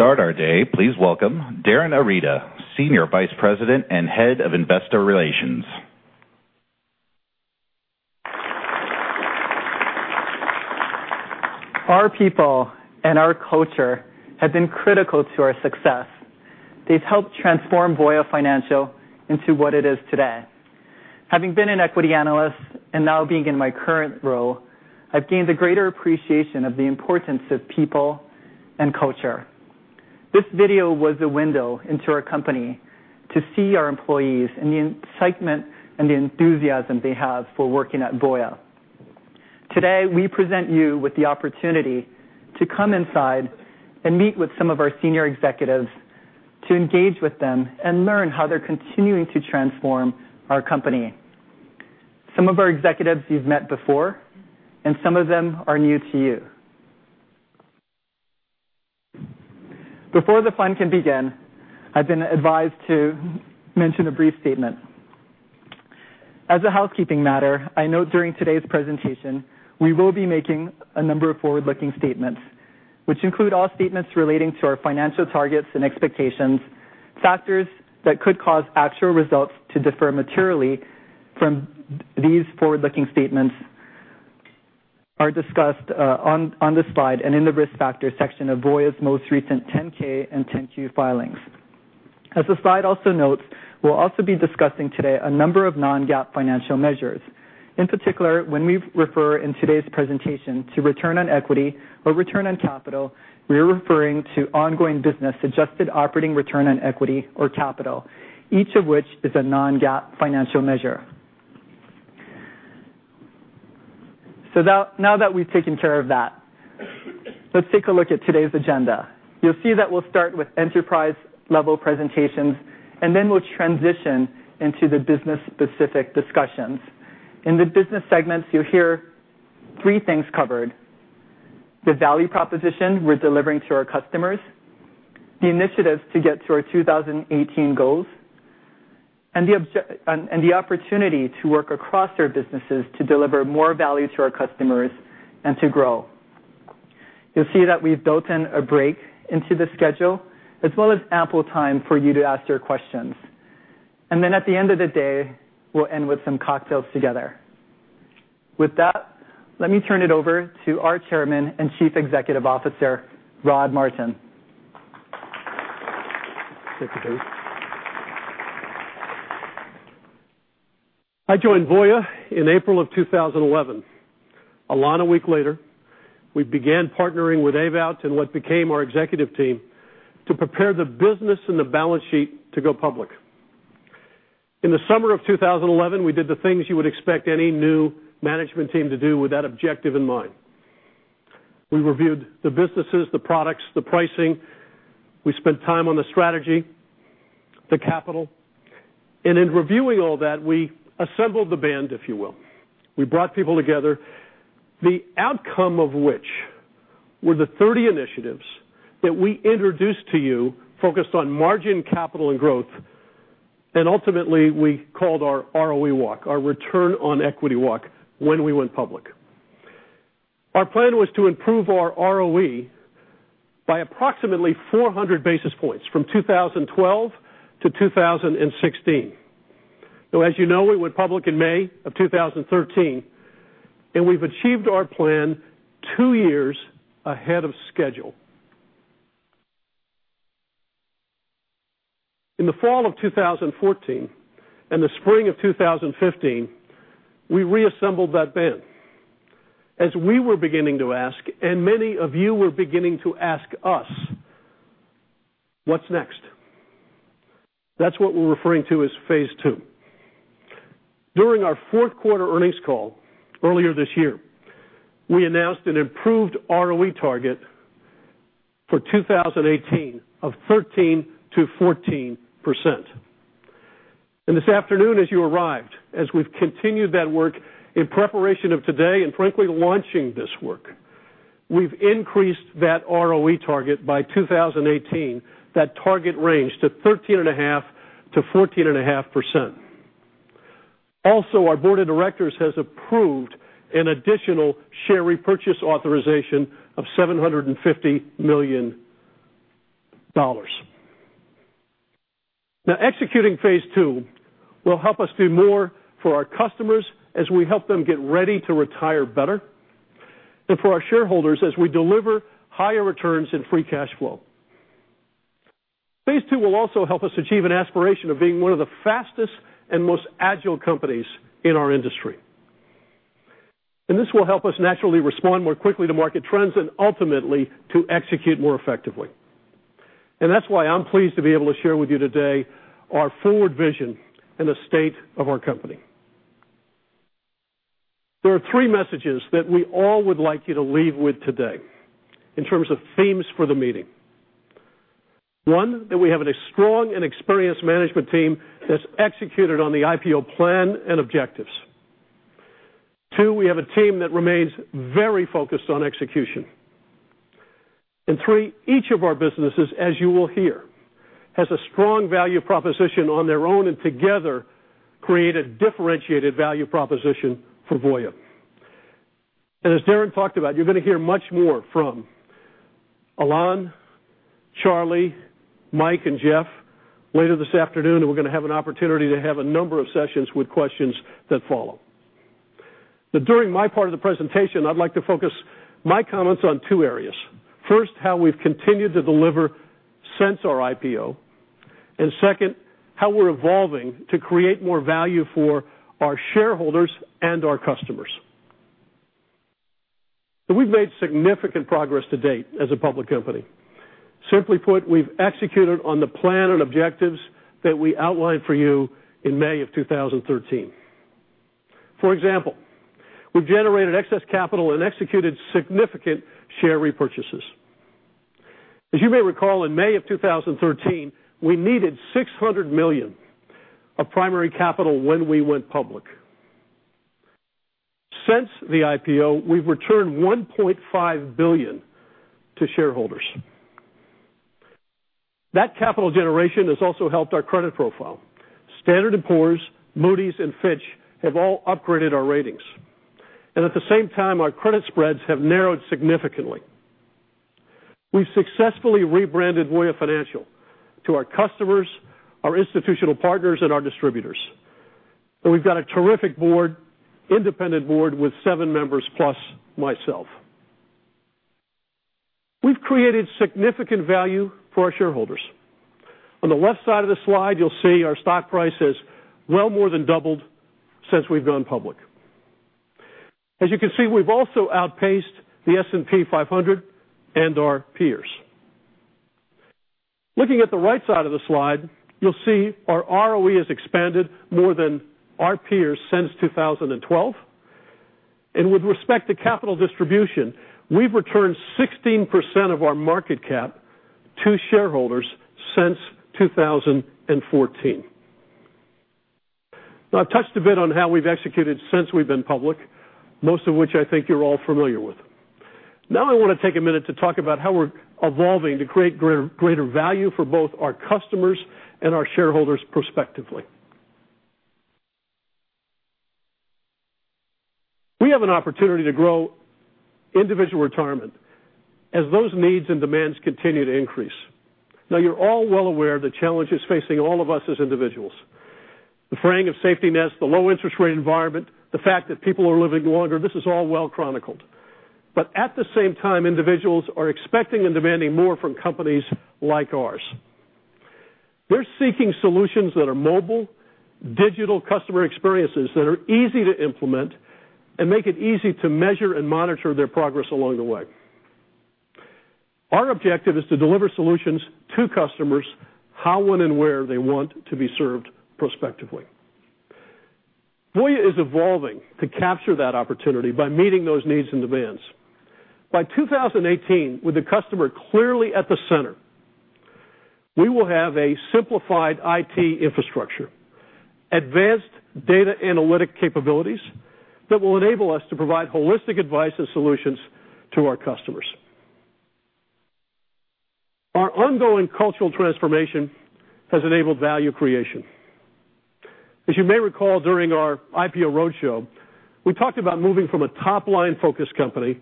To start our day, please welcome Darin Arita, Senior Vice President and Head of Investor Relations. Our people and our culture have been critical to our success. They've helped transform Voya Financial into what it is today. Having been an equity analyst and now being in my current role, I've gained a greater appreciation of the importance of people and culture. This video was a window into our company to see our employees and the excitement and the enthusiasm they have for working at Voya. Today, we present you with the opportunity to come inside and meet with some of our senior executives, to engage with them and learn how they're continuing to transform our company. Some of our executives you've met before, and some of them are new to you. Before the fun can begin, I've been advised to mention a brief statement. As a housekeeping matter, I note during today's presentation, we will be making a number of forward-looking statements, which include all statements relating to our financial targets and expectations. Factors that could cause actual results to differ materially from these forward-looking statements are discussed on this slide and in the risk factors section of Voya's most recent 10-K and 10-Q filings. As the slide also notes, we'll also be discussing today a number of non-GAAP financial measures. In particular, when we refer in today's presentation to return on equity or return on capital, we are referring to ongoing business-adjusted operating return on equity or capital, each of which is a non-GAAP financial measure. Now that we've taken care of that, let's take a look at today's agenda. You'll see that we'll start with enterprise-level presentations, then we'll transition into the business-specific discussions. In the business segments, you'll hear three things covered, the value proposition we're delivering to our customers, the initiatives to get to our 2018 goals, and the opportunity to work across our businesses to deliver more value to our customers and to grow. You'll see that we've built in a break into the schedule, as well as ample time for you to ask your questions. Then at the end of the day, we'll end with some cocktails together. With that, let me turn it over to our Chairman and Chief Executive Officer, Rod Martin. Take it, Dave. I joined Voya in April of 2011. A week later, we began partnering with Ewout in what became our executive team to prepare the business and the balance sheet to go public. In the summer of 2011, we did the things you would expect any new management team to do with that objective in mind. We reviewed the businesses, the products, the pricing. We spent time on the strategy, the capital. In reviewing all that, we assembled the band, if you will. We brought people together, the outcome of which were the 30 initiatives that we introduced to you focused on margin, capital, and growth, and ultimately we called our ROE walk, our return on equity walk when we went public. Our plan was to improve our ROE by approximately 400 basis points from 2012 to 2016. As you know, we went public in May of 2013, and we've achieved our plan two years ahead of schedule. In the fall of 2014 and the spring of 2015, we reassembled that band. As we were beginning to ask, and many of you were beginning to ask us, what's next? That's what we're referring to as phase 2. During our fourth quarter earnings call earlier this year, we announced an improved ROE target for 2018 of 13%-14%. This afternoon, as you arrived, as we've continued that work in preparation of today, and frankly, launching this work, we've increased that ROE target by 2018, that target range to 13.5%-14.5%. Also, our board of directors has approved an additional share repurchase authorization of $750 million. Executing phase 2 will help us do more for our customers as we help them get ready to retire better and for our shareholders as we deliver higher returns and free cash flow. Phase 2 will also help us achieve an aspiration of being one of the fastest and most agile companies in our industry. This will help us naturally respond more quickly to market trends and ultimately to execute more effectively. That's why I'm pleased to be able to share with you today our forward vision and the state of our company. There are three messages that we all would like you to leave with today in terms of themes for the meeting. One, we have a strong and experienced management team that's executed on the IPO plan and objectives. Two, we have a team that remains very focused on execution. Three, each of our businesses, as you will hear, has a strong value proposition on their own and together create a differentiated value proposition for Voya. As Darin talked about, you're going to hear much more from Alain, Charlie, Mike, and Jeff later this afternoon, and we're going to have an opportunity to have a number of sessions with questions that follow. During my part of the presentation, I'd like to focus my comments on two areas. First, how we've continued to deliver since our IPO, and second, how we're evolving to create more value for our shareholders and our customers. We've made significant progress to date as a public company. Simply put, we've executed on the plan and objectives that we outlined for you in May of 2013. For example, we've generated excess capital and executed significant share repurchases. As you may recall, in May of 2013, we needed $600 million of primary capital when we went public. Since the IPO, we've returned $1.5 billion to shareholders. That capital generation has also helped our credit profile. Standard & Poor's, Moody's, and Fitch have all upgraded our ratings. At the same time, our credit spreads have narrowed significantly. We've successfully rebranded Voya Financial to our customers, our institutional partners, and our distributors. We've got a terrific board, independent board with seven members plus myself. We've created significant value for our shareholders. On the left side of this slide, you'll see our stock price has well more than doubled since we've gone public. As you can see, we've also outpaced the S&P 500 and our peers. Looking at the right side of the slide, you'll see our ROE has expanded more than our peers since 2012. With respect to capital distribution, we've returned 16% of our market cap to shareholders since 2014. I've touched a bit on how we've executed since we've been public, most of which I think you're all familiar with. I want to take a minute to talk about how we're evolving to create greater value for both our customers and our shareholders prospectively. We have an opportunity to grow individual retirement as those needs and demands continue to increase. You're all well aware of the challenges facing all of us as individuals. The fraying of safety nets, the low interest rate environment, the fact that people are living longer, this is all well chronicled. At the same time, individuals are expecting and demanding more from companies like ours. They're seeking solutions that are mobile, digital customer experiences that are easy to implement and make it easy to measure and monitor their progress along the way. Our objective is to deliver solutions to customers how, when, and where they want to be served prospectively. Voya is evolving to capture that opportunity by meeting those needs and demands. By 2018, with the customer clearly at the center, we will have a simplified IT infrastructure, advanced data analytic capabilities that will enable us to provide holistic advice and solutions to our customers. Our ongoing cultural transformation has enabled value creation. As you may recall, during our IPO roadshow, we talked about moving from a top-line focused company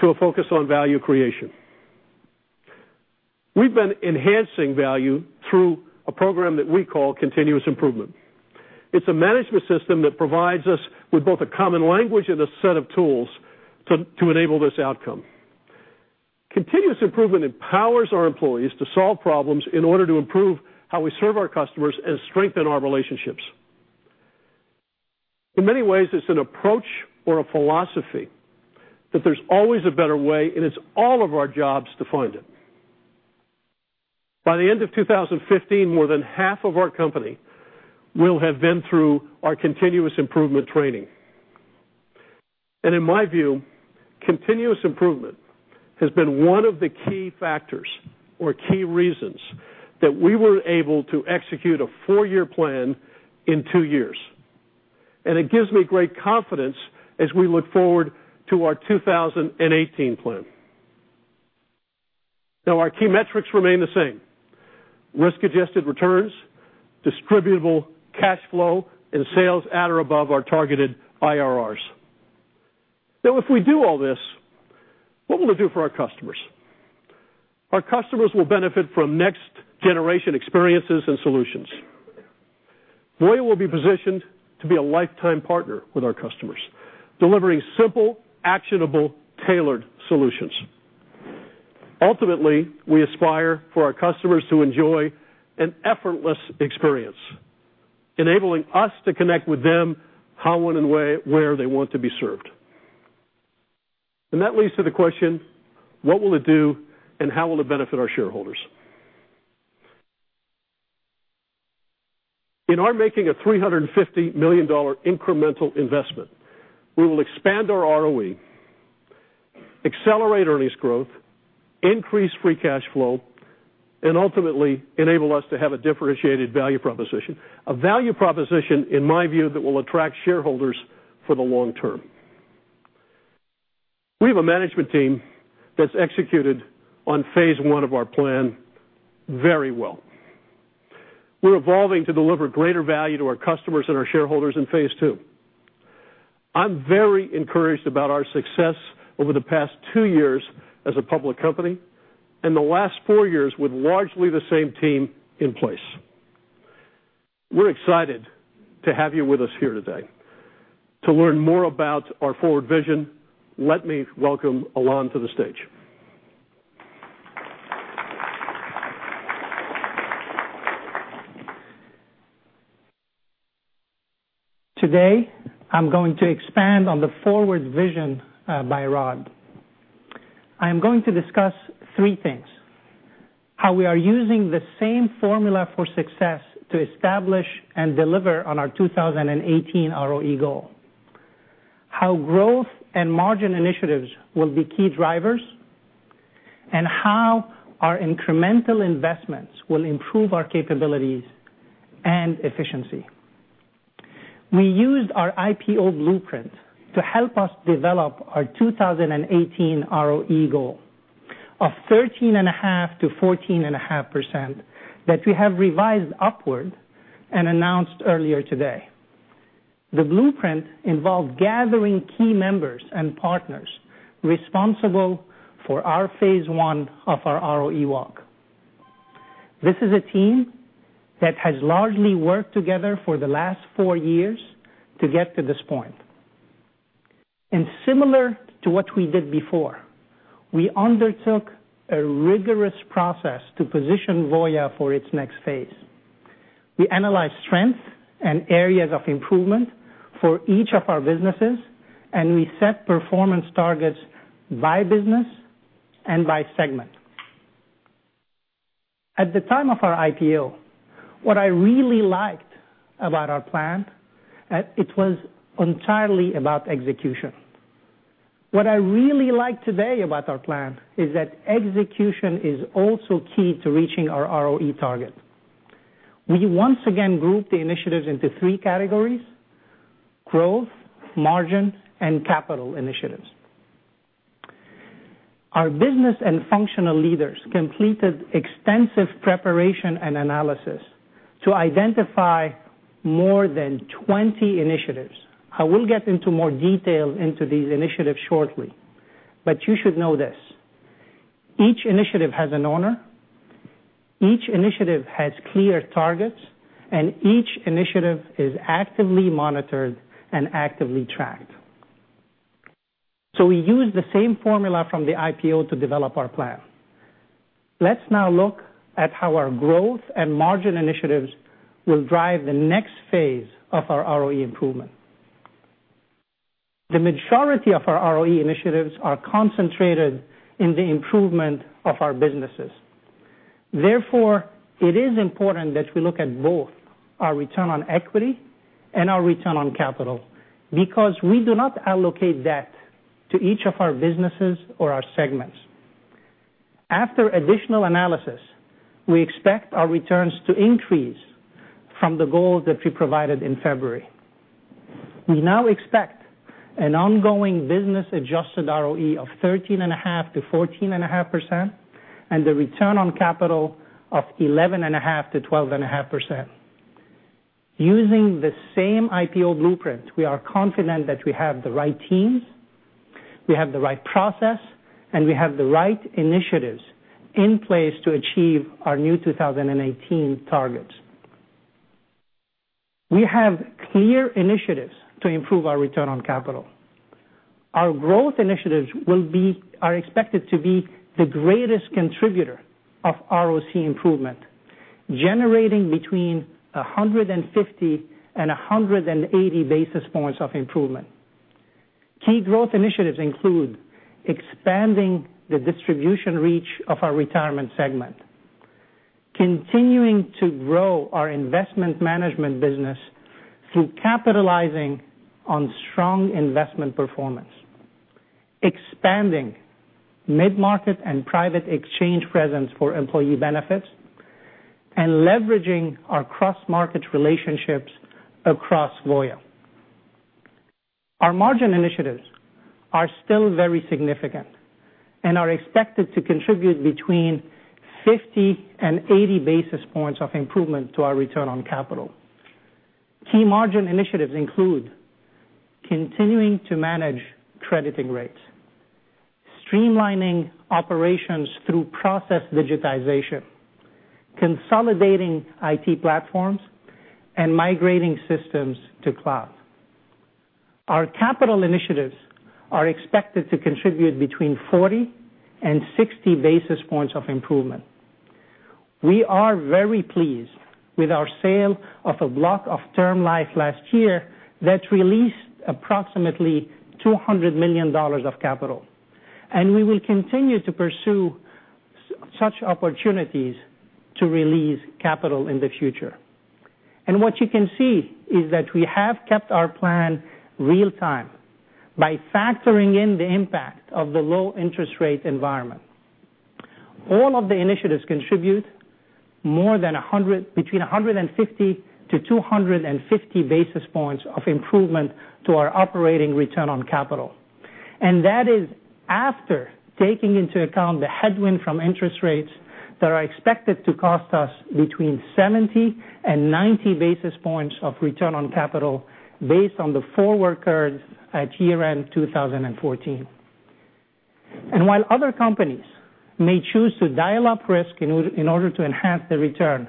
to a focus on value creation. We've been enhancing value through a program that we call Continuous Improvement. It's a management system that provides us with both a common language and a set of tools to enable this outcome. Continuous Improvement empowers our employees to solve problems in order to improve how we serve our customers and strengthen our relationships. In many ways, it's an approach or a philosophy that there's always a better way, and it's all of our jobs to find it. By the end of 2015, more than half of our company will have been through our Continuous Improvement training. In my view, Continuous Improvement has been one of the key factors or key reasons that we were able to execute a four-year plan in two years. It gives me great confidence as we look forward to our 2018 plan. Our key metrics remain the same. Risk-adjusted returns, distributable cash flow, and sales at or above our targeted IRRs. If we do all this, what will it do for our customers? Our customers will benefit from next-generation experiences and solutions. Voya will be positioned to be a lifetime partner with our customers, delivering simple, actionable, tailored solutions. Ultimately, we aspire for our customers to enjoy an effortless experience, enabling us to connect with them how, when, and where they want to be served. That leads to the question: what will it do and how will it benefit our shareholders? In our making a $350 million incremental investment, we will expand our ROE, accelerate earnings growth, increase free cash flow, and ultimately enable us to have a differentiated value proposition. A value proposition, in my view, that will attract shareholders for the long term. We have a management team that's executed on phase 1 of our plan very well. We're evolving to deliver greater value to our customers and our shareholders in phase 2. I'm very encouraged about our success over the past two years as a public company, and the last four years with largely the same team in place. We're excited to have you with us here today. To learn more about our forward vision, let me welcome Alain to the stage. Today, I'm going to expand on the forward vision by Rod. I am going to discuss three things: how we are using the same formula for success to establish and deliver on our 2018 ROE goal, how growth and margin initiatives will be key drivers, and how our incremental investments will improve our capabilities and efficiency. We used our IPO blueprint to help us develop our 2018 ROE goal of 13.5%-14.5% that we have revised upward and announced earlier today. The blueprint involved gathering key members and partners responsible for our phase 1 of our ROE walk. This is a team that has largely worked together for the last four years to get to this point. Similar to what we did before, we undertook a rigorous process to position Voya for its next phase. We analyzed strength and areas of improvement for each of our businesses, and we set performance targets by business and by segment. At the time of our IPO, what I really liked about our plan, it was entirely about execution. What I really like today about our plan is that execution is also key to reaching our ROE target. We once again group the initiatives into three categories: growth, margin, and capital initiatives. Our business and functional leaders completed extensive preparation and analysis to identify more than 20 initiatives. I will get into more detail into these initiatives shortly. You should know this, each initiative has an owner, each initiative has clear targets, and each initiative is actively monitored and actively tracked. We use the same formula from the IPO to develop our plan. Let's now look at how our growth and margin initiatives will drive the next phase of our ROE improvement. The majority of our ROE initiatives are concentrated in the improvement of our businesses. Therefore, it is important that we look at both our return on equity and our return on capital, because we do not allocate that to each of our businesses or our segments. After additional analysis, we expect our returns to increase from the goals that we provided in February. We now expect an ongoing business-adjusted ROE of 13.5%-14.5% and the return on capital of 11.5%-12.5%. Using the same IPO blueprint, we are confident that we have the right teams, we have the right process, and we have the right initiatives in place to achieve our new 2018 targets. We have clear initiatives to improve our return on capital. Our growth initiatives are expected to be the greatest contributor of ROC improvement, generating between 150 and 180 basis points of improvement. Key growth initiatives include expanding the distribution reach of our retirement segment, continuing to grow our Investment Management business through capitalizing on strong investment performance, expanding mid-market and private exchange presence for employee benefits, and leveraging our cross-market relationships across Voya. Our margin initiatives are still very significant and are expected to contribute between 50 and 80 basis points of improvement to our return on capital. Key margin initiatives include continuing to manage crediting rates, streamlining operations through process digitization, consolidating IT platforms, and migrating systems to cloud. Our capital initiatives are expected to contribute between 40 and 60 basis points of improvement. We are very pleased with our sale of a block of term life last year that released approximately $200 million of capital. We will continue to pursue such opportunities to release capital in the future. What you can see is that we have kept our plan real time by factoring in the impact of the low interest rate environment. All of the initiatives contribute between 150 to 250 basis points of improvement to our operating return on capital. That is after taking into account the headwind from interest rates that are expected to cost us between 70 and 90 basis points of return on capital based on the forward curves at year-end 2014. While other companies may choose to dial up risk in order to enhance the return,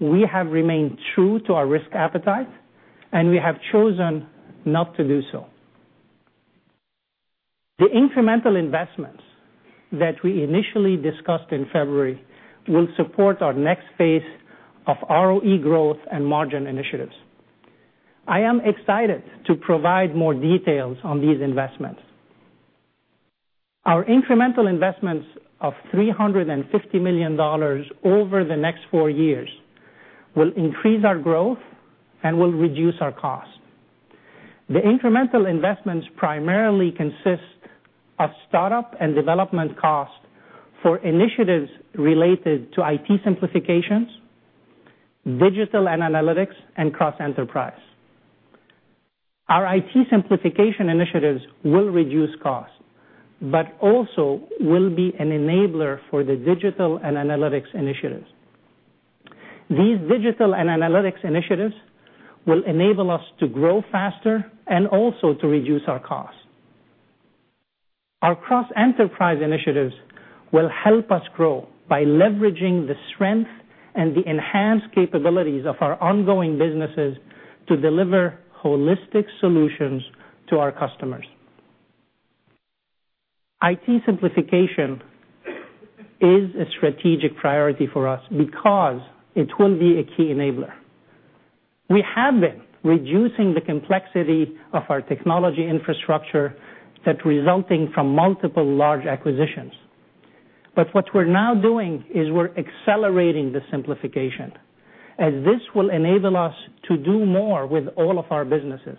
we have remained true to our risk appetite, and we have chosen not to do so. The incremental investments that we initially discussed in February will support our next phase of ROE growth and margin initiatives. I am excited to provide more details on these investments. Our incremental investments of $350 million over the next four years will increase our growth and will reduce our cost. The incremental investments primarily consist of startup and development cost for initiatives related to IT simplifications, digital and analytics, and cross enterprise. Our IT simplification initiatives will reduce cost, also will be an enabler for the digital and analytics initiatives. These digital and analytics initiatives will enable us to grow faster and also to reduce our cost. Our cross-enterprise initiatives will help us grow by leveraging the strength and the enhanced capabilities of our ongoing businesses to deliver holistic solutions to our customers. IT simplification is a strategic priority for us because it will be a key enabler. We have been reducing the complexity of our technology infrastructure that resulting from multiple large acquisitions. What we're now doing is we're accelerating the simplification, as this will enable us to do more with all of our businesses.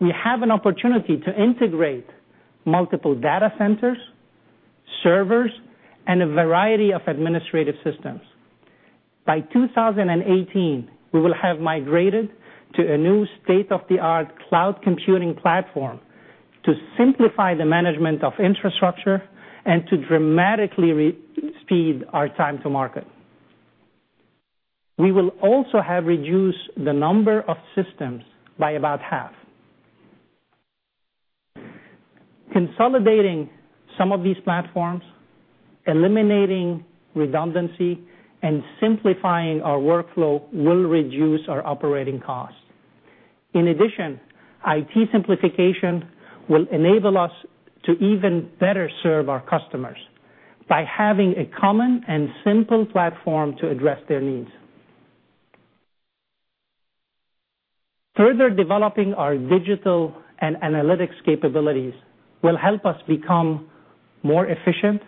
We have an opportunity to integrate multiple data centers, servers, and a variety of administrative systems. By 2018, we will have migrated to a new state-of-the-art cloud computing platform to simplify the management of infrastructure and to dramatically speed our time to market. We will also have reduced the number of systems by about half. Consolidating some of these platforms, eliminating redundancy, and simplifying our workflow will reduce our operating cost. In addition, IT simplification will enable us to even better serve our customers by having a common and simple platform to address their needs. Further developing our digital and analytics capabilities will help us become more efficient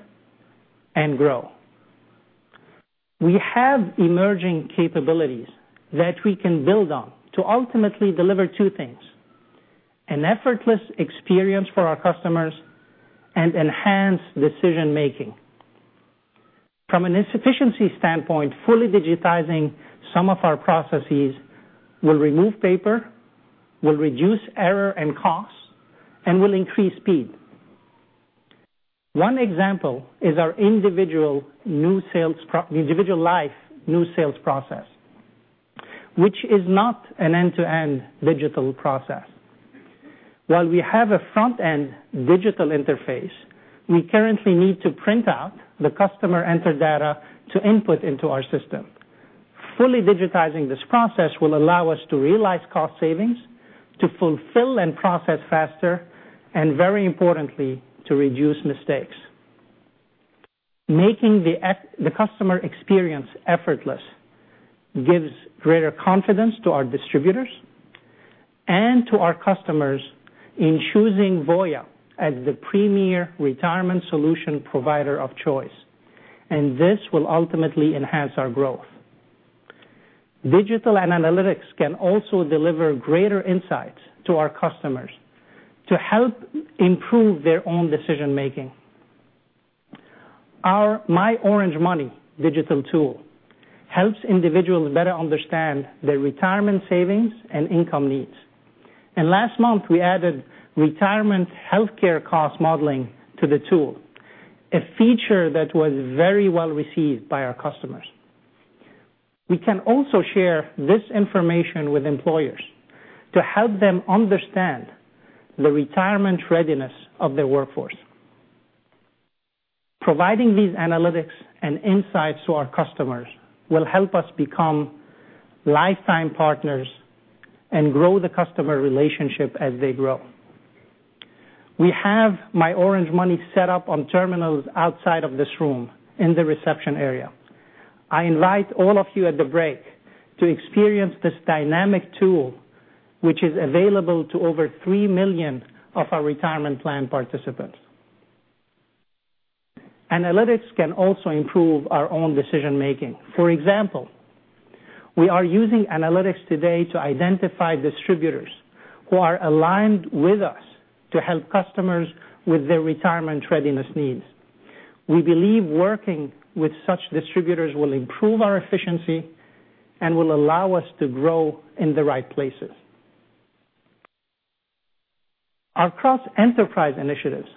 and grow. We have emerging capabilities that we can build on to ultimately deliver two things: an effortless experience for our customers and enhanced decision-making. From an efficiency standpoint, fully digitizing some of our processes will remove paper, will reduce error and cost, and will increase speed. One example is our individual life new sales process, which is not an end-to-end digital process. While we have a front-end digital interface, we currently need to print out the customer entered data to input into our system. Fully digitizing this process will allow us to realize cost savings, to fulfill and process faster, and very importantly, to reduce mistakes. Making the customer experience effortless gives greater confidence to our distributors and to our customers in choosing Voya as the premier retirement solution provider of choice, and this will ultimately enhance our growth. Digital and analytics can also deliver greater insights to our customers to help improve their own decision-making. Our myOrangeMoney digital tool helps individuals better understand their retirement savings and income needs. Last month, we added retirement healthcare cost modeling to the tool, a feature that was very well received by our customers. We can also share this information with employers to help them understand the retirement readiness of their workforce. Providing these analytics and insights to our customers will help us become lifetime partners and grow the customer relationship as they grow. We have myOrangeMoney set up on terminals outside of this room in the reception area. I invite all of you at the break to experience this dynamic tool, which is available to over 3 million of our retirement plan participants. Analytics can also improve our own decision-making. For example, we are using analytics today to identify distributors who are aligned with us to help customers with their retirement readiness needs. We believe working with such distributors will improve our efficiency and will allow us to grow in the right places. Our cross-enterprise initiatives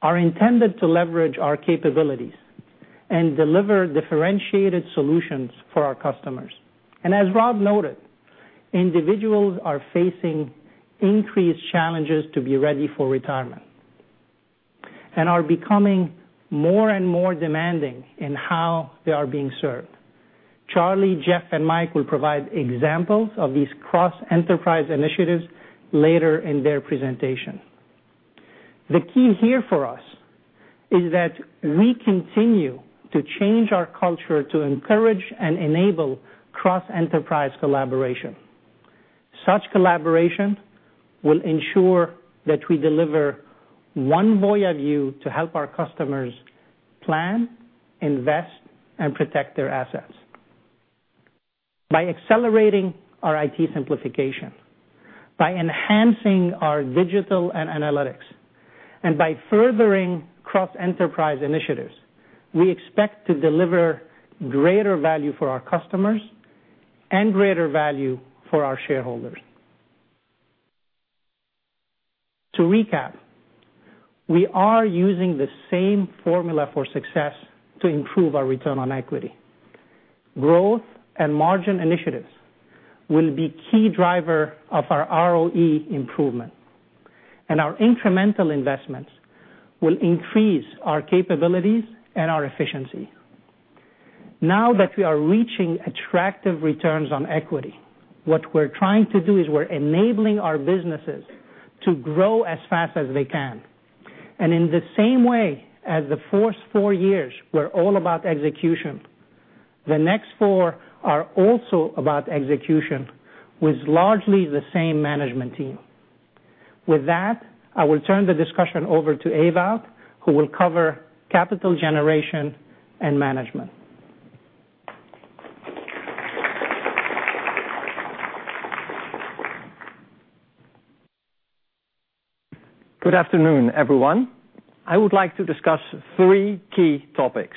are intended to leverage our capabilities and deliver differentiated solutions for our customers. As Rod noted, individuals are facing increased challenges to be ready for retirement and are becoming more and more demanding in how they are being served. Charlie, Jeff, and Mike will provide examples of these cross-enterprise initiatives later in their presentation. The key here for us is that we continue to change our culture to encourage and enable cross-enterprise collaboration. Such collaboration will ensure that we deliver one Voya view to help our customers plan, invest, and protect their assets. By accelerating our IT simplification, by enhancing our digital and analytics, and by furthering cross-enterprise initiatives, we expect to deliver greater value for our customers and greater value for our shareholders. To recap, we are using the same formula for success to improve our return on equity. Growth and margin initiatives will be key driver of our ROE improvement, and our incremental investments will increase our capabilities and our efficiency. Now that we are reaching attractive returns on equity, what we're trying to do is we're enabling our businesses to grow as fast as they can. In the same way as the first four years were all about execution, the next four are also about execution with largely the same management team. With that, I will turn the discussion over to Ewout, who will cover capital generation and management. Good afternoon, everyone. I would like to discuss three key topics.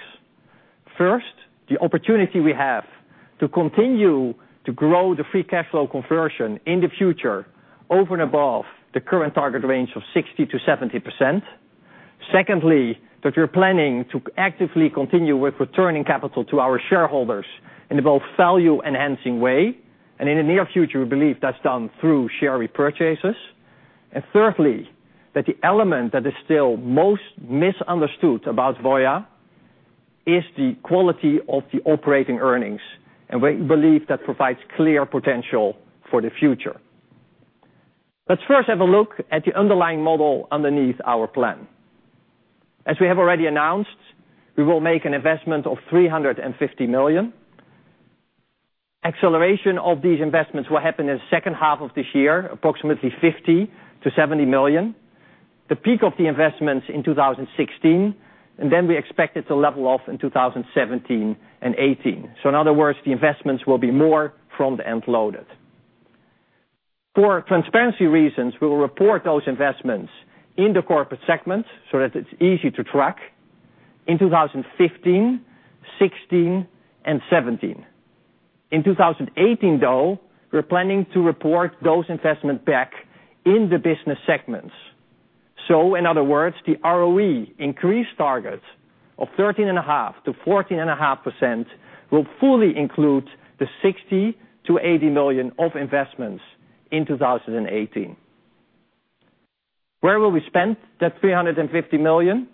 First, the opportunity we have to continue to grow the free cash flow conversion in the future over and above the current target range of 60%-70%. Secondly, that we're planning to actively continue with returning capital to our shareholders in a both value-enhancing way, and in the near future, we believe that's done through share repurchases. Thirdly, that the element that is still most misunderstood about Voya is the quality of the operating earnings, and we believe that provides clear potential for the future. Let's first have a look at the underlying model underneath our plan. As we have already announced, we will make an investment of $350 million. Acceleration of these investments will happen in the second half of this year, approximately $50 million-$70 million. The peak of the investments in 2016, and then we expect it to level off in 2017 and 2018. In other words, the investments will be more front-end loaded. For transparency reasons, we will report those investments in the corporate segment so that it's easy to track in 2015, 2016, and 2017. In 2018, though, we're planning to report those investments back in the business segments. In other words, the ROE increased target of 13.5%-14.5% will fully include the $60 million-$80 million of investments in 2018. Where will we spend that $350 million?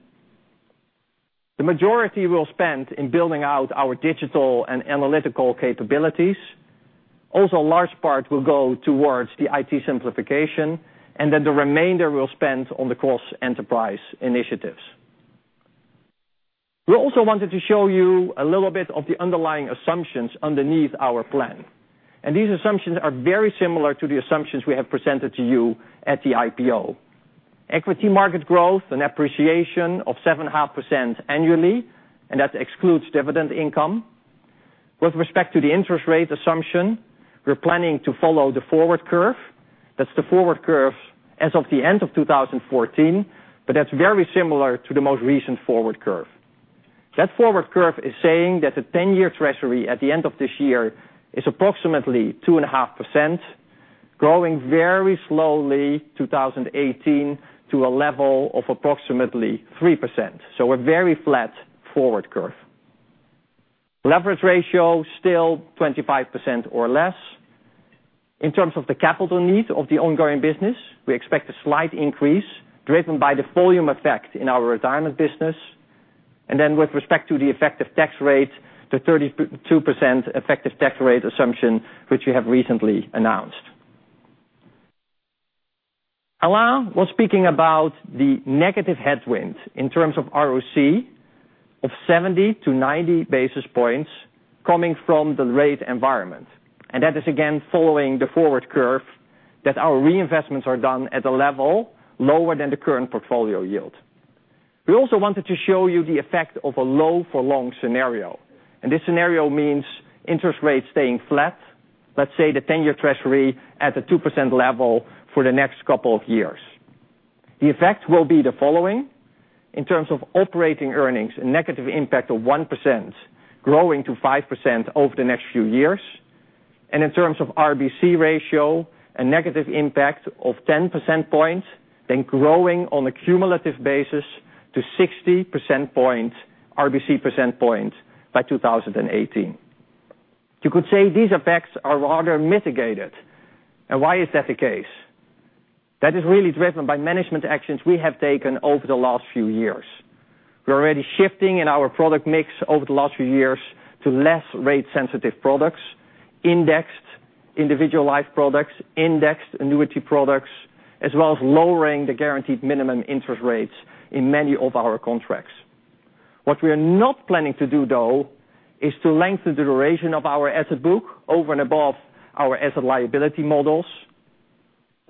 The majority we'll spend in building out our digital and analytical capabilities. Also, a large part will go towards the IT simplification, and then the remainder we'll spend on the cross-enterprise initiatives. We also wanted to show you a little bit of the underlying assumptions underneath our plan. These assumptions are very similar to the assumptions we have presented to you at the IPO. Equity market growth, an appreciation of 7.5% annually, and that excludes dividend income. With respect to the interest rate assumption, we're planning to follow the forward curve. That's the forward curve as of the end of 2014, but that's very similar to the most recent forward curve. That forward curve is saying that the 10-year Treasury at the end of this year is approximately 2.5%, growing very slowly, 2018, to a level of approximately 3%. A very flat forward curve. Leverage ratio, still 25% or less. In terms of the capital needs of the ongoing business, we expect a slight increase driven by the volume effect in our retirement business. With respect to the effective tax rate, the 32% effective tax rate assumption, which we have recently announced. Alain was speaking about the negative headwind in terms of ROC of 70 to 90 basis points coming from the rate environment. That is, again, following the forward curve that our reinvestments are done at a level lower than the current portfolio yield. We also wanted to show you the effect of a low for long scenario. This scenario means interest rates staying flat. Let's say the 10-year treasury at the 2% level for the next couple of years. The effect will be the following. In terms of operating earnings, a negative impact of 1%, growing to 5% over the next few years. In terms of RBC ratio, a negative impact of 10 percentage points, then growing on a cumulative basis to 60 percentage points, RBC percentage points, by 2018. You could say these effects are rather mitigated. Why is that the case? That is really driven by management actions we have taken over the last few years. We're already shifting in our product mix over the last few years to less rate-sensitive products, indexed individual life products, indexed annuity products, as well as lowering the guaranteed minimum interest rates in many of our contracts. What we are not planning to do, though, is to lengthen the duration of our asset book over and above our asset liability models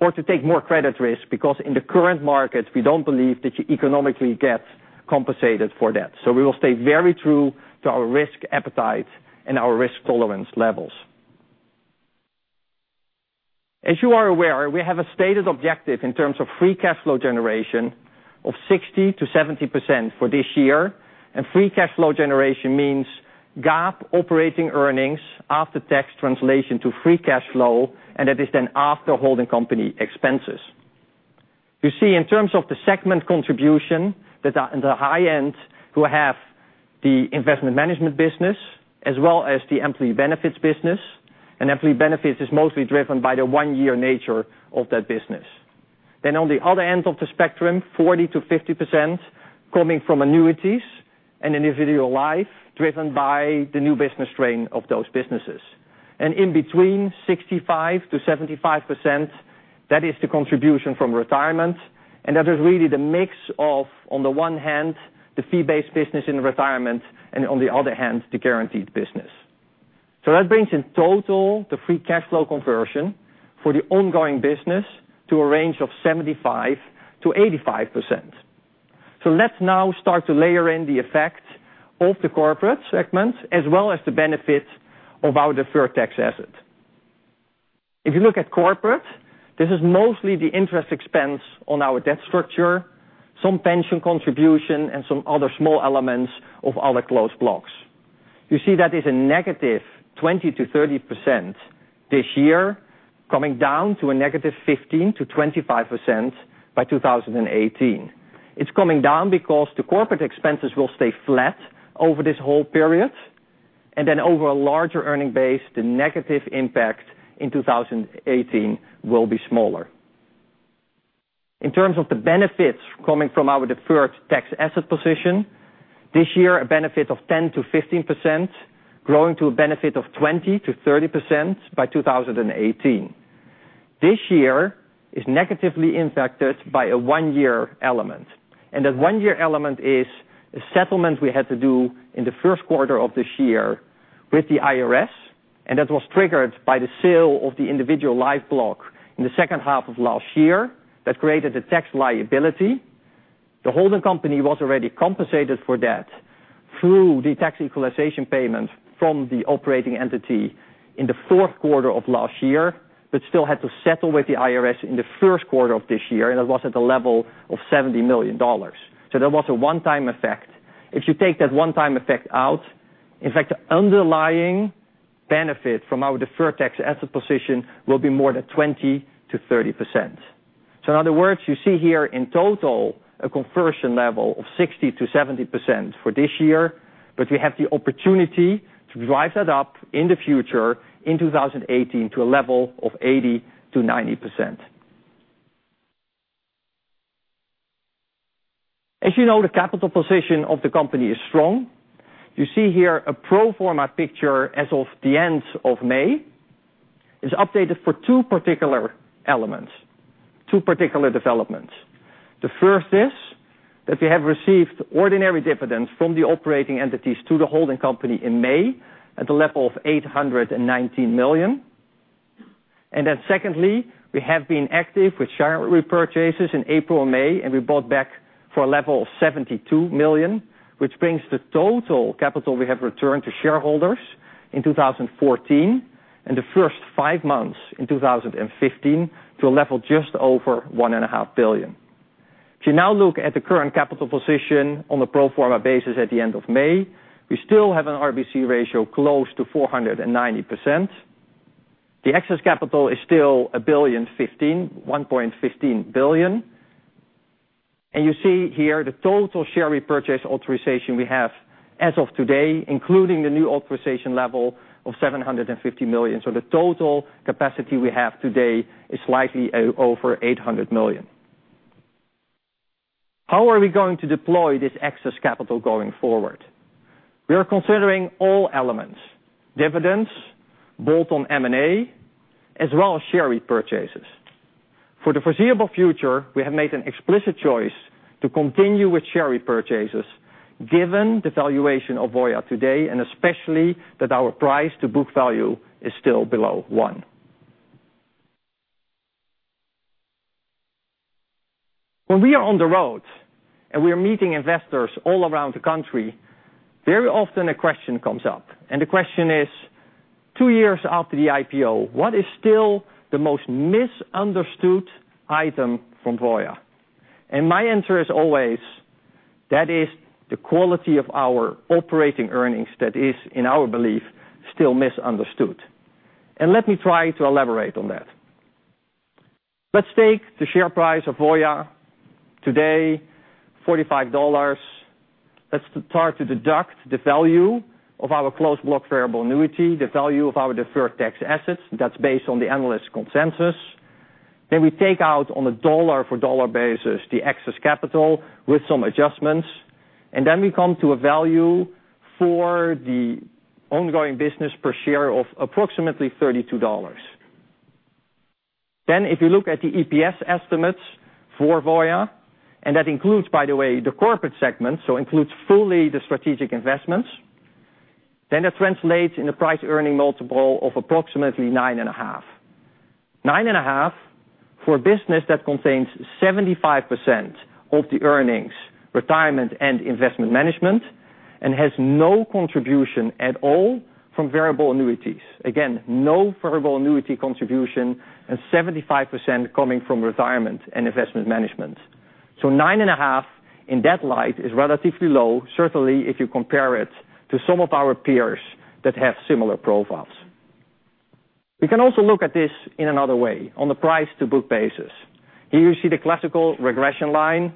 or to take more credit risk because in the current market, we don't believe that you economically get compensated for that. We will stay very true to our risk appetite and our risk tolerance levels. As you are aware, we have a stated objective in terms of free cash flow generation of 60%-70% for this year. Free cash flow generation means GAAP operating earnings after tax translation to free cash flow, and that is then after holding company expenses. You see in terms of the segment contribution that are in the high end, who have the investment management business as well as the employee benefits business. Employee benefits is mostly driven by the one-year nature of that business. On the other end of the spectrum, 40%-50% coming from annuities and individual life, driven by the new business strain of those businesses. In between 65%-75%, that is the contribution from retirement, and that is really the mix of, on the one hand, the fee-based business in retirement and on the other hand, the guaranteed business. That brings in total the free cash flow conversion for the ongoing business to a range of 75%-85%. Let's now start to layer in the effect of the corporate segment as well as the benefit of our deferred tax asset. If you look at corporate, this is mostly the interest expense on our debt structure, some pension contribution, and some other small elements of other closed blocks. You see that is a negative 20%-30% this year, coming down to a negative 15%-25% by 2018. It's coming down because the corporate expenses will stay flat over this whole period. Then over a larger earning base, the negative impact in 2018 will be smaller. In terms of the benefits coming from our deferred tax asset position, this year, a benefit of 10%-15%, growing to a benefit of 20%-30% by 2018. This year is negatively impacted by a one-year element. That one-year element is a settlement we had to do in the first quarter of this year with the IRS, and that was triggered by the sale of the individual life block in the second half of last year. That created a tax liability. The holding company was already compensated for that through the tax equalization payment from the operating entity in the fourth quarter of last year, but still had to settle with the IRS in the first quarter of this year, and that was at the level of $70 million. That was a one-time effect. If you take that one-time effect out, in fact, the underlying benefit from our deferred tax asset position will be more than 20%-30%. In other words, you see here in total a conversion level of 60%-70% for this year, but we have the opportunity to drive that up in the future in 2018 to a level of 80%-90%. As you know, the capital position of the company is strong. You see here a pro forma picture as of the end of May. It's updated for two particular elements, two particular developments. The first is that we have received ordinary dividends from the operating entities to the holding company in May at the level of $819 million. Secondly, we have been active with share repurchases in April and May, and we bought back for a level of $72 million, which brings the total capital we have returned to shareholders in 2014 and the first five months in 2015 to a level just over $1.5 billion. If you now look at the current capital position on the pro forma basis at the end of May, we still have an RBC ratio close to 490%. The excess capital is still $1.15 billion. You see here the total share repurchase authorization we have as of today, including the new authorization level of $750 million. The total capacity we have today is slightly over $800 million. How are we going to deploy this excess capital going forward? We are considering all elements, dividends, both on M&A as well as share repurchases. For the foreseeable future, we have made an explicit choice to continue with share repurchases given the valuation of Voya today and especially that our price to book value is still below one. When we are on the road and we are meeting investors all around the country, very often a question comes up. The question is, two years after the IPO, what is still the most misunderstood item from Voya? My answer is always, that is the quality of our operating earnings that is, in our belief, still misunderstood. Let me try to elaborate on that. Let's take the share price of Voya today, $45. Let's start to deduct the value of our closed block variable annuity, the value of our deferred tax assets that's based on the analyst consensus. We take out on a dollar for dollar basis, the excess capital with some adjustments. We come to a value for the ongoing business per share of approximately $32. If you look at the EPS estimates for Voya, that includes, by the way, the corporate segment, includes fully the strategic investments. That translates in a price earning multiple of approximately nine and a half. Nine and a half for a business that contains 75% of the earnings, Retirement and Investment Management, and has no contribution at all from variable annuities. Again, no variable annuity contribution, and 75% coming from Retirement and Investment Management. Nine and a half, in that light, is relatively low, certainly if you compare it to some of our peers that have similar profiles. We can also look at this in another way, on the price to book basis. Here you see the classical regression line.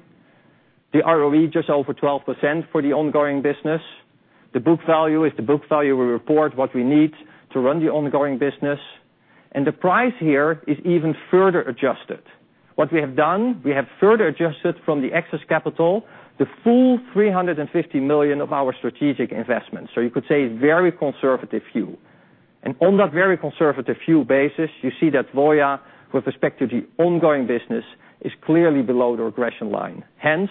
The ROE just over 12% for the ongoing business. The book value is the book value we report what we need to run the ongoing business. The price here is even further adjusted. What we have done, we have further adjusted from the excess capital, the full $350 million of our strategic investments. You could say a very conservative view. On that very conservative view basis, you see that Voya, with respect to the ongoing business, is clearly below the regression line. Hence,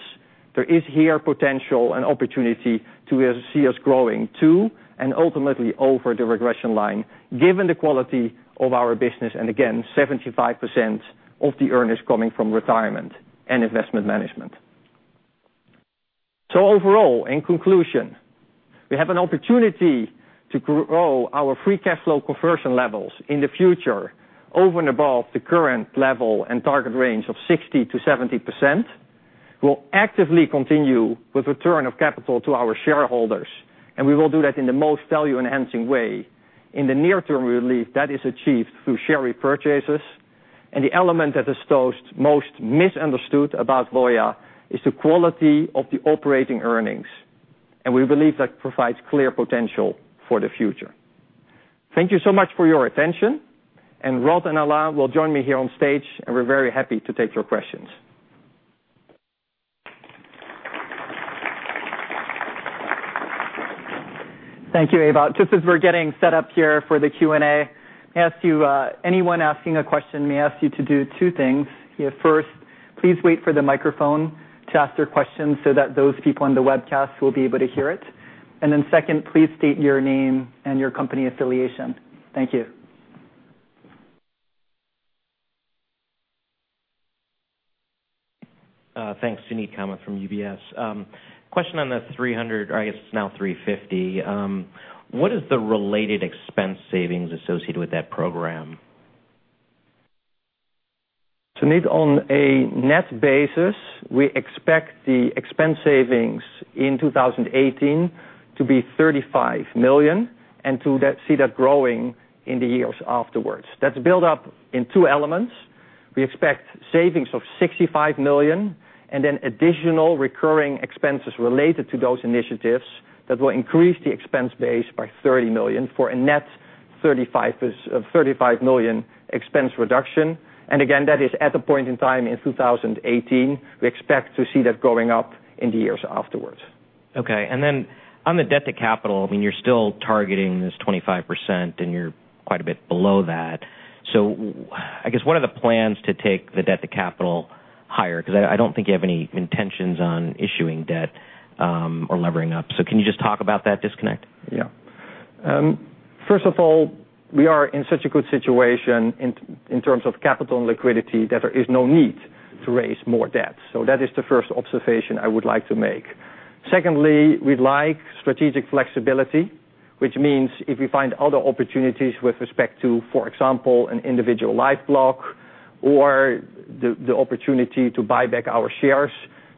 there is here potential and opportunity to see us growing to and ultimately over the regression line, given the quality of our business, and again, 75% of the earnings coming from Retirement and Investment Management. Overall, in conclusion, we have an opportunity to grow our free cash flow conversion levels in the future over and above the current level and target range of 60%-70%. We'll actively continue with return of capital to our shareholders, we will do that in the most value-enhancing way. In the near term, we believe that is achieved through share repurchases. The element that is most misunderstood about Voya is the quality of the operating earnings. We believe that provides clear potential for the future. Thank you so much for your attention, Rod and Alain will join me here on stage, we're very happy to take your questions. Thank you, Ewout. Just as we're getting set up here for the Q&A, may I ask you, anyone asking a question, may I ask you to do two things? First, please wait for the microphone to ask your question so that those people on the webcast will be able to hear it. Then second, please state your name and your company affiliation. Thank you. Thanks. Suneet Kamath from UBS. Question on the 300, or I guess it is now 350. What is the related expense savings associated with that program? Suneet, on a net basis, we expect the expense savings in 2018 to be $35 million and to see that growing in the years afterwards. That is built up in two elements. We expect savings of $65 million and then additional recurring expenses related to those initiatives that will increase the expense base by $30 million for a net $35 million expense reduction. Again, that is at the point in time in 2018. We expect to see that going up in the years afterwards. Okay. Then on the debt to capital, I mean, you are still targeting this 25% and you are quite a bit below that. I guess, what are the plans to take the debt to capital higher? Because I do not think you have any intentions on issuing debt or levering up. Can you just talk about that disconnect? Yeah. First of all, we are in such a good situation in terms of capital and liquidity that there is no need to raise more debt. That is the first observation I would like to make. Secondly, we like strategic flexibility, which means if we find other opportunities with respect to, for example, an individual life block or the opportunity to buy back our shares,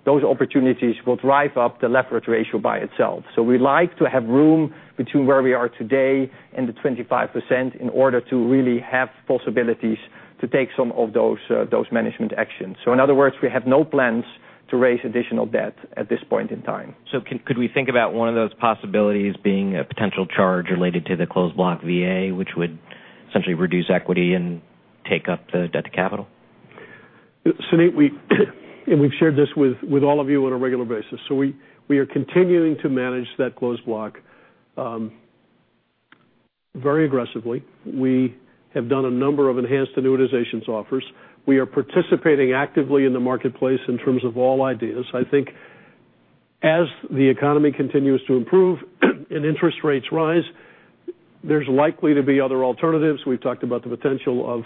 those opportunities will drive up the leverage ratio by itself. We like to have room between where we are today and the 25% in order to really have possibilities to take some of those management actions. In other words, we have no plans to raise additional debt at this point in time. Could we think about one of those possibilities being a potential charge related to the closed block VA, which would essentially reduce equity and take up the debt to capital? Suneet, we've shared this with all of you on a regular basis. We are continuing to manage that closed block very aggressively. We have done a number of enhanced annuitizations offers. We are participating actively in the marketplace in terms of all ideas. As the economy continues to improve and interest rates rise, there's likely to be other alternatives. We've talked about the potential of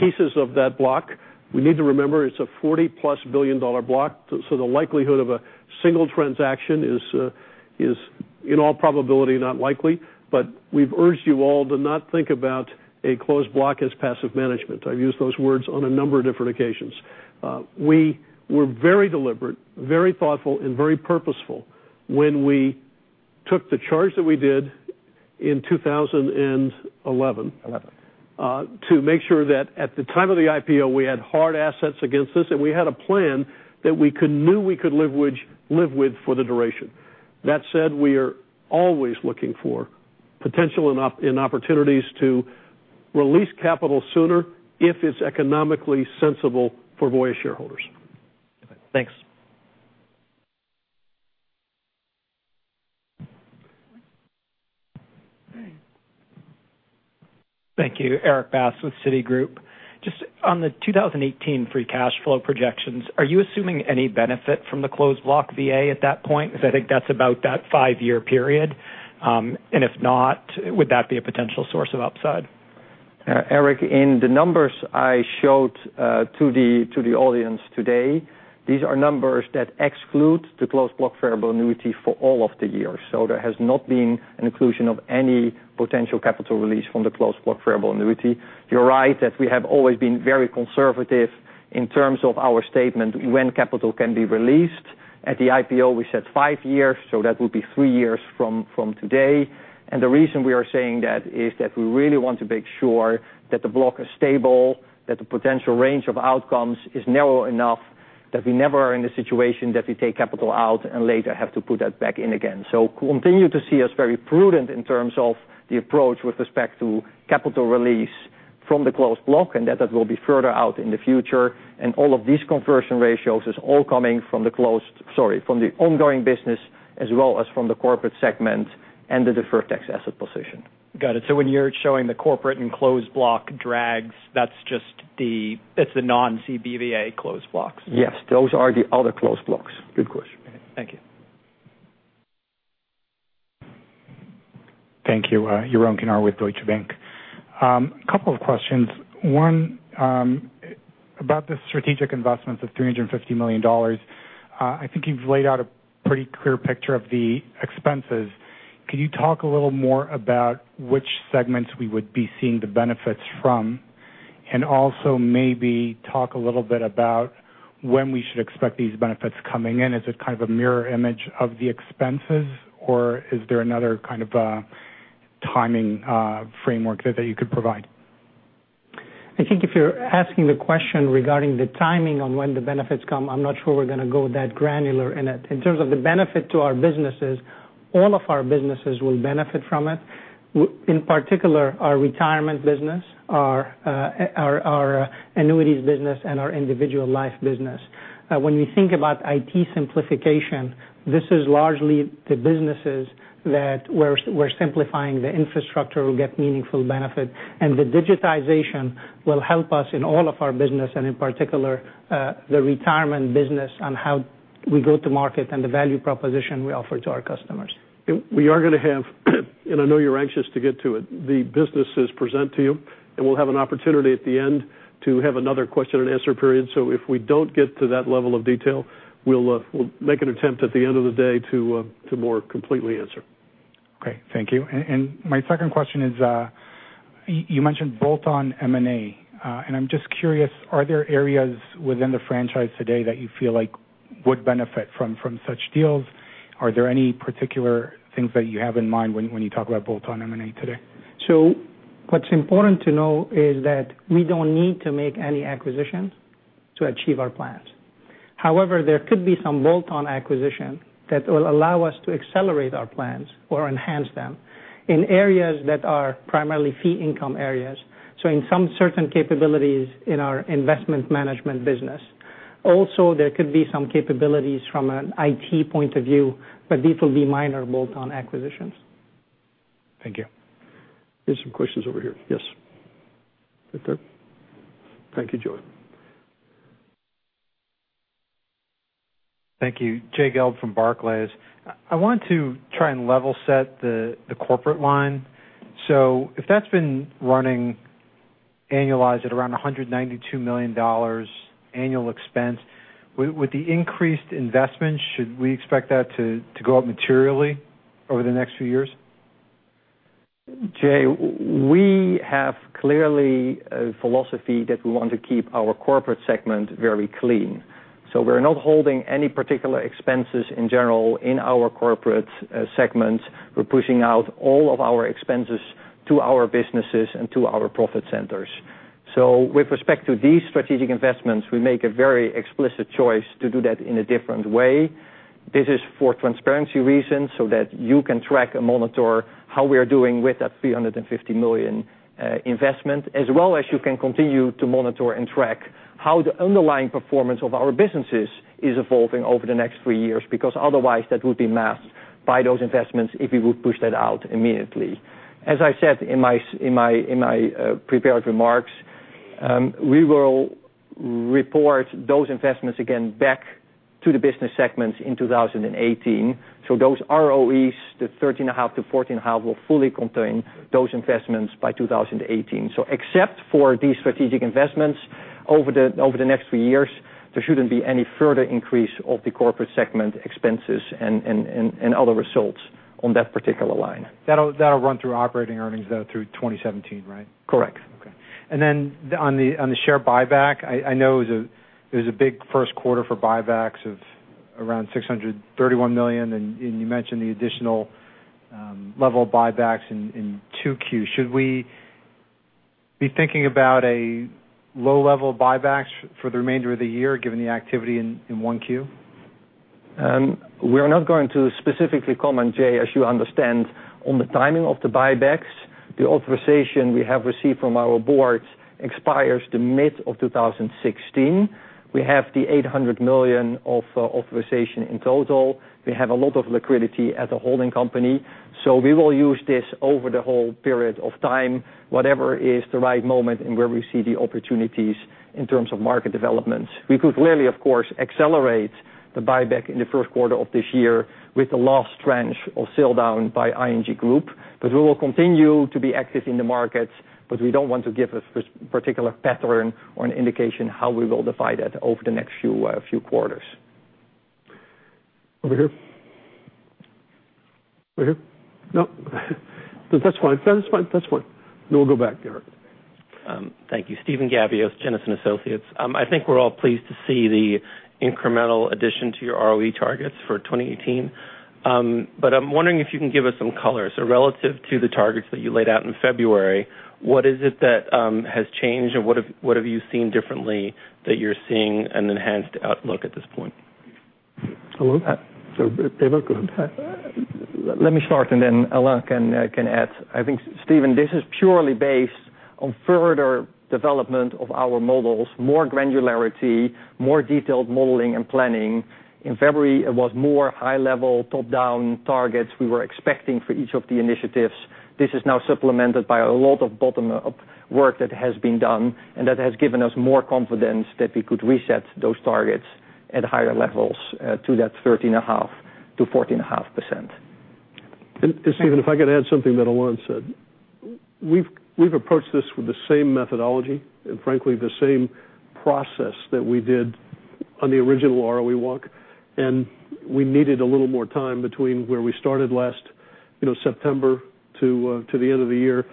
pieces of that block. We need to remember it's a $40-plus billion block. The likelihood of a single transaction is in all probability not likely. We've urged you all to not think about a closed block as passive management. I've used those words on a number of different occasions. We were very deliberate, very thoughtful, and very purposeful when we took the charge that we did in 2011- 11 to make sure that at the time of the IPO, we had hard assets against us, and we had a plan that we knew we could live with for the duration. That said, we are always looking for potential in opportunities to release capital sooner if it's economically sensible for Voya shareholders. Okay, thanks. Thank you. Erik Bass with Citigroup. Just on the 2018 free cash flow projections, are you assuming any benefit from the closed block VA at that point? Because I think that's about that five-year period. If not, would that be a potential source of upside? Erik, in the numbers I showed to the audience today, these are numbers that exclude the closed block variable annuity for all of the years. There has not been an inclusion of any potential capital release from the closed block variable annuity. You're right that we have always been very conservative in terms of our statement when capital can be released. At the IPO, we said five years, so that would be three years from today. The reason we are saying that is that we really want to make sure that the block is stable, that the potential range of outcomes is narrow enough that we never are in the situation that we take capital out and later have to put that back in again. Continue to see us very prudent in terms of the approach with respect to capital release from the closed block, and that that will be further out in the future. All of these conversion ratios is all coming from the ongoing business as well as from the corporate segment and the deferred tax asset position. Got it. When you're showing the corporate and closed block drags, that's the non-CBVA closed blocks? Yes, those are the other closed blocks. Good question. Thank you. Thank you. Yaron Kinar with Deutsche Bank. Couple of questions. One, about the strategic investments of $350 million. I think you've laid out a pretty clear picture of the expenses. Could you talk a little more about which segments we would be seeing the benefits from? Also maybe talk a little bit about when we should expect these benefits coming in. Is it kind of a mirror image of the expenses, or is there another kind of a timing framework that you could provide? I think if you're asking the question regarding the timing on when the benefits come, I'm not sure we're going to go that granular in it. In terms of the benefit to our businesses, all of our businesses will benefit from it, in particular, our retirement business, our annuities business, and our individual life business. When we think about IT simplification, this is largely the businesses that we're simplifying the infrastructure will get meaningful benefit, and the digitization will help us in all of our business, and in particular, the retirement business on how we go to market and the value proposition we offer to our customers. We are going to have, I know you're anxious to get to it, the businesses present to you. We'll have an opportunity at the end to have another question and answer period. If we don't get to that level of detail, we'll make an attempt at the end of the day to more completely answer. Okay, thank you. My second question is, you mentioned bolt-on M&A. I'm just curious, are there areas within the franchise today that you feel like would benefit from such deals? Are there any particular things that you have in mind when you talk about bolt-on M&A today? What's important to know is that we don't need to make any acquisitions to achieve our plans. However, there could be some bolt-on acquisition that will allow us to accelerate our plans or enhance them in areas that are primarily fee income areas. In some certain capabilities in our investment management business. Also, there could be some capabilities from an IT point of view, these will be minor bolt-on acquisitions. Thank you. There's some questions over here. Yes. Right there. Thank you, Joey. Thank you. Jay Gelb from Barclays. I want to try and level set the corporate line. If that's been running annualized at around $192 million annual expense, with the increased investment, should we expect that to go up materially over the next few years? Jay, we have clearly a philosophy that we want to keep our corporate segment very clean. We're not holding any particular expenses in general in our corporate segment. We're pushing out all of our expenses to our businesses and to our profit centers. With respect to these strategic investments, we make a very explicit choice to do that in a different way. This is for transparency reasons, so that you can track and monitor how we are doing with that $350 million investment, as well as you can continue to monitor and track how the underlying performance of our businesses is evolving over the next three years. Otherwise, that would be masked by those investments if we would push that out immediately. As I said in my prepared remarks, We will report those investments again back to the business segments in 2018. Those ROEs, the 13.5%-14.5%, will fully contain those investments by 2018. Except for these strategic investments over the next three years, there shouldn't be any further increase of the corporate segment expenses and other results on that particular line. That'll run through operating earnings though through 2017, right? Correct. Okay. Then on the share buyback, I know it was a big first quarter for buybacks of around $631 million, and you mentioned the additional level of buybacks in 2Q. Should we be thinking about a low-level buybacks for the remainder of the year, given the activity in 1Q? We're not going to specifically comment, Jay, as you understand, on the timing of the buybacks. The authorization we have received from our board expires the mid of 2016. We have the $800 million of authorization in total. We have a lot of liquidity as a holding company, we will use this over the whole period of time, whatever is the right moment and where we see the opportunities in terms of market developments. We could clearly, of course, accelerate the buyback in the first quarter of this year with the last tranche of sale down by ING Group, we will continue to be active in the market, we don't want to give a particular pattern or an indication how we will divide that over the next few quarters. Over here. Right here. No? That's fine. We'll go back, Garrett. Thank you. Steven Gavios, Jennison Associates. I think we're all pleased to see the incremental addition to your ROE targets for 2018. I'm wondering if you can give us some color. Relative to the targets that you laid out in February, what is it that has changed, and what have you seen differently that you're seeing an enhanced outlook at this point? I will. Ewout, go ahead. Let me start, then Alain can add. I think, Steven, this is purely based on further development of our models: more granularity, more detailed modeling and planning. In February, it was more high level, top-down targets we were expecting for each of the initiatives. This is now supplemented by a lot of bottom-up work that has been done, that has given us more confidence that we could reset those targets at higher levels to that 13.5%-14.5%. Steven, if I could add something that Alain said. We've approached this with the same methodology, frankly, the same process that we did on the original ROE walk, we needed a little more time between where we started last September to the end of the year,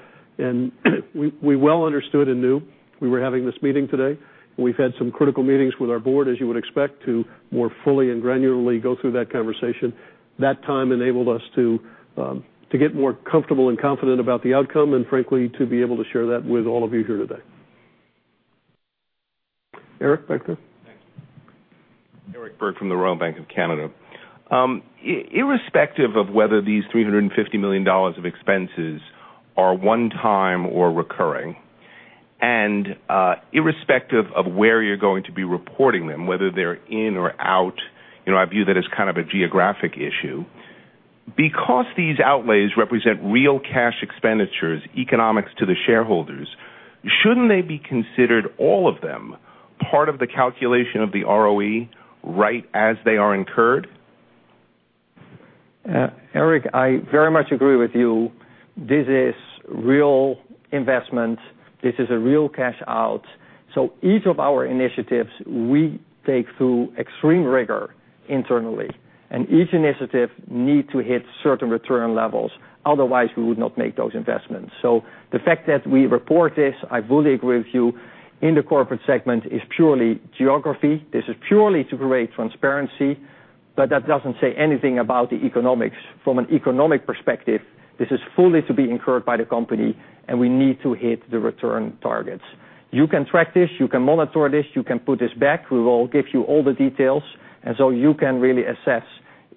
we well understood and knew we were having this meeting today, we've had some critical meetings with our board, as you would expect, to more fully and granularly go through that conversation. That time enabled us to get more comfortable and confident about the outcome frankly, to be able to share that with all of you here today. Eric, back there. Thanks. Eric Berg from the Royal Bank of Canada. Irrespective of whether these $350 million of expenses are one-time or recurring, irrespective of where you're going to be reporting them, whether they're in or out, in our view, that is kind of a geographic issue. Because these outlays represent real cash expenditures economics to the shareholders, shouldn't they be considered, all of them, part of the calculation of the ROE right as they are incurred? Eric, I very much agree with you. This is real investment. This is a real cash out. Each of our initiatives we take through extreme rigor internally, and each initiative need to hit certain return levels, otherwise we would not make those investments. The fact that we report this, I fully agree with you, in the corporate segment is purely geography. This is purely to create transparency, that doesn't say anything about the economics. From an economic perspective, this is fully to be incurred by the company, we need to hit the return targets. You can track this. You can monitor this. You can put this back. We will give you all the details, you can really assess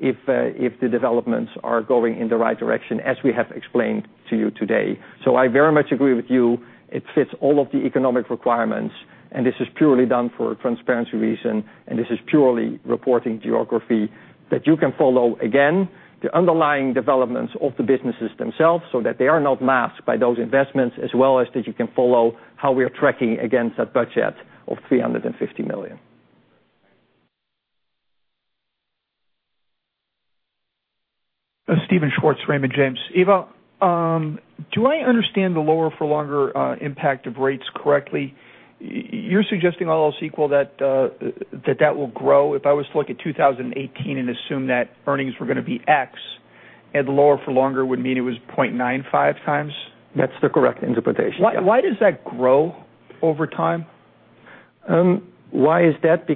if the developments are going in the right direction as we have explained to you today. I very much agree with you. It fits all of the economic requirements, this is purely done for a transparency reason, this is purely reporting geography. You can follow, again, the underlying developments of the businesses themselves so that they are not masked by those investments, as well as that you can follow how we are tracking against that budget of $350 million. Thank you. Steven Schwartz, Raymond James. Ivo, do I understand the lower-for-longer impact of rates correctly? You're suggesting all else equal that that will grow. If I was to look at 2018 and assume that earnings were going to be X, and lower for longer would mean it was 0.95 times? That's the correct interpretation. Why does that grow over time? Why is that?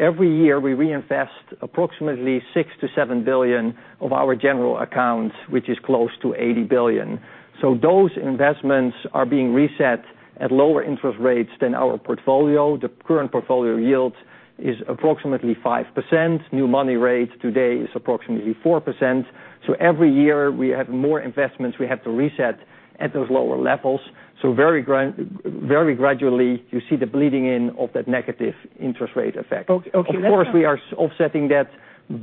Every year we reinvest approximately $6 billion-$7 billion of our general accounts, which is close to $80 billion. Those investments are being reset at lower interest rates than our portfolio. The current portfolio yield is approximately 5%. New money rate today is approximately 4%. Every year we have more investments we have to reset at those lower levels. Very gradually, you see the bleeding in of that negative interest rate effect. Okay. Of course, we are offsetting that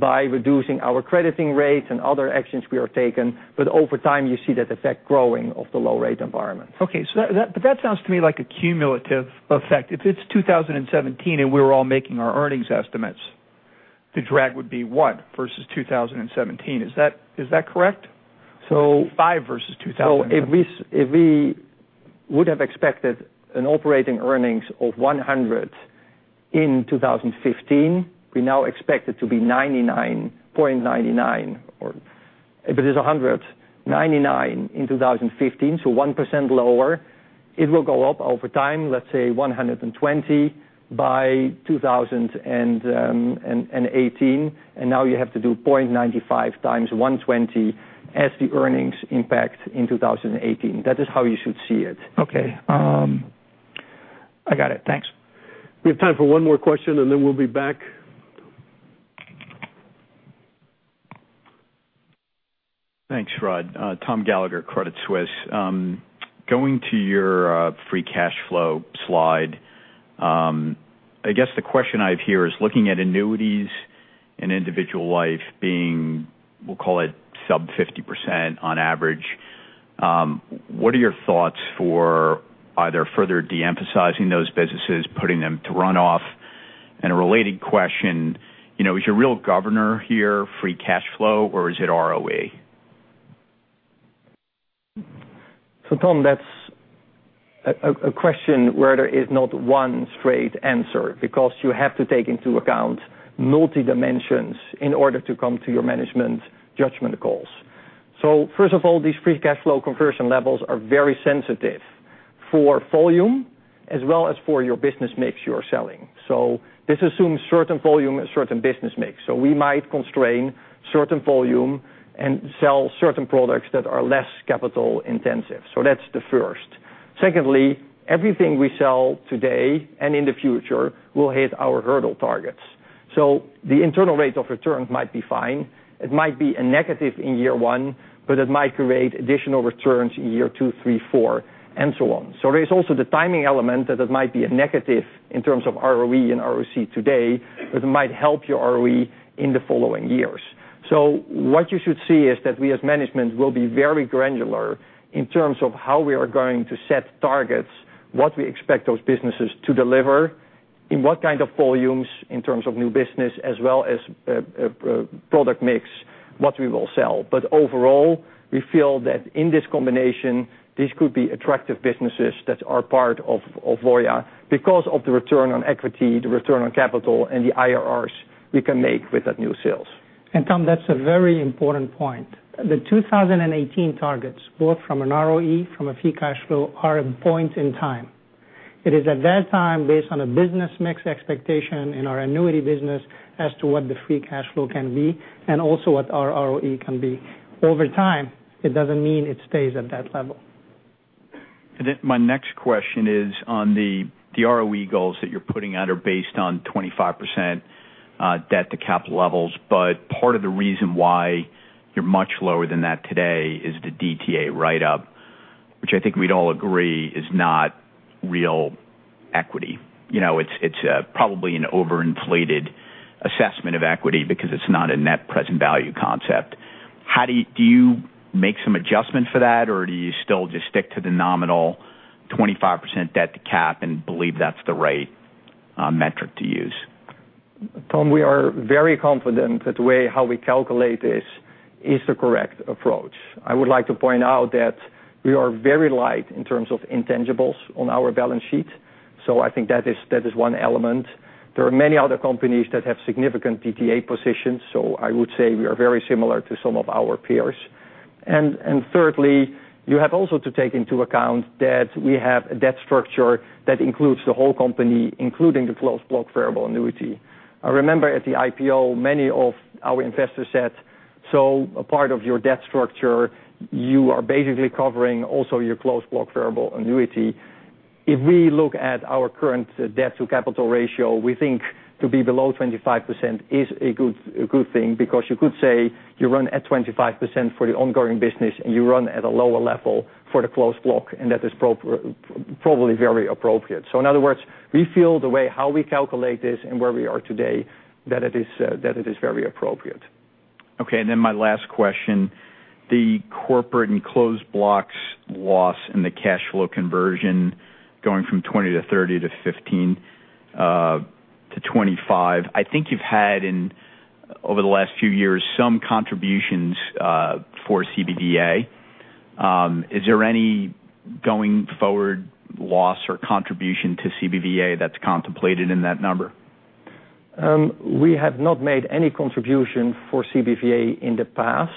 by reducing our crediting rates and other actions we are taking. Over time, you see that effect growing of the low rate environment. Okay. That sounds to me like a cumulative effect. If it's 2017 and we're all making our earnings estimates, the drag would be what versus 2017? Is that correct? 5 versus 2017. If we would have expected an operating earnings of 100 in 2015, we now expect it to be 99.99, or if it is 100, 99 in 2015, 1% lower. It will go up over time, let's say 120 by 2018, and now you have to do 0.95 times 120 as the earnings impact in 2018. That is how you should see it. Okay. I got it. Thanks. We have time for one more question, then we'll be back. Thanks, Rod. Thomas Gallagher, Credit Suisse. Going to your free cash flow slide, I guess the question I have here is looking at annuities and individual life being, we'll call it sub 50% on average. What are your thoughts for either further de-emphasizing those businesses, putting them to run off? A related question, is your real governor here free cash flow, or is it ROE? Tom, that's a question where there is not one straight answer because you have to take into account multi dimensions in order to come to your management judgment calls. First of all, these free cash flow conversion levels are very sensitive for volume as well as for your business mix you're selling. This assumes certain volume and certain business mix. We might constrain certain volume and sell certain products that are less capital intensive. That's the first. Secondly, everything we sell today and in the future will hit our hurdle targets. The internal rate of returns might be fine. It might be a negative in year one, but it might create additional returns in year two, three, four, and so on. There is also the timing element that it might be a negative in terms of ROE and ROC today, but it might help your ROE in the following years. What you should see is that we as management will be very granular in terms of how we are going to set targets, what we expect those businesses to deliver, in what kind of volumes, in terms of new business, as well as product mix, what we will sell. Overall, we feel that in this combination, these could be attractive businesses that are part of Voya because of the return on equity, the return on capital, and the IRRs we can make with that new sales. Tom, that's a very important point. The 2018 targets, both from an ROE, from a free cash flow, are a point in time. It is at that time based on a business mix expectation in our annuity business as to what the free cash flow can be and also what our ROE can be. Over time, it doesn't mean it stays at that level. My next question is on the ROE goals that you're putting out are based on 25% debt to capital levels. Part of the reason why you're much lower than that today is the DTA write-up, which I think we'd all agree is not real equity. It's probably an overinflated assessment of equity because it's not a net present value concept. Do you make some adjustment for that, or do you still just stick to the nominal 25% debt to cap and believe that's the right metric to use? Tom, we are very confident that the way how we calculate this is the correct approach. I would like to point out that we are very light in terms of intangibles on our balance sheet. I think that is one element. There are many other companies that have significant DTA positions, so I would say we are very similar to some of our peers. Thirdly, you have also to take into account that we have a debt structure that includes the whole company, including the closed block variable annuity. Remember, at the IPO, many of our investors said, "A part of your debt structure, you are basically covering also your closed block variable annuity." If we look at our current debt to capital ratio, we think to be below 25% is a good thing because you could say you run at 25% for the ongoing business and you run at a lower level for the closed block, and that is probably very appropriate. In other words, we feel the way how we calculate this and where we are today, that it is very appropriate. Okay, my last question. The corporate and closed blocks loss in the cash flow conversion going from 20 to 30 to 15 to 25. I think you've had in over the last few years, some contributions for CBVA. Is there any going forward loss or contribution to CBVA that's contemplated in that number? We have not made any contribution for CBVA in the past,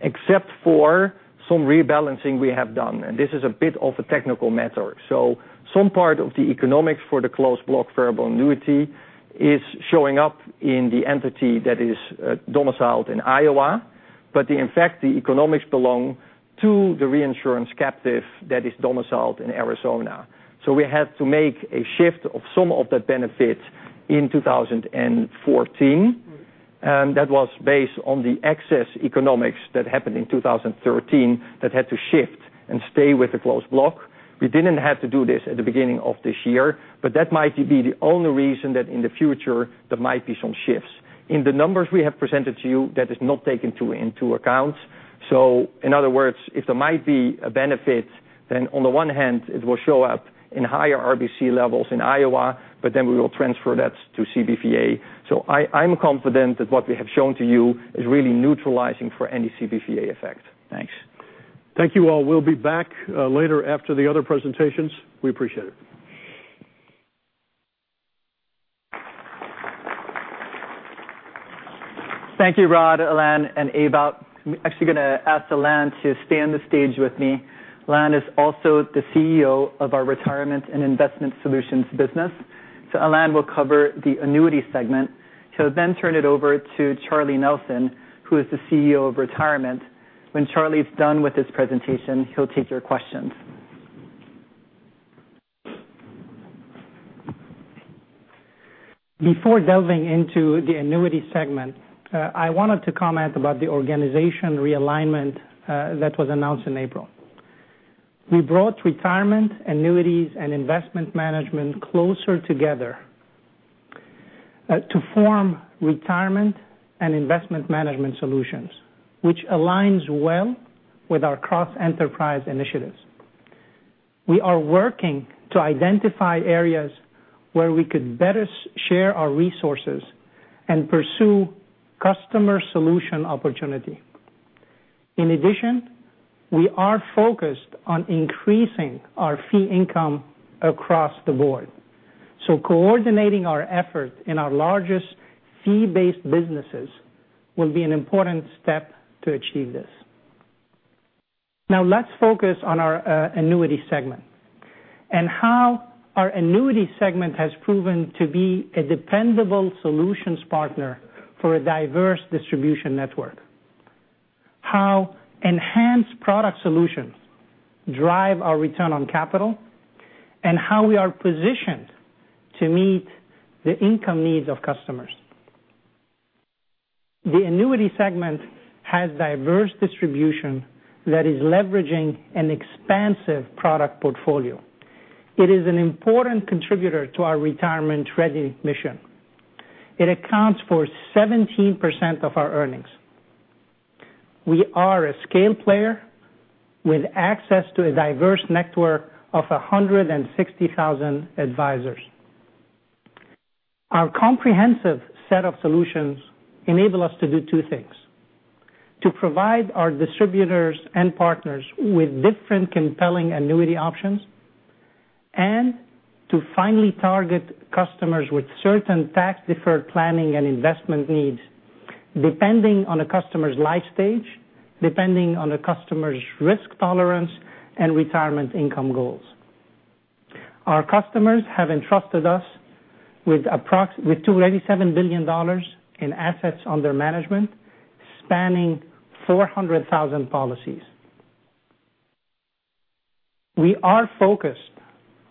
except for some rebalancing we have done. This is a bit of a technical matter. Some part of the economics for the closed block variable annuity is showing up in the entity that is domiciled in Iowa. In fact, the economics belong to the reinsurance captive that is domiciled in Arizona. We had to make a shift of some of that benefit in 2014. That was based on the excess economics that happened in 2013 that had to shift and stay with the closed block. We didn't have to do this at the beginning of this year. That might be the only reason that in the future, there might be some shifts. In the numbers we have presented to you, that is not taken into account. In other words, if there might be a benefit, then on the one hand, it will show up in higher RBC levels in Iowa. We will transfer that to CBVA. I'm confident that what we have shown to you is really neutralizing for any CBVA effect. Thanks. Thank you all. We'll be back later after the other presentations. We appreciate it. Thank you, Rod, Alain, and Ewout. I'm actually going to ask Alain to stay on the stage with me. Alain is also the CEO of our Retirement and Investment Solutions business. Alain will cover the Annuity segment. He'll then turn it over to Charles Nelson, who is the CEO of Retirement. When Charles's done with his presentation, he'll take your questions. Before delving into the Annuity segment, I wanted to comment about the organization realignment that was announced in April. We brought Retirement, Annuities, and Investment Management closer together to form Retirement and Investment Management Solutions, which aligns well with our cross-enterprise initiatives. We are working to identify areas where we could better share our resources and pursue customer solution opportunity. In addition, we are focused on increasing our fee income across the board, coordinating our effort in our largest fee-based businesses will be an important step to achieve this. Now let's focus on our Annuity segment and how our Annuity segment has proven to be a dependable solutions partner for a diverse distribution network, how enhanced product solutions drive our return on capital, and how we are positioned to meet the income needs of customers. The Annuity segment has diverse distribution that is leveraging an expansive product portfolio. It is an important contributor to our retirement-ready mission. It accounts for 17% of our earnings. We are a scale player with access to a diverse network of 160,000 advisors. Our comprehensive set of solutions enable us to do two things, to provide our distributors and partners with different compelling annuity options, and to finely target customers with certain tax-deferred planning and investment needs depending on a customer's life stage, depending on a customer's risk tolerance and retirement income goals. Our customers have entrusted us with $287 billion in assets under management, spanning 400,000 policies. We are focused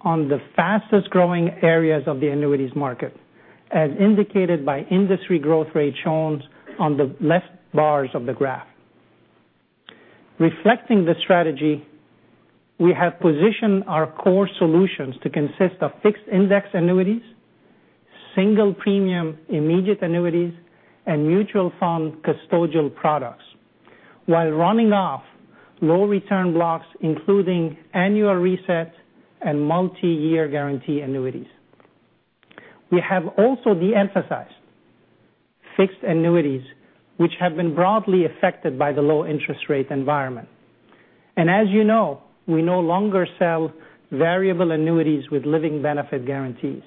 on the fastest-growing areas of the annuities market, as indicated by industry growth rate shown on the left bars of the graph. Reflecting the strategy, we have positioned our core solutions to consist of Fixed Index Annuities, single premium immediate annuities, and mutual fund custodial products while running off low return blocks, including annual reset and multi-year guarantee annuities. We have also de-emphasized fixed annuities, which have been broadly affected by the low interest rate environment. As you know, we no longer sell variable annuities with living benefit guarantees.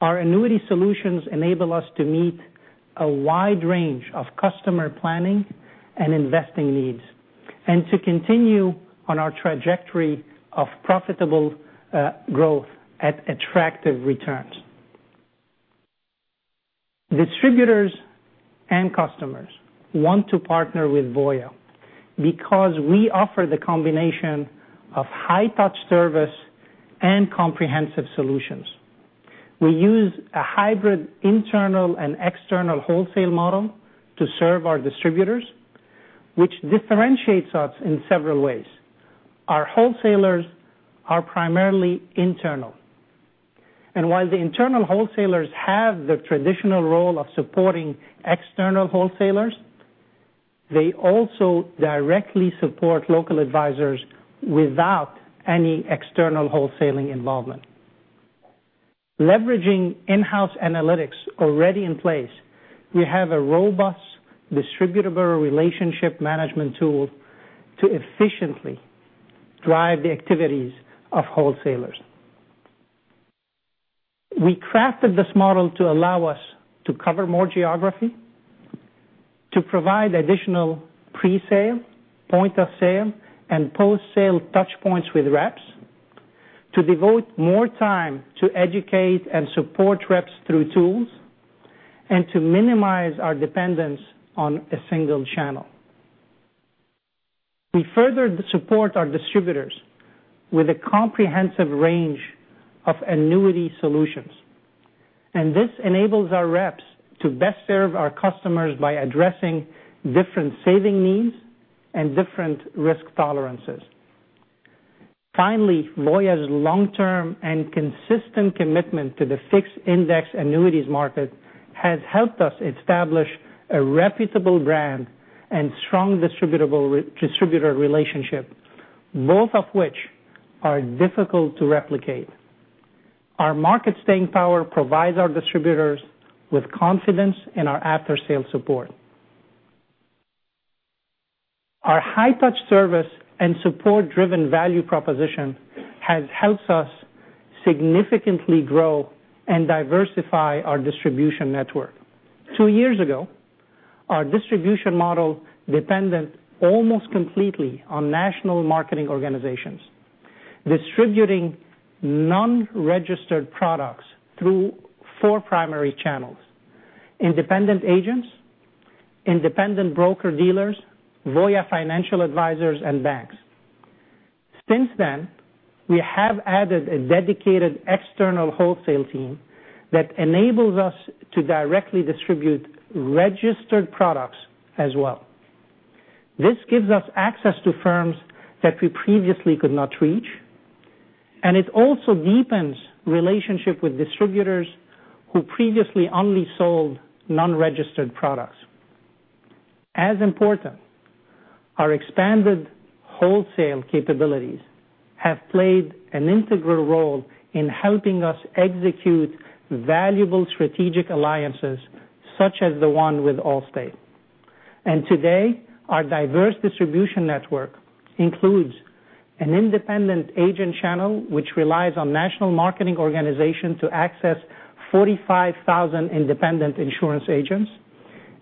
Our annuity solutions enable us to meet a wide range of customer planning and investing needs and to continue on our trajectory of profitable growth at attractive returns. Distributors and customers want to partner with Voya because we offer the combination of high touch service and comprehensive solutions. We use a hybrid internal and external wholesale model to serve our distributors, which differentiates us in several ways. Our wholesalers are primarily internal, while the internal wholesalers have the traditional role of supporting external wholesalers, they also directly support local advisors without any external wholesaling involvement. Leveraging in-house analytics already in place, we have a robust distributor relationship management tool to efficiently drive the activities of wholesalers. We crafted this model to allow us to cover more geography, to provide additional pre-sale, point-of-sale, and post-sale touchpoints with reps, to devote more time to educate and support reps through tools, and to minimize our dependence on a single channel. We further support our distributors with a comprehensive range of annuity solutions, this enables our reps to best serve our customers by addressing different saving needs and different risk tolerances. Finally, Voya's long-term and consistent commitment to the Fixed Index Annuities market has helped us establish a reputable brand and strong distributor relationship, both of which are difficult to replicate. Our market staying power provides our distributors with confidence in our after-sales support. Our high touch service and support driven value proposition has helped us significantly grow and diversify our distribution network. Two years ago, our distribution model depended almost completely on national marketing organizations, distributing non-registered products through four primary channels: independent agents, independent broker dealers, Voya Financial Advisors, and banks. Since then, we have added a dedicated external wholesale team that enables us to directly distribute registered products as well. This gives us access to firms that we previously could not reach, it also deepens relationship with distributors who previously only sold non-registered products. As important, our expanded wholesale capabilities have played an integral role in helping us execute valuable strategic alliances such as the one with Allstate. Today, our diverse distribution network includes an independent agent channel which relies on national marketing organization to access 45,000 independent insurance agents,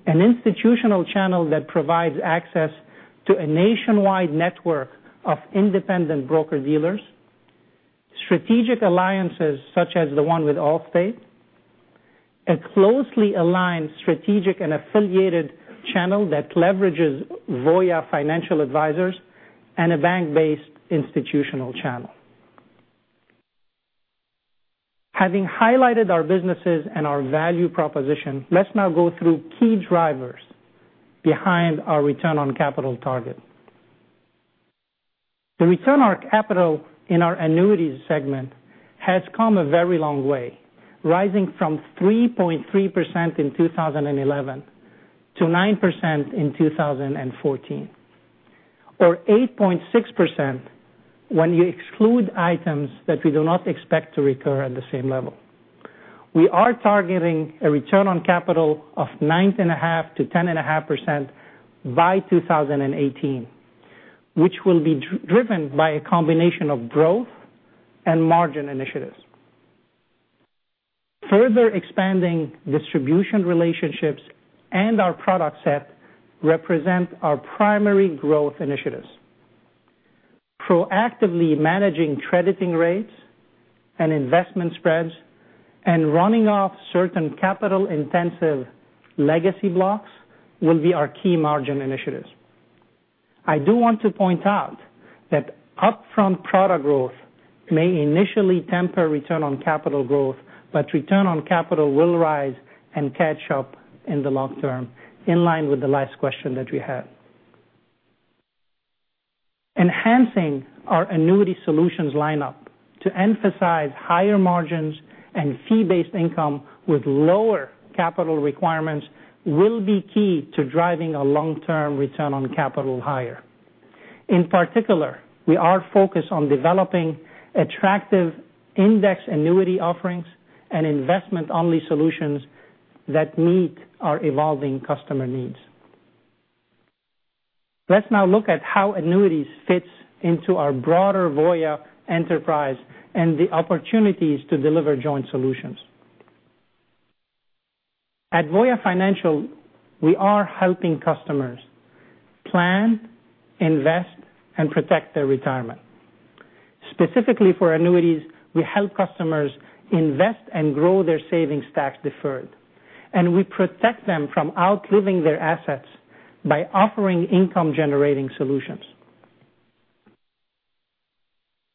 an institutional channel that provides access to a nationwide network of independent broker dealers, strategic alliances such as the one with Allstate, a closely aligned strategic and affiliated channel that leverages Voya Financial Advisors, and a bank-based institutional channel. Having highlighted our businesses and our value proposition, let's now go through key drivers behind our return on capital target. The return on our capital in our annuities segment has come a very long way, rising from 3.3% in 2011 to 9% in 2014, or 8.6% when you exclude items that we do not expect to recur at the same level. We are targeting a return on capital of 9.5%-10.5% by 2018, which will be driven by a combination of growth and margin initiatives. Further expanding distribution relationships and our product set represent our primary growth initiatives. Proactively managing crediting rates and investment spreads and running off certain capital-intensive legacy blocks will be our key margin initiatives. I do want to point out that upfront product growth may initially temper return on capital growth, but return on capital will rise and catch up in the long term, in line with the last question that we had. Enhancing our annuity solutions lineup to emphasize higher margins and fee-based income with lower capital requirements will be key to driving a long-term return on capital higher. In particular, we are focused on developing attractive index annuity offerings and investment-only solutions that meet our evolving customer needs. Let's now look at how annuities fits into our broader Voya enterprise and the opportunities to deliver joint solutions. At Voya Financial, we are helping customers plan, invest, and protect their retirement. Specifically for annuities, we help customers invest and grow their savings tax deferred, and we protect them from outliving their assets by offering income-generating solutions.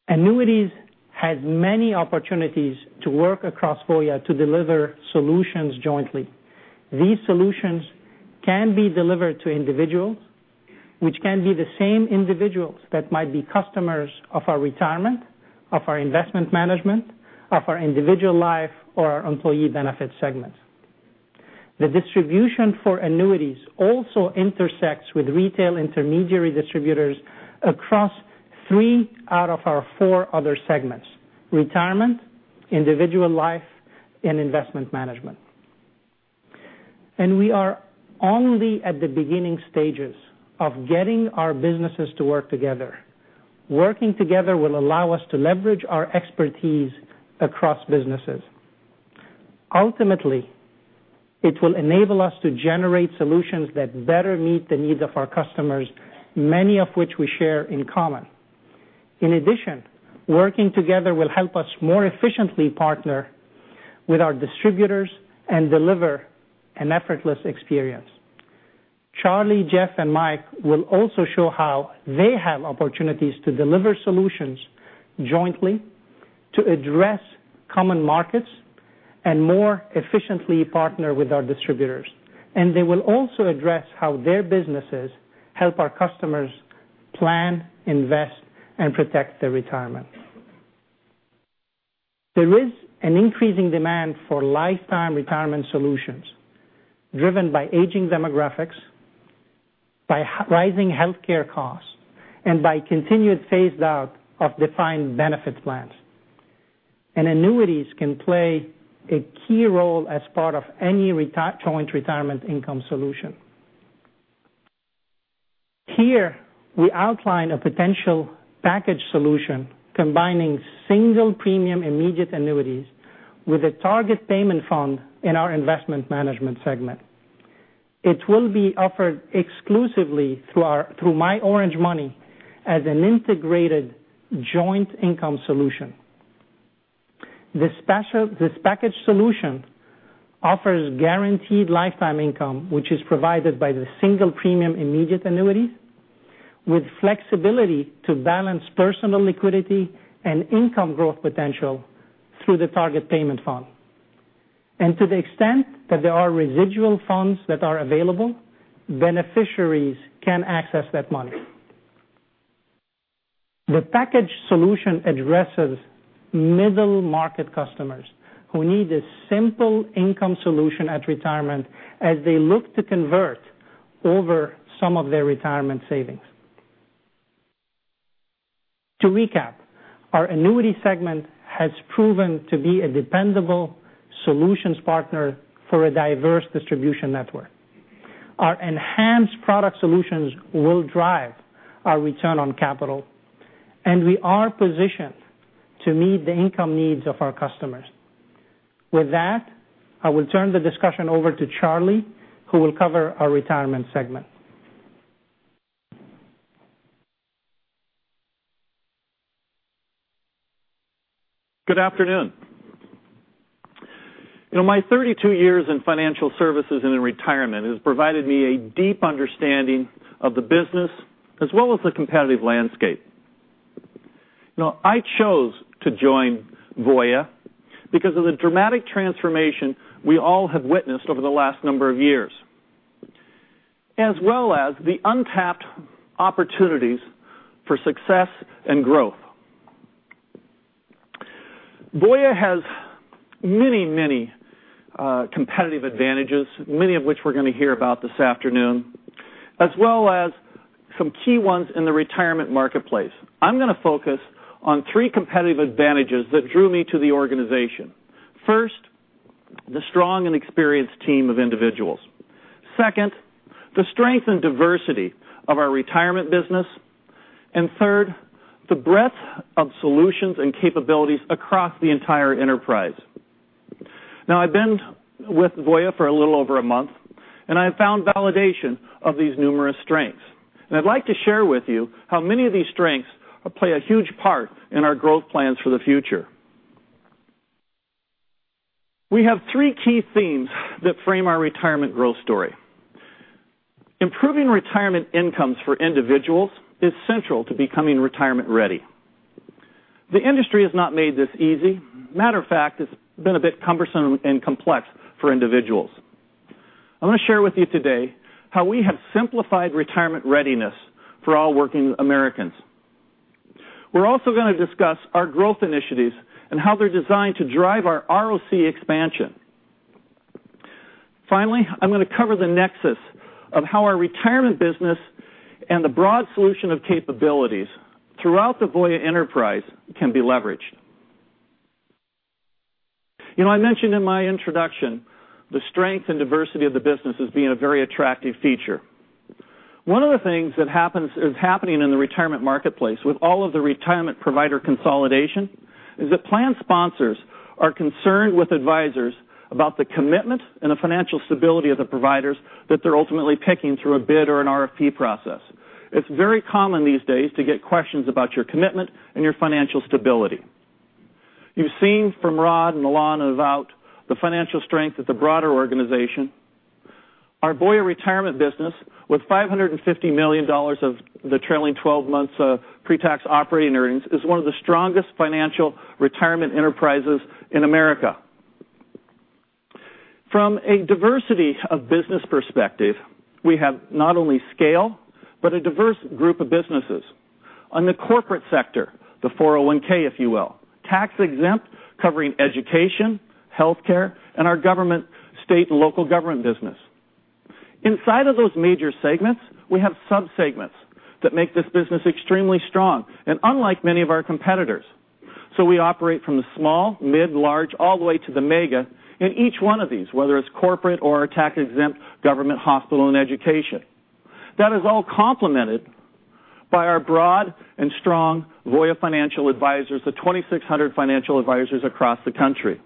Annuities has many opportunities to work across Voya to deliver solutions jointly. These solutions can be delivered to individuals, which can be the same individuals that might be customers of our retirement, of our investment management, of our individual life, or our employee benefit segment. The distribution for annuities also intersects with retail intermediary distributors across three out of our four other segments, retirement, individual life, and investment management. We are only at the beginning stages of getting our businesses to work together. Working together will allow us to leverage our expertise across businesses. Ultimately, it will enable us to generate solutions that better meet the needs of our customers, many of which we share in common. In addition, working together will help us more efficiently partner with our distributors and deliver an effortless experience. Charlie, Jeff, and Mike will also show how they have opportunities to deliver solutions jointly To address common markets and more efficiently partner with our distributors. They will also address how their businesses help our customers plan, invest, and protect their retirement. There is an increasing demand for lifetime retirement solutions driven by aging demographics, by rising healthcare costs, and by continued phased out of defined benefit plans. Annuities can play a key role as part of any joint retirement income solution. Here, we outline a potential package solution combining single premium immediate annuities with a Target Payment Fund in our investment management segment. It will be offered exclusively through myOrangeMoney as an integrated joint income solution. This package solution offers guaranteed lifetime income, which is provided by the single premium immediate annuity, with flexibility to balance personal liquidity and income growth potential through the Target Payment Fund. To the extent that there are residual funds that are available, beneficiaries can access that money. The package solution addresses middle-market customers who need a simple income solution at retirement as they look to convert over some of their retirement savings. To recap, our annuity segment has proven to be a dependable solutions partner for a diverse distribution network. Our enhanced product solutions will drive our return on capital, and we are positioned to meet the income needs of our customers. With that, I will turn the discussion over to Charlie, who will cover our retirement segment. Good afternoon. My 32 years in financial services and in retirement has provided me a deep understanding of the business as well as the competitive landscape. I chose to join Voya because of the dramatic transformation we all have witnessed over the last number of years, as well as the untapped opportunities for success and growth. Voya has many, many competitive advantages, many of which we're going to hear about this afternoon, as well as some key ones in the retirement marketplace. I'm going to focus on three competitive advantages that drew me to the organization. First, the strong and experienced team of individuals. Second, the strength and diversity of our retirement business. Third, the breadth of solutions and capabilities across the entire enterprise. I've been with Voya for a little over a month, and I have found validation of these numerous strengths. I'd like to share with you how many of these strengths play a huge part in our growth plans for the future. We have three key themes that frame our retirement growth story. Improving retirement incomes for individuals is central to becoming retirement ready. The industry has not made this easy. Matter of fact, it's been a bit cumbersome and complex for individuals. I want to share with you today how we have simplified retirement readiness for all working Americans. We're also going to discuss our growth initiatives and how they're designed to drive our ROC expansion. Finally, I'm going to cover the nexus of how our retirement business and the broad solution of capabilities throughout the Voya enterprise can be leveraged. I mentioned in my introduction the strength and diversity of the business as being a very attractive feature. One of the things that is happening in the retirement marketplace with all of the retirement provider consolidation is that plan sponsors are concerned with advisors about the commitment and the financial stability of the providers that they're ultimately picking through a bid or an RFP process. It's very common these days to get questions about your commitment and your financial stability. You've seen from Rod and Alain about the financial strength of the broader organization. Our Voya Retirement business, with $550 million of the trailing 12 months of pre-tax operating earnings, is one of the strongest financial retirement enterprises in America. From a diversity of business perspective, we have not only scale, but a diverse group of businesses. On the corporate sector, the 401, if you will, tax-exempt, covering education, healthcare, and our government, state, and local government business. Inside of those major segments, we have subsegments that make this business extremely strong and unlike many of our competitors. We operate from the small, mid, large, all the way to the mega in each one of these, whether it's corporate or tax-exempt government, hospital, and education. That is all complemented by our broad and strong Voya Financial Advisors, the 2,600 financial advisors across the country.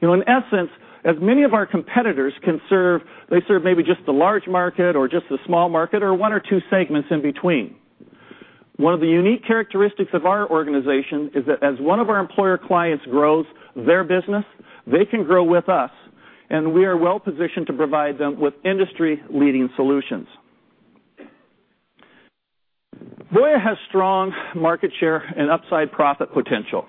In essence, as many of our competitors can serve, they serve maybe just the large market or just the small market, or one or two segments in between. One of the unique characteristics of our organization is that as one of our employer clients grows their business, they can grow with us, and we are well-positioned to provide them with industry-leading solutions Voya has strong market share and upside profit potential.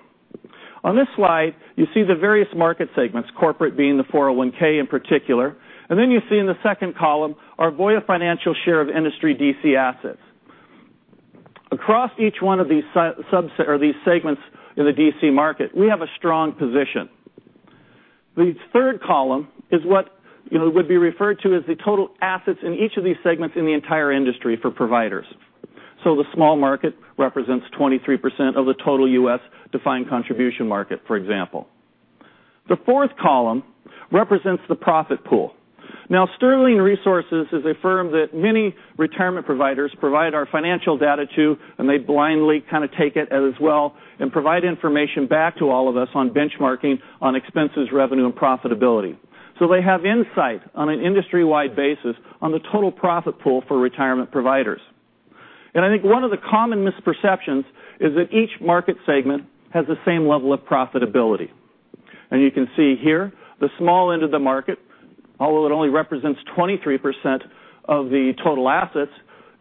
On this slide, you see the various market segments, corporate being the 401(k) in particular. You see in the second column our Voya Financial share of industry DC assets. Across each one of these segments in the DC market, we have a strong position. The third column is what would be referred to as the total assets in each of these segments in the entire industry for providers. The small market represents 23% of the total U.S. defined contribution market, for example. The fourth column represents the profit pool. Sterling Resources is a firm that many retirement providers provide our financial data to, and they blindly take it as well and provide information back to all of us on benchmarking on expenses, revenue, and profitability. They have insight on an industry-wide basis on the total profit pool for retirement providers. I think one of the common misperceptions is that each market segment has the same level of profitability. You can see here the small end of the market, although it only represents 23% of the total assets,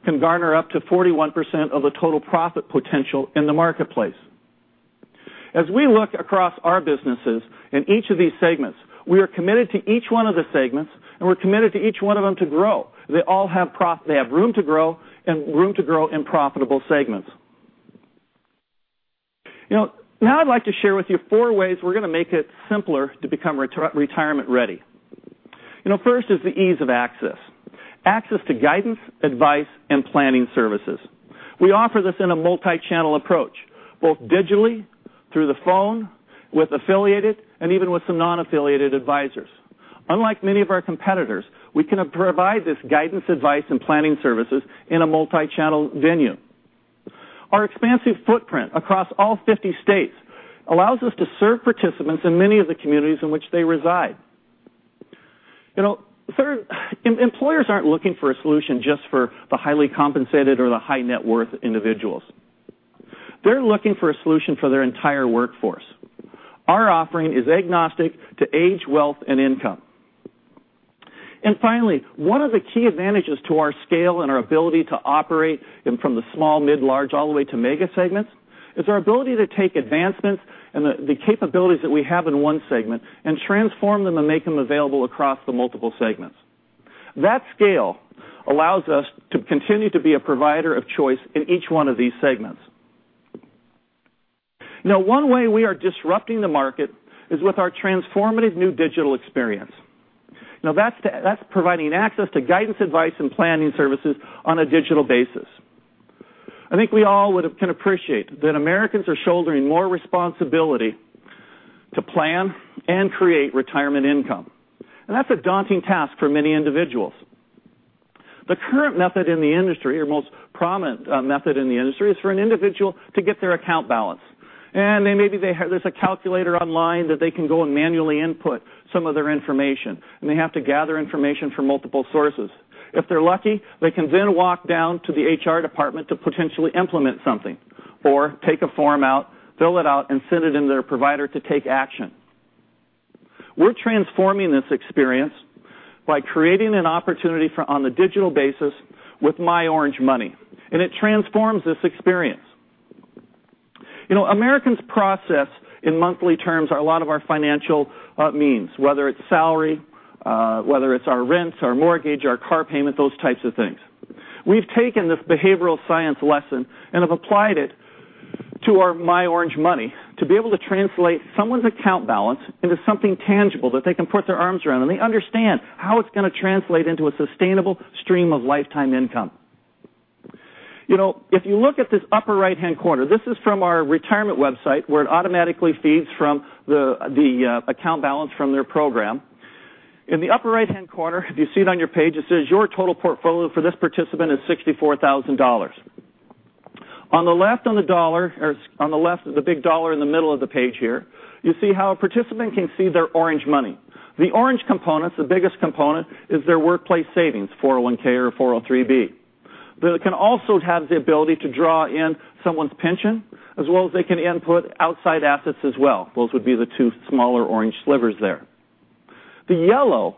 can garner up to 41% of the total profit potential in the marketplace. We look across our businesses in each of these segments, we are committed to each one of the segments, and we're committed to each one of them to grow. They have room to grow and room to grow in profitable segments. I'd like to share with you four ways we're going to make it simpler to become retirement ready. First is the ease of access to guidance, advice, and planning services. We offer this in a multi-channel approach, both digitally, through the phone, with affiliated, and even with some non-affiliated advisors. Unlike many of our competitors, we can provide this guidance, advice, and planning services in a multi-channel venue. Our expansive footprint across all 50 states allows us to serve participants in many of the communities in which they reside. Employers aren't looking for a solution just for the highly compensated or the high net worth individuals. They're looking for a solution for their entire workforce. Our offering is agnostic to age, wealth, and income. Finally, one of the key advantages to our scale and our ability to operate from the small, mid, large, all the way to mega segments is our ability to take advancements and the capabilities that we have in one segment and transform them and make them available across the multiple segments. That scale allows us to continue to be a provider of choice in each one of these segments. One way we are disrupting the market is with our transformative new digital experience. That's providing access to guidance, advice, and planning services on a digital basis. I think we all can appreciate that Americans are shouldering more responsibility to plan and create retirement income, and that's a daunting task for many individuals. The current method in the industry, or most prominent method in the industry, is for an individual to get their account balance. Maybe there's a calculator online that they can go and manually input some of their information. They have to gather information from multiple sources. If they're lucky, they can then walk down to the HR department to potentially implement something or take a form out, fill it out, and send it into their provider to take action. We're transforming this experience by creating an opportunity on the digital basis with myOrange Money, and it transforms this experience. Americans process, in monthly terms, a lot of our financial means, whether it's salary, whether it's our rent, our mortgage, our car payment, those types of things. We've taken this behavioral science lesson and have applied it to our myOrange Money to be able to translate someone's account balance into something tangible that they can put their arms around, and they understand how it's going to translate into a sustainable stream of lifetime income. If you look at this upper right-hand corner, this is from our retirement website where it automatically feeds from the account balance from their program. In the upper right-hand corner, if you see it on your page, it says, "Your total portfolio for this participant is $64,000." On the left of the big dollar in the middle of the page here, you see how a participant can see their orange money. The orange components, the biggest component, is their workplace savings, 401 or 403. They can also have the ability to draw in someone's pension, as well as they can input outside assets as well. Those would be the two smaller orange slivers there. The yellow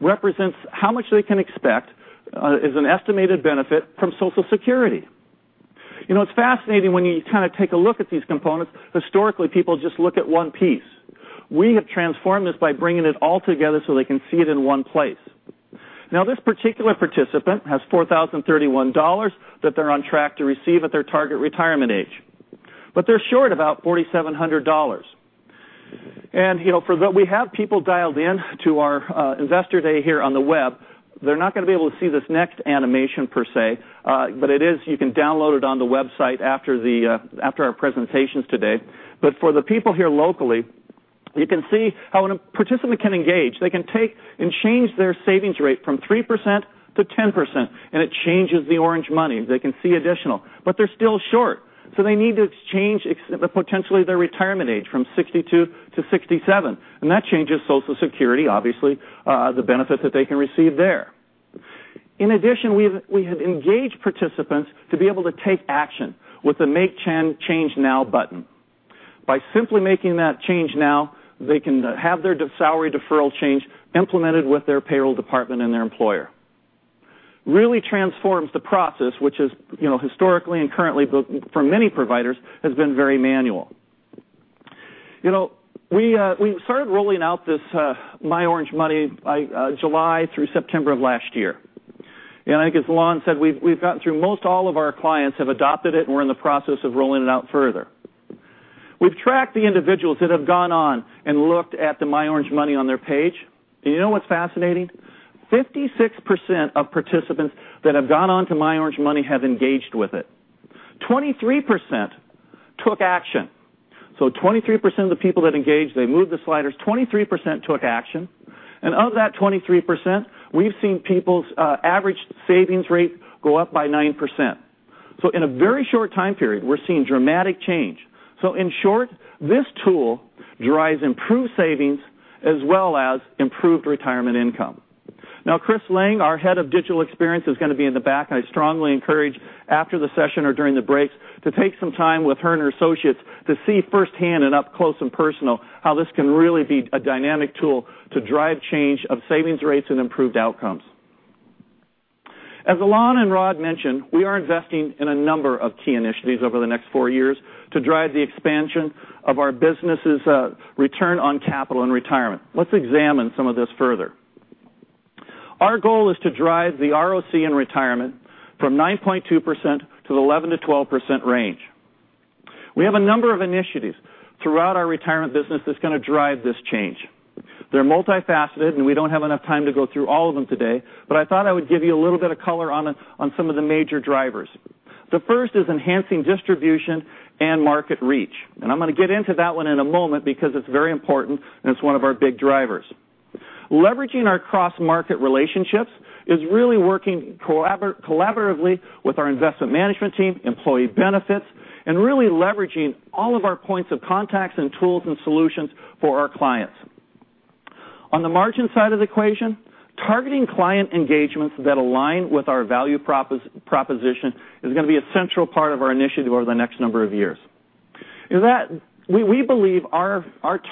represents how much they can expect as an estimated benefit from Social Security. It's fascinating when you take a look at these components. Historically, people just look at one piece. We have transformed this by bringing it all together so they can see it in one place. This particular participant has $4,031 that they're on track to receive at their target retirement age, but they're short about $4,700. For that we have people dialed in to our Investor Day here on the web. They're not going to be able to see this next animation per se, but you can download it on the website after our presentations today. For the people here locally, you can see how a participant can engage. They can take and change their savings rate from 3%-10%, and it changes the orange money. They can see additional, but they're still short. They need to change potentially their retirement age from 62 to 67, and that changes Social Security, obviously, the benefit that they can receive there. In addition, we have engaged participants to be able to take action with the Make Change Now button. By simply making that change now, they can have their salary deferral change implemented with their payroll department and their employer. Really transforms the process, which is historically and currently, for many providers, has been very manual. We started rolling out this myOrange Money July through September of last year. I think as Alain said, we've gotten through most all of our clients have adopted it. We're in the process of rolling it out further. We've tracked the individuals that have gone on and looked at the myOrange Money on their page. You know what's fascinating? 56% of participants that have gone on to myOrange Money have engaged with it. 23% took action. 23% of the people that engaged, they moved the sliders, 23% took action. Of that 23%, we've seen people's average savings rate go up by 9%. In a very short time period, we're seeing dramatic change. In short, this tool drives improved savings as well as improved retirement income. Now, Christine Lange, our head of digital experience, is going to be in the back, and I strongly encourage after the session or during the breaks to take some time with her and her associates to see firsthand and up close and personal, how this can really be a dynamic tool to drive change of savings rates and improved outcomes. As Alain and Rod mentioned, we are investing in a number of key initiatives over the next 4 years to drive the expansion of our business's return on capital and retirement. Let's examine some of this further. Our goal is to drive the ROC in retirement from 9.2%-11%-12% range. We have a number of initiatives throughout our retirement business that's going to drive this change. They're multifaceted, and we don't have enough time to go through all of them today, but I thought I would give you a little bit of color on some of the major drivers. The first is enhancing distribution and market reach. I'm going to get into that one in a moment because it's very important, and it's one of our big drivers. Leveraging our cross-market relationships is really working collaboratively with our Voya Investment Management team, employee benefits, and really leveraging all of our points of contacts and tools and solutions for our clients. On the margin side of the equation, targeting client engagements that align with our value proposition is going to be a central part of our initiative over the next number of years. We believe our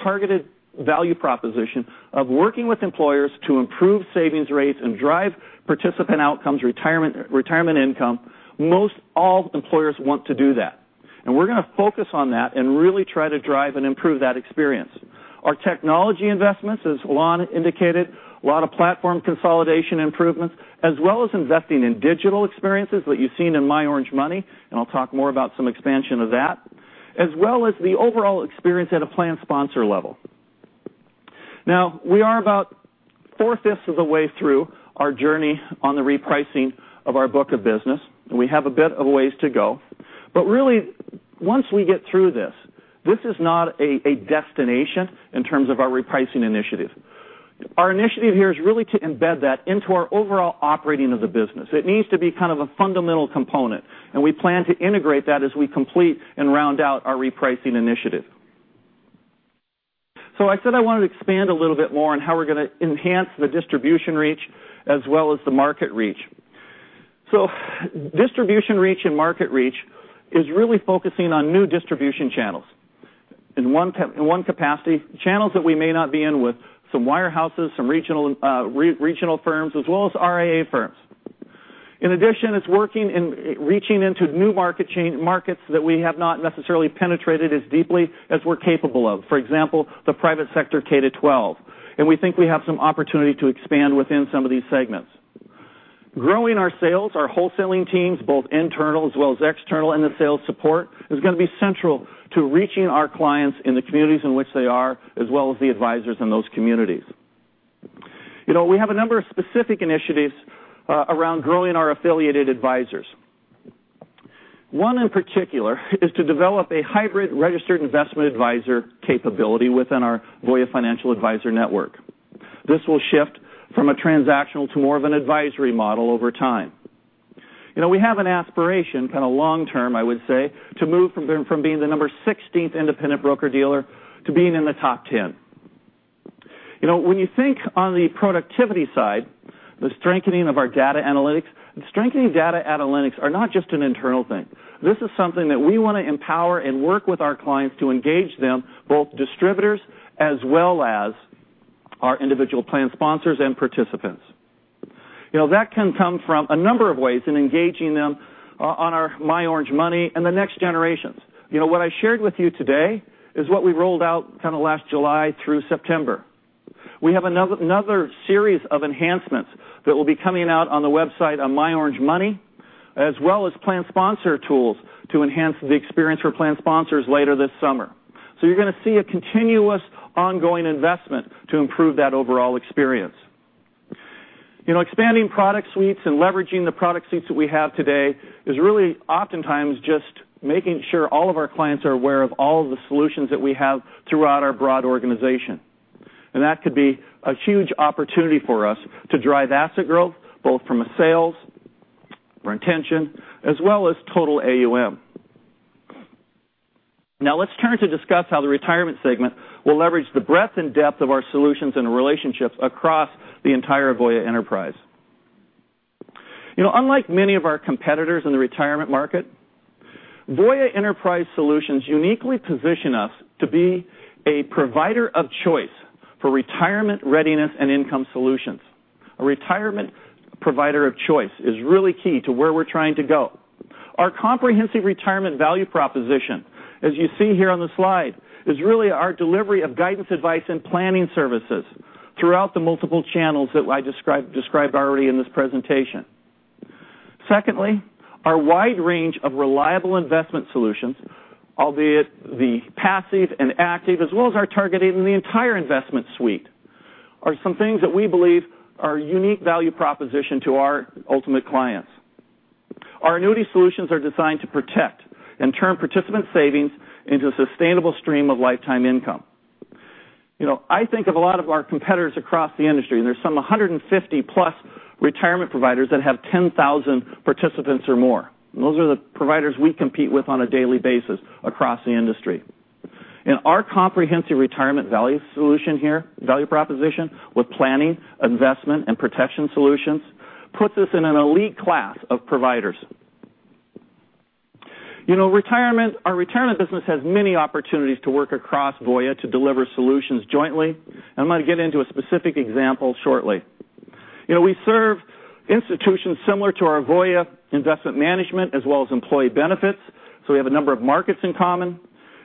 targeted value proposition of working with employers to improve savings rates and drive participant outcomes, retirement income, most all employers want to do that. We're going to focus on that and really try to drive and improve that experience. Our technology investments, as Alain indicated, a lot of platform consolidation improvements, as well as investing in digital experiences that you've seen in myOrangeMoney, and I'll talk more about some expansion of that, as well as the overall experience at a plan sponsor level. Now, we are about four-fifths of the way through our journey on the repricing of our book of business. We have a bit of a ways to go. Really, once we get through this is not a destination in terms of our repricing initiative. Our initiative here is really to embed that into our overall operating of the business. It needs to be a fundamental component, and we plan to integrate that as we complete and round out our repricing initiative. I said I wanted to expand a little bit more on how we're going to enhance the distribution reach as well as the market reach. Distribution reach and market reach is really focusing on new distribution channels. In one capacity, channels that we may not be in with, some wirehouses, some regional firms, as well as RIA firms. In addition, it's working in reaching into new markets that we have not necessarily penetrated as deeply as we're capable of, for example, the private sector K-12. We think we have some opportunity to expand within some of these segments. Growing our sales, our wholesaling teams, both internal as well as external in the sales support, is going to be central to reaching our clients in the communities in which they are, as well as the advisors in those communities. We have a number of specific initiatives around growing our affiliated advisors. One, in particular, is to develop a hybrid registered investment advisor capability within our Voya Financial Advisors network. This will shift from a transactional to more of an advisory model over time. We have an aspiration, long-term, I would say, to move from being the number 16th independent broker-dealer to being in the top 10. When you think on the productivity side, the strengthening of our data analytics, the strengthening data analytics are not just an internal thing. This is something that we want to empower and work with our clients to engage them, both distributors as well as our individual plan sponsors and participants. That can come from a number of ways in engaging them on our myOrangeMoney and the next generations. What I shared with you today is what we rolled out last July through September. We have another series of enhancements that will be coming out on the website on myOrangeMoney, as well as plan sponsor tools to enhance the experience for plan sponsors later this summer. You're going to see a continuous ongoing investment to improve that overall experience. Expanding product suites and leveraging the product suites that we have today is really oftentimes just making sure all of our clients are aware of all of the solutions that we have throughout our broad organization. That could be a huge opportunity for us to drive asset growth, both from a sales retention as well as total AUM. Now let's turn to discuss how the retirement segment will leverage the breadth and depth of our solutions and relationships across the entire Voya enterprise. Unlike many of our competitors in the retirement market, Voya Enterprise Solutions uniquely position us to be a provider of choice for retirement readiness and income solutions. A retirement provider of choice is really key to where we're trying to go. Our comprehensive retirement value proposition, as you see here on the slide, is really our delivery of guidance, advice, and planning services throughout the multiple channels that I described already in this presentation. Secondly, our wide range of reliable investment solutions, albeit the passive and active, as well as our targeting the entire investment suite, are some things that we believe are a unique value proposition to our ultimate clients. Our annuity solutions are designed to protect and turn participant savings into a sustainable stream of lifetime income. I think of a lot of our competitors across the industry, and there's some 150-plus retirement providers that have 10,000 participants or more. Those are the providers we compete with on a daily basis across the industry. Our comprehensive retirement value proposition with planning, investment, and protection solutions, puts us in an elite class of providers. Our retirement business has many opportunities to work across Voya to deliver solutions jointly. I'm going to get into a specific example shortly. We serve institutions similar to our Voya Investment Management, as well as Employee Benefits. We have a number of markets in common,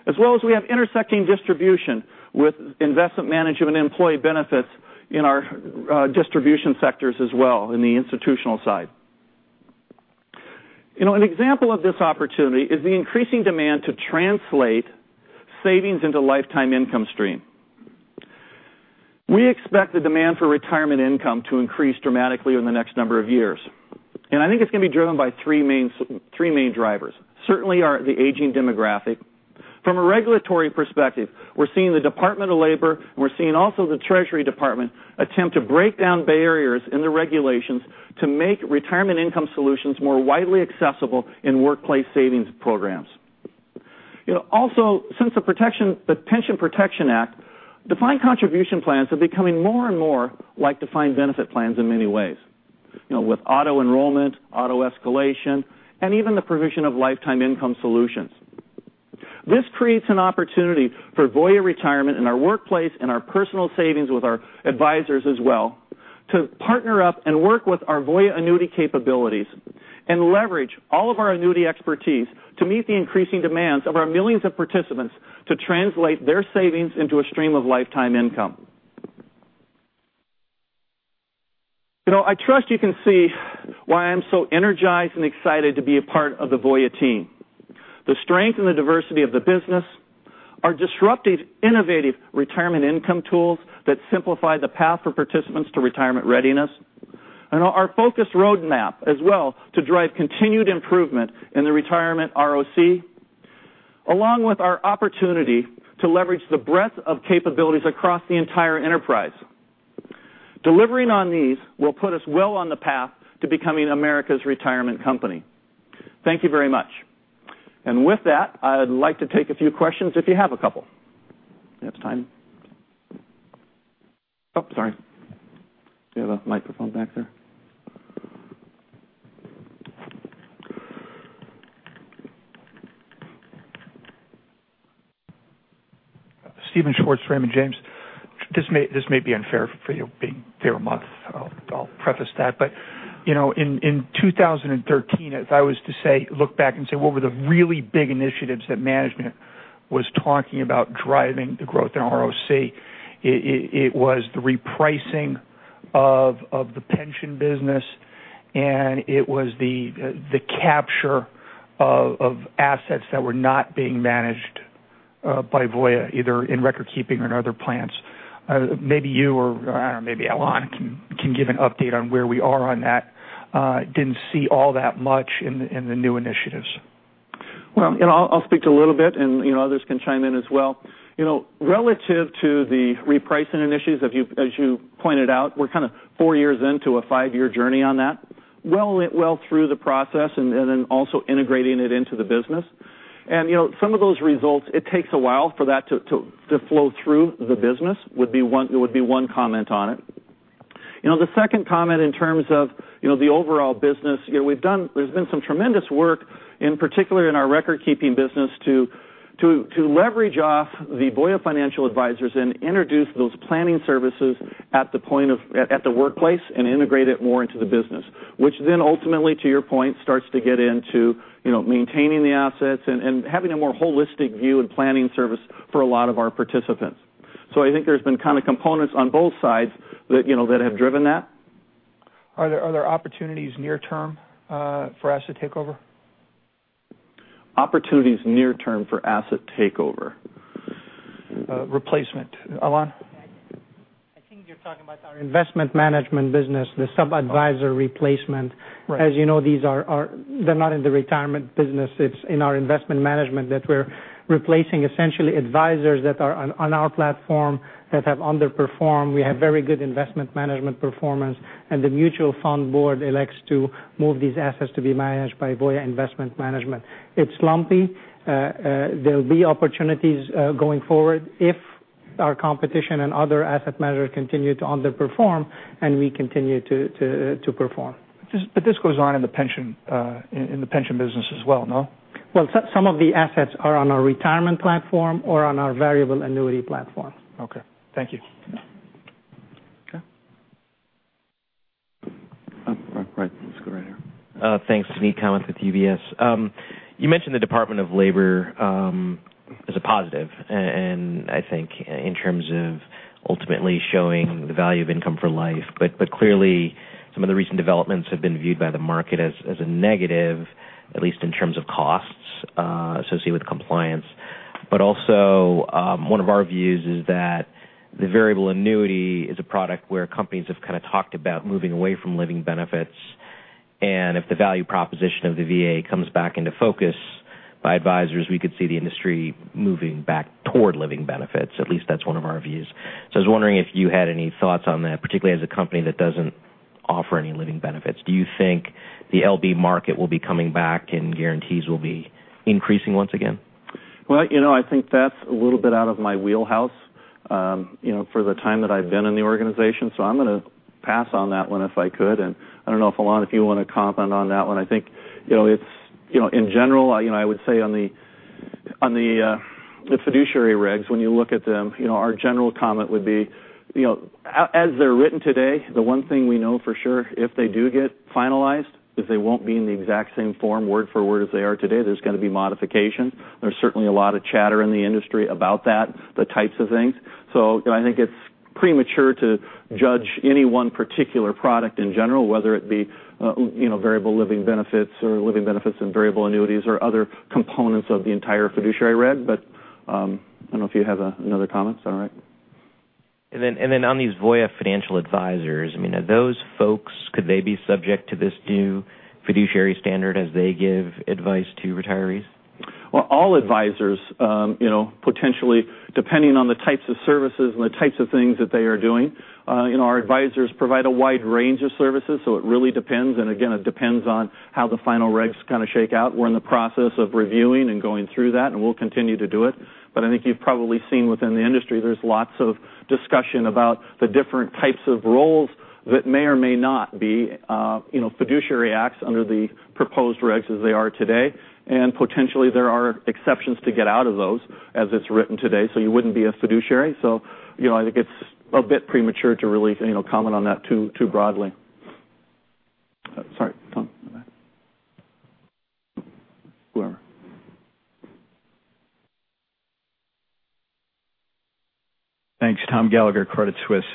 as well as we have intersecting distribution with Investment Management and Employee Benefits in our distribution sectors as well in the institutional side. An example of this opportunity is the increasing demand to translate savings into lifetime income stream. We expect the demand for retirement income to increase dramatically over the next number of years. I think it's going to be driven by three main drivers. Certainly, the aging demographic. From a regulatory perspective, we're seeing the Department of Labor, and we're seeing also the Treasury Department attempt to break down barriers in the regulations to make retirement income solutions more widely accessible in workplace savings programs. Since the Pension Protection Act, defined contribution plans are becoming more and more like defined benefit plans in many ways, with auto-enrollment, auto-escalation, and even the provision of lifetime income solutions. This creates an opportunity for Voya Retirement in our workplace and our personal savings with our advisors as well, to partner up and work with our Voya annuity capabilities and leverage all of our annuity expertise to meet the increasing demands of our millions of participants to translate their savings into a stream of lifetime income. I trust you can see why I'm so energized and excited to be a part of the Voya team. The strength and the diversity of the business, our disruptive, innovative retirement income tools that simplify the path for participants to retirement readiness, our focused roadmap as well to drive Continuous Improvement in the retirement ROC, along with our opportunity to leverage the breadth of capabilities across the entire enterprise. Delivering on these will put us well on the path to becoming America's retirement company. Thank you very much. With that, I'd like to take a few questions if you have a couple. We have time. Oh, sorry. Do you have a microphone back there? Steven Schwartz from Raymond James. This may be unfair for you, being here a month, I'll preface that. In 2013, if I was to look back and say, what were the really big initiatives that management was talking about driving the growth in ROC, it was the repricing of the pension business, and it was the capture of assets that were not being managed by Voya, either in record keeping or in other plans. Maybe you or maybe Alain can give an update on where we are on that. Didn't see all that much in the new initiatives. Well, I'll speak to a little bit and others can chime in as well. Relative to the repricing initiatives, as you pointed out, we're kind of four years into a five-year journey on that. Well through the process and then also integrating it into the business. Some of those results, it takes a while for that to flow through the business, would be one comment on it. The second comment in terms of the overall business, there's been some tremendous work, in particular in our record-keeping business, to leverage off the Voya Financial Advisors and introduce those planning services at the workplace and integrate it more into the business, which then ultimately, to your point, starts to get into maintaining the assets and having a more holistic view and planning service for a lot of our participants. I think there's been kind of components on both sides that have driven that. Are there opportunities near term for asset takeover? Opportunities near term for asset takeover. Replacement. Alain? I think you're talking about our investment management business, the sub-adviser replacement. Right. As you know, they're not in the retirement business, it's in our investment management that we're replacing, essentially, advisors that are on our platform that have underperformed. We have very good investment management performance, the mutual fund board elects to move these assets to be managed by Voya Investment Management. It's lumpy. There'll be opportunities going forward. Our competition and other asset managers continue to underperform, and we continue to perform. This goes on in the pension business as well, no? Well, some of the assets are on our retirement platform or on our variable annuity platform. Okay. Thank you. Okay. Oh, right. Let's go right here. Thanks. Suneet Kamath with UBS. I think in terms of ultimately showing the value of income for life. Clearly, some of the recent developments have been viewed by the market as a negative, at least in terms of costs associated with compliance. Also, one of our views is that the variable annuity is a product where companies have kind of talked about moving away from living benefits, and if the value proposition of the VA comes back into focus by advisors, we could see the industry moving back toward living benefits. At least that's one of our views. I was wondering if you had any thoughts on that, particularly as a company that doesn't offer any living benefits. Do you think the LB market will be coming back and guarantees will be increasing once again? Well, I think that's a little bit out of my wheelhouse for the time that I've been in the organization. I'm going to pass on that one if I could, and I don't know if, Alain, if you want to comment on that one. I think, in general, I would say on the fiduciary regs, when you look at them, our general comment would be, as they're written today, the one thing we know for sure, if they do get finalized, is they won't be in the exact same form word for word as they are today. There's going to be modification. There's certainly a lot of chatter in the industry about that, the types of things. I think it's premature to judge any one particular product in general, whether it be variable living benefits or living benefits and variable annuities or other components of the entire fiduciary reg. I don't know if you have another comment, all right. On these Voya Financial Advisors, those folks, could they be subject to this new fiduciary standard as they give advice to retirees? Well, all advisors, potentially, depending on the types of services and the types of things that they are doing. Our advisors provide a wide range of services, it really depends, again, it depends on how the final regs kind of shake out. We're in the process of reviewing and going through that, we'll continue to do it. I think you've probably seen within the industry, there's lots of discussion about the different types of roles that may or may not be fiduciary acts under the proposed regs as they are today. Potentially there are exceptions to get out of those as it's written today, so you wouldn't be a fiduciary. I think it's a bit premature to really comment on that too broadly. Sorry, Tom. Whoever. Thanks. Thomas Gallagher, Credit Suisse.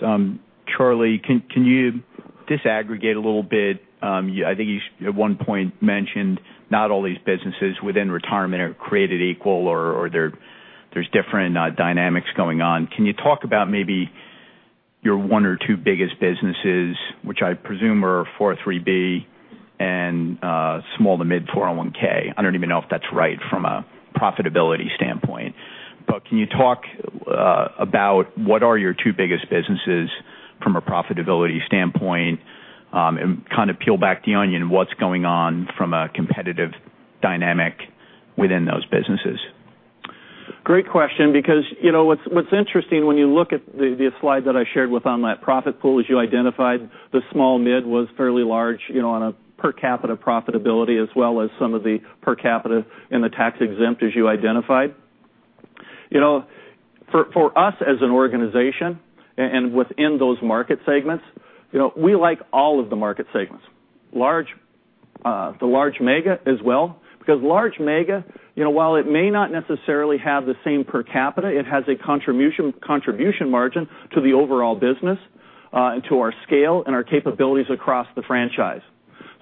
Charlie, can you disaggregate a little bit? I think you at one point mentioned not all these businesses within retirement are created equal or there's different dynamics going on. Can you talk about maybe your one or two biggest businesses, which I presume are 403 and small to mid 401? I don't even know if that's right from a profitability standpoint. Can you talk about what are your two biggest businesses from a profitability standpoint and kind of peel back the onion, what's going on from a competitive dynamic within those businesses? Great question. What's interesting when you look at the slide that I shared with Alain, that profit pool, as you identified, the small-mid was fairly large on a per capita profitability as well as some of the per capita in the tax-exempt as you identified. For us as an organization and within those market segments, we like all of the market segments. The large mega as well because large mega, while it may not necessarily have the same per capita, it has a contribution margin to the overall business, and to our scale and our capabilities across the franchise.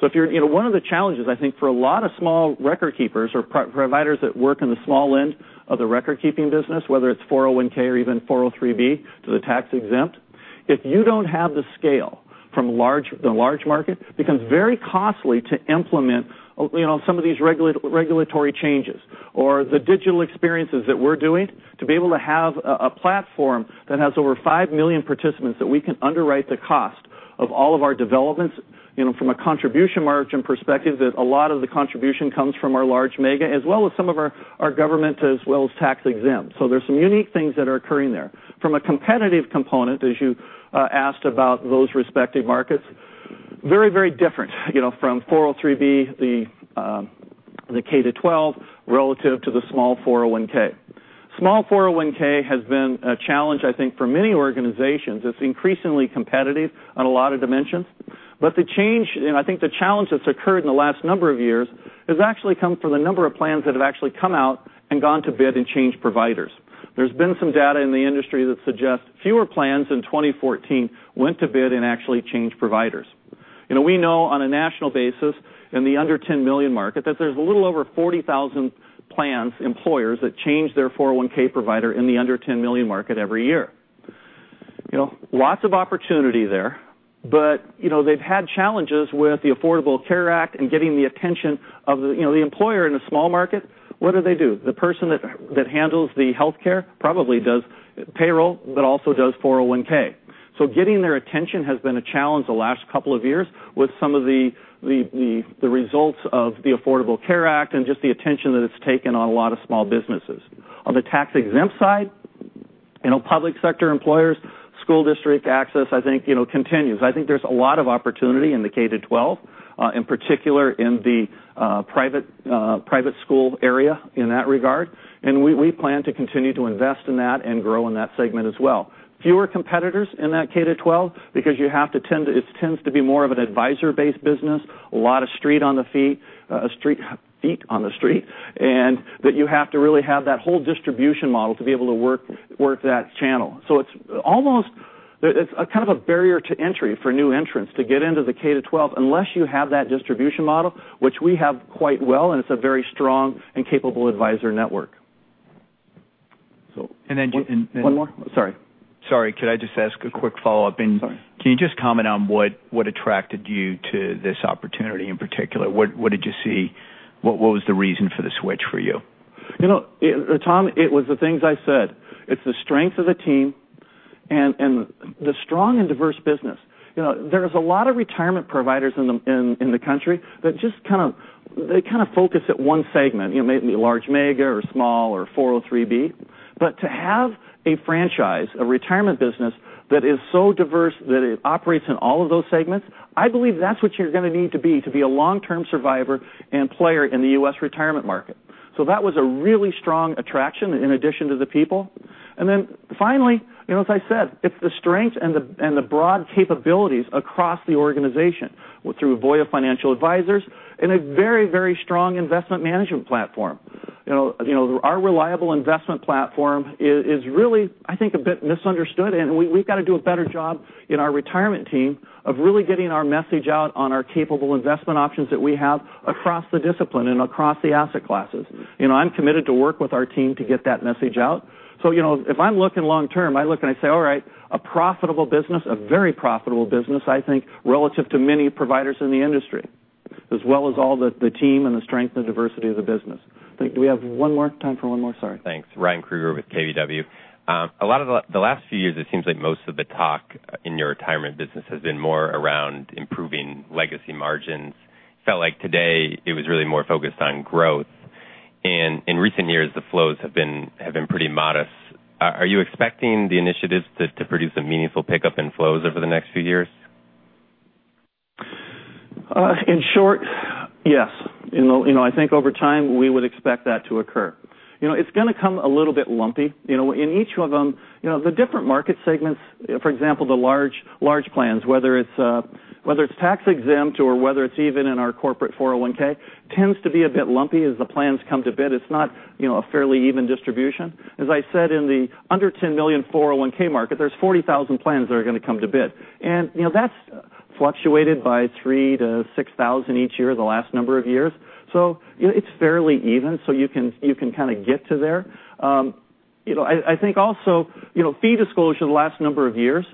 One of the challenges, I think, for a lot of small record keepers or providers that work in the small end of the record-keeping business, whether it's 401 or even 403 to the tax-exempt, if you don't have the scale from the large market, it becomes very costly to implement some of these regulatory changes or the digital experiences that we're doing to be able to have a platform that has over 5 million participants that we can underwrite the cost of all of our developments from a contribution margin perspective, that a lot of the contribution comes from our large mega as well as some of our government as well as tax-exempt. There's some unique things that are occurring there. From a competitive component, as you asked about those respective markets, very different from 403, the K to 12, relative to the small 401. Small 401 has been a challenge, I think, for many organizations. It's increasingly competitive on a lot of dimensions. The change, and I think the challenge that's occurred in the last number of years, has actually come from the number of plans that have actually come out and gone to bid and changed providers. There's been some data in the industry that suggests fewer plans in 2014 went to bid and actually changed providers. We know on a national basis, in the under 10 million market, that there's a little over 40,000 plans, employers that change their 401 provider in the under 10 million market every year. Lots of opportunity there, but they've had challenges with the Affordable Care Act and getting the attention of the employer in a small market. What do they do? The person that handles the healthcare probably does payroll, but also does 401. Getting their attention has been a challenge the last couple of years with some of the results of the Affordable Care Act and just the attention that it's taken on a lot of small businesses. On the tax-exempt side, public sector employers, school district access, I think, continues. I think there's a lot of opportunity in the K to 12, in particular in the private school area in that regard, and we plan to continue to invest in that and grow in that segment as well. Fewer competitors in that K to 12 because it tends to be more of an advisor-based business, a lot of feet on the street, and that you have to really have that whole distribution model to be able to work that channel. It's kind of a barrier to entry for new entrants to get into the K to 12, unless you have that distribution model, which we have quite well, and it's a very strong and capable advisor network. And then just- One more? Sorry. Sorry. Could I just ask a quick follow-up? Sorry. Can you just comment on what attracted you to this opportunity in particular? What did you see? What was the reason for the switch for you? Tom, it's the things I said. It's the strength of the team and the strong and diverse business. There is a lot of retirement providers in the country that just focus at one segment, maybe large mega or small or 403. To have a franchise, a retirement business that is so diverse that it operates in all of those segments, I believe that's what you're going to need to be, to be a long-term survivor and player in the U.S. retirement market. That was a really strong attraction in addition to the people. Finally, as I said, it's the strength and the broad capabilities across the organization through Voya Financial Advisors and a very, very strong investment management platform. Our reliable investment platform is really, I think, a bit misunderstood, and we've got to do a better job in our retirement team of really getting our message out on our capable investment options that we have across the discipline and across the asset classes. I'm committed to work with our team to get that message out. If I'm looking long term, I look and I say, all right, a profitable business, a very profitable business, I think, relative to many providers in the industry, as well as all the team and the strength and diversity of the business. I think, do we have one more, time for one more? Sorry. Thanks. Ryan Krueger with KBW. A lot of the last few years, it seems like most of the talk in your retirement business has been more around improving legacy margins. Felt like today it was really more focused on growth. In recent years, the flows have been pretty modest. Are you expecting the initiatives to produce a meaningful pickup in flows over the next few years? In short, yes. I think over time, we would expect that to occur. It's going to come a little bit lumpy. In each of them, the different market segments, for example, the large plans, whether it's tax-exempt or whether it's even in our corporate 401, tends to be a bit lumpy as the plans come to bid. It's not a fairly even distribution. As I said, in the under $10 million 401 market, there's 40,000 plans that are going to come to bid. That's fluctuated by 3,000-6,000 each year in the last number of years. It's fairly even, so you can kind of get to there. I think also, fee disclosure the last number of years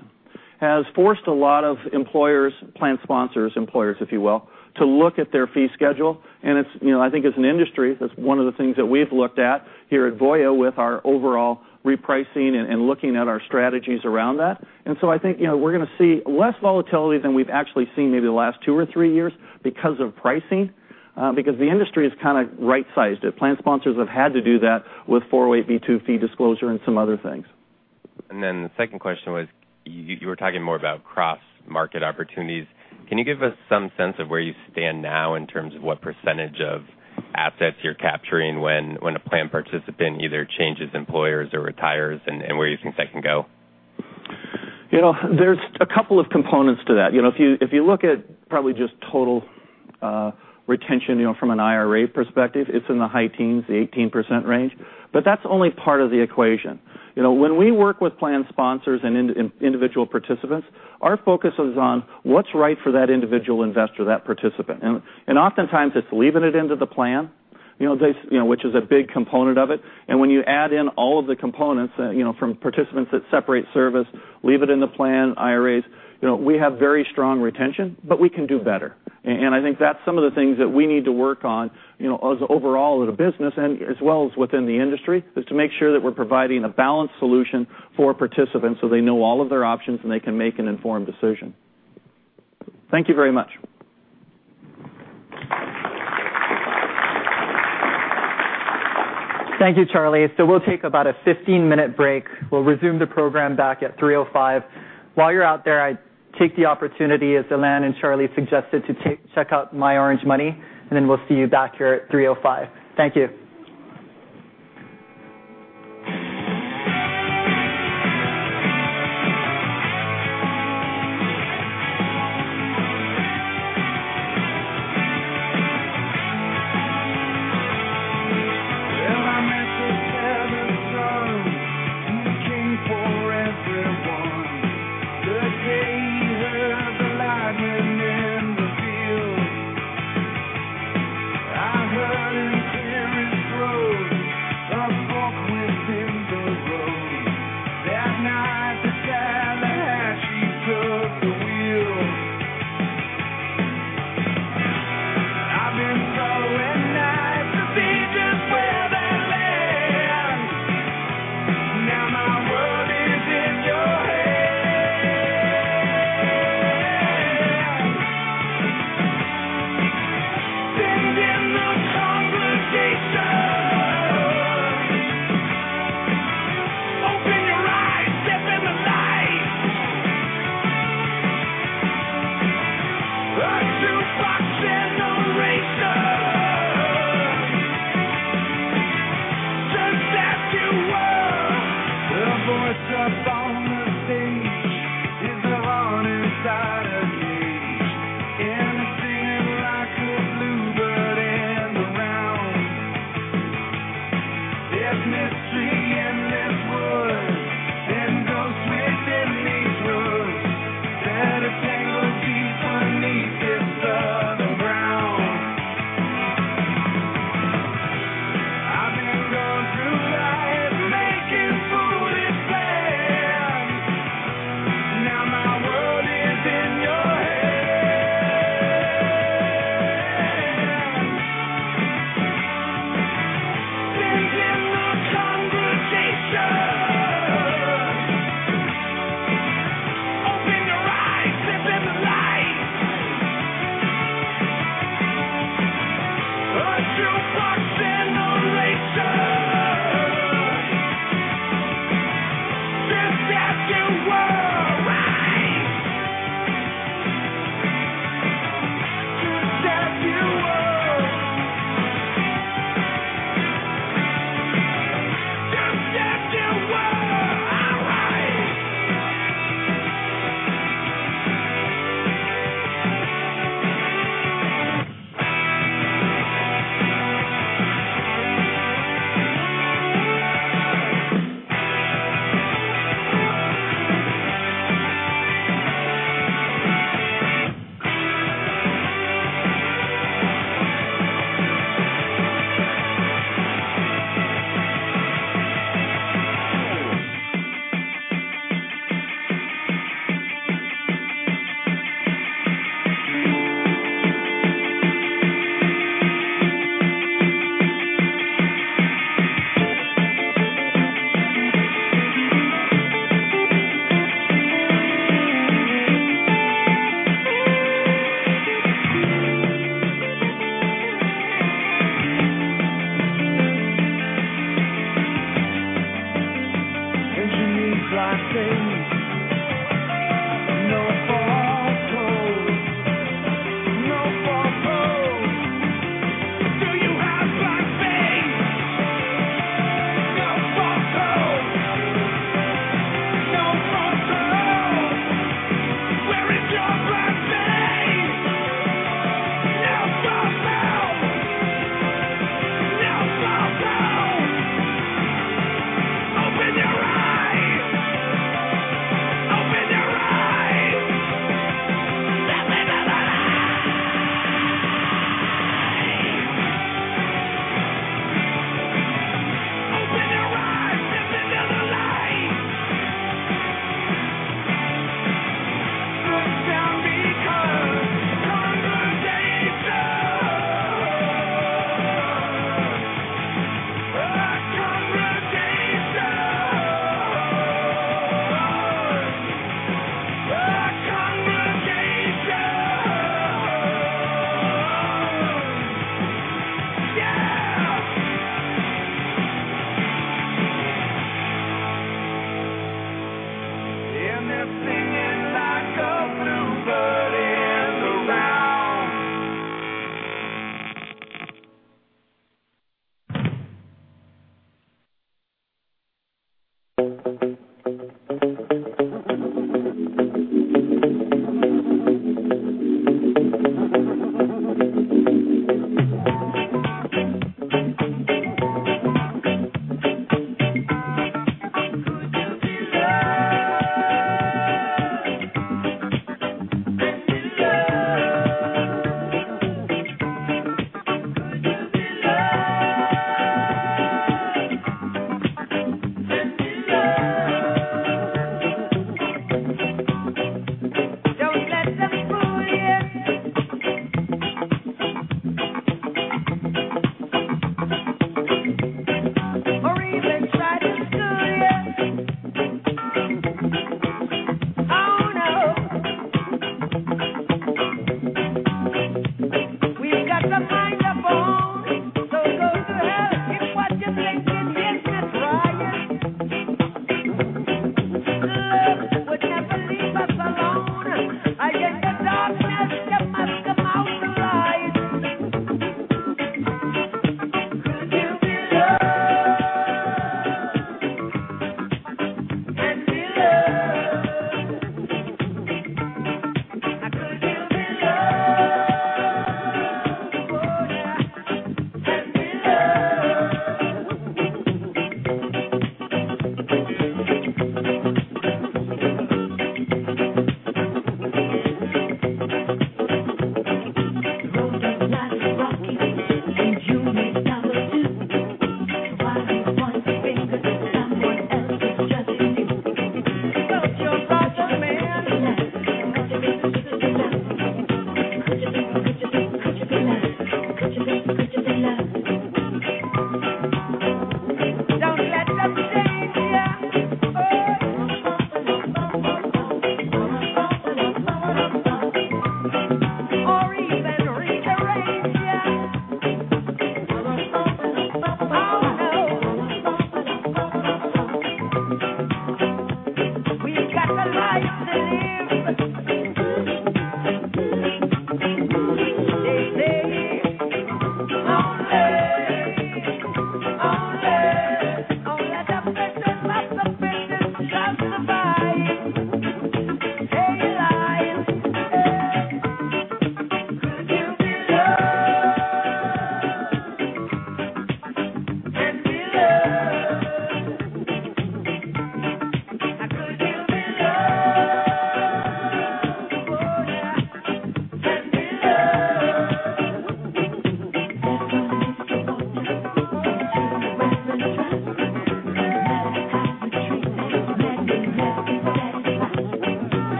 has forced a lot of employers, plan sponsors, employers, if you will, to look at their fee schedule. I think as an industry, that's one of the things that we've looked at here at Voya with our overall repricing and looking at our strategies around that. I think we're going to see less volatility than we've actually seen maybe the last two or three years because of pricing, because the industry has kind of right-sized it. Plan sponsors have had to do that with 408(b)(2) fee disclosure and some other things. The second question was, you were talking more about cross-market opportunities. Can you give us some sense of where you stand now in terms of what % of assets you're capturing when a plan participant either changes employers or retires, and where you think that can go? There's a couple of components to that. If you look at probably just total retention from an IRA perspective, it's in the high teens, the 18% range. That's only part of the equation. When we work with plan sponsors and individual participants, our focus is on what's right for that individual investor, that participant. Oftentimes it's leaving it into the plan, which is a big component of it. When you add in all of the components from participants that separate service, leave it in the plan, IRAs, we have very strong retention, but we can do better. I think that's some of the things that we need to work on as overall as a business and as well as within the industry, is to make sure that we're providing a balanced solution for participants so they know all of their options and they can make an informed decision. Thank you very much. Thank you, Charlie. We'll take about a 15-minute break. We'll resume the program back at 3:05 P.M. While you're out there, I'd take the opportunity, as Alain and Charlie suggested, to check out myOrangeMoney, and then we'll see you back here at 3:05 P.M. Thank you.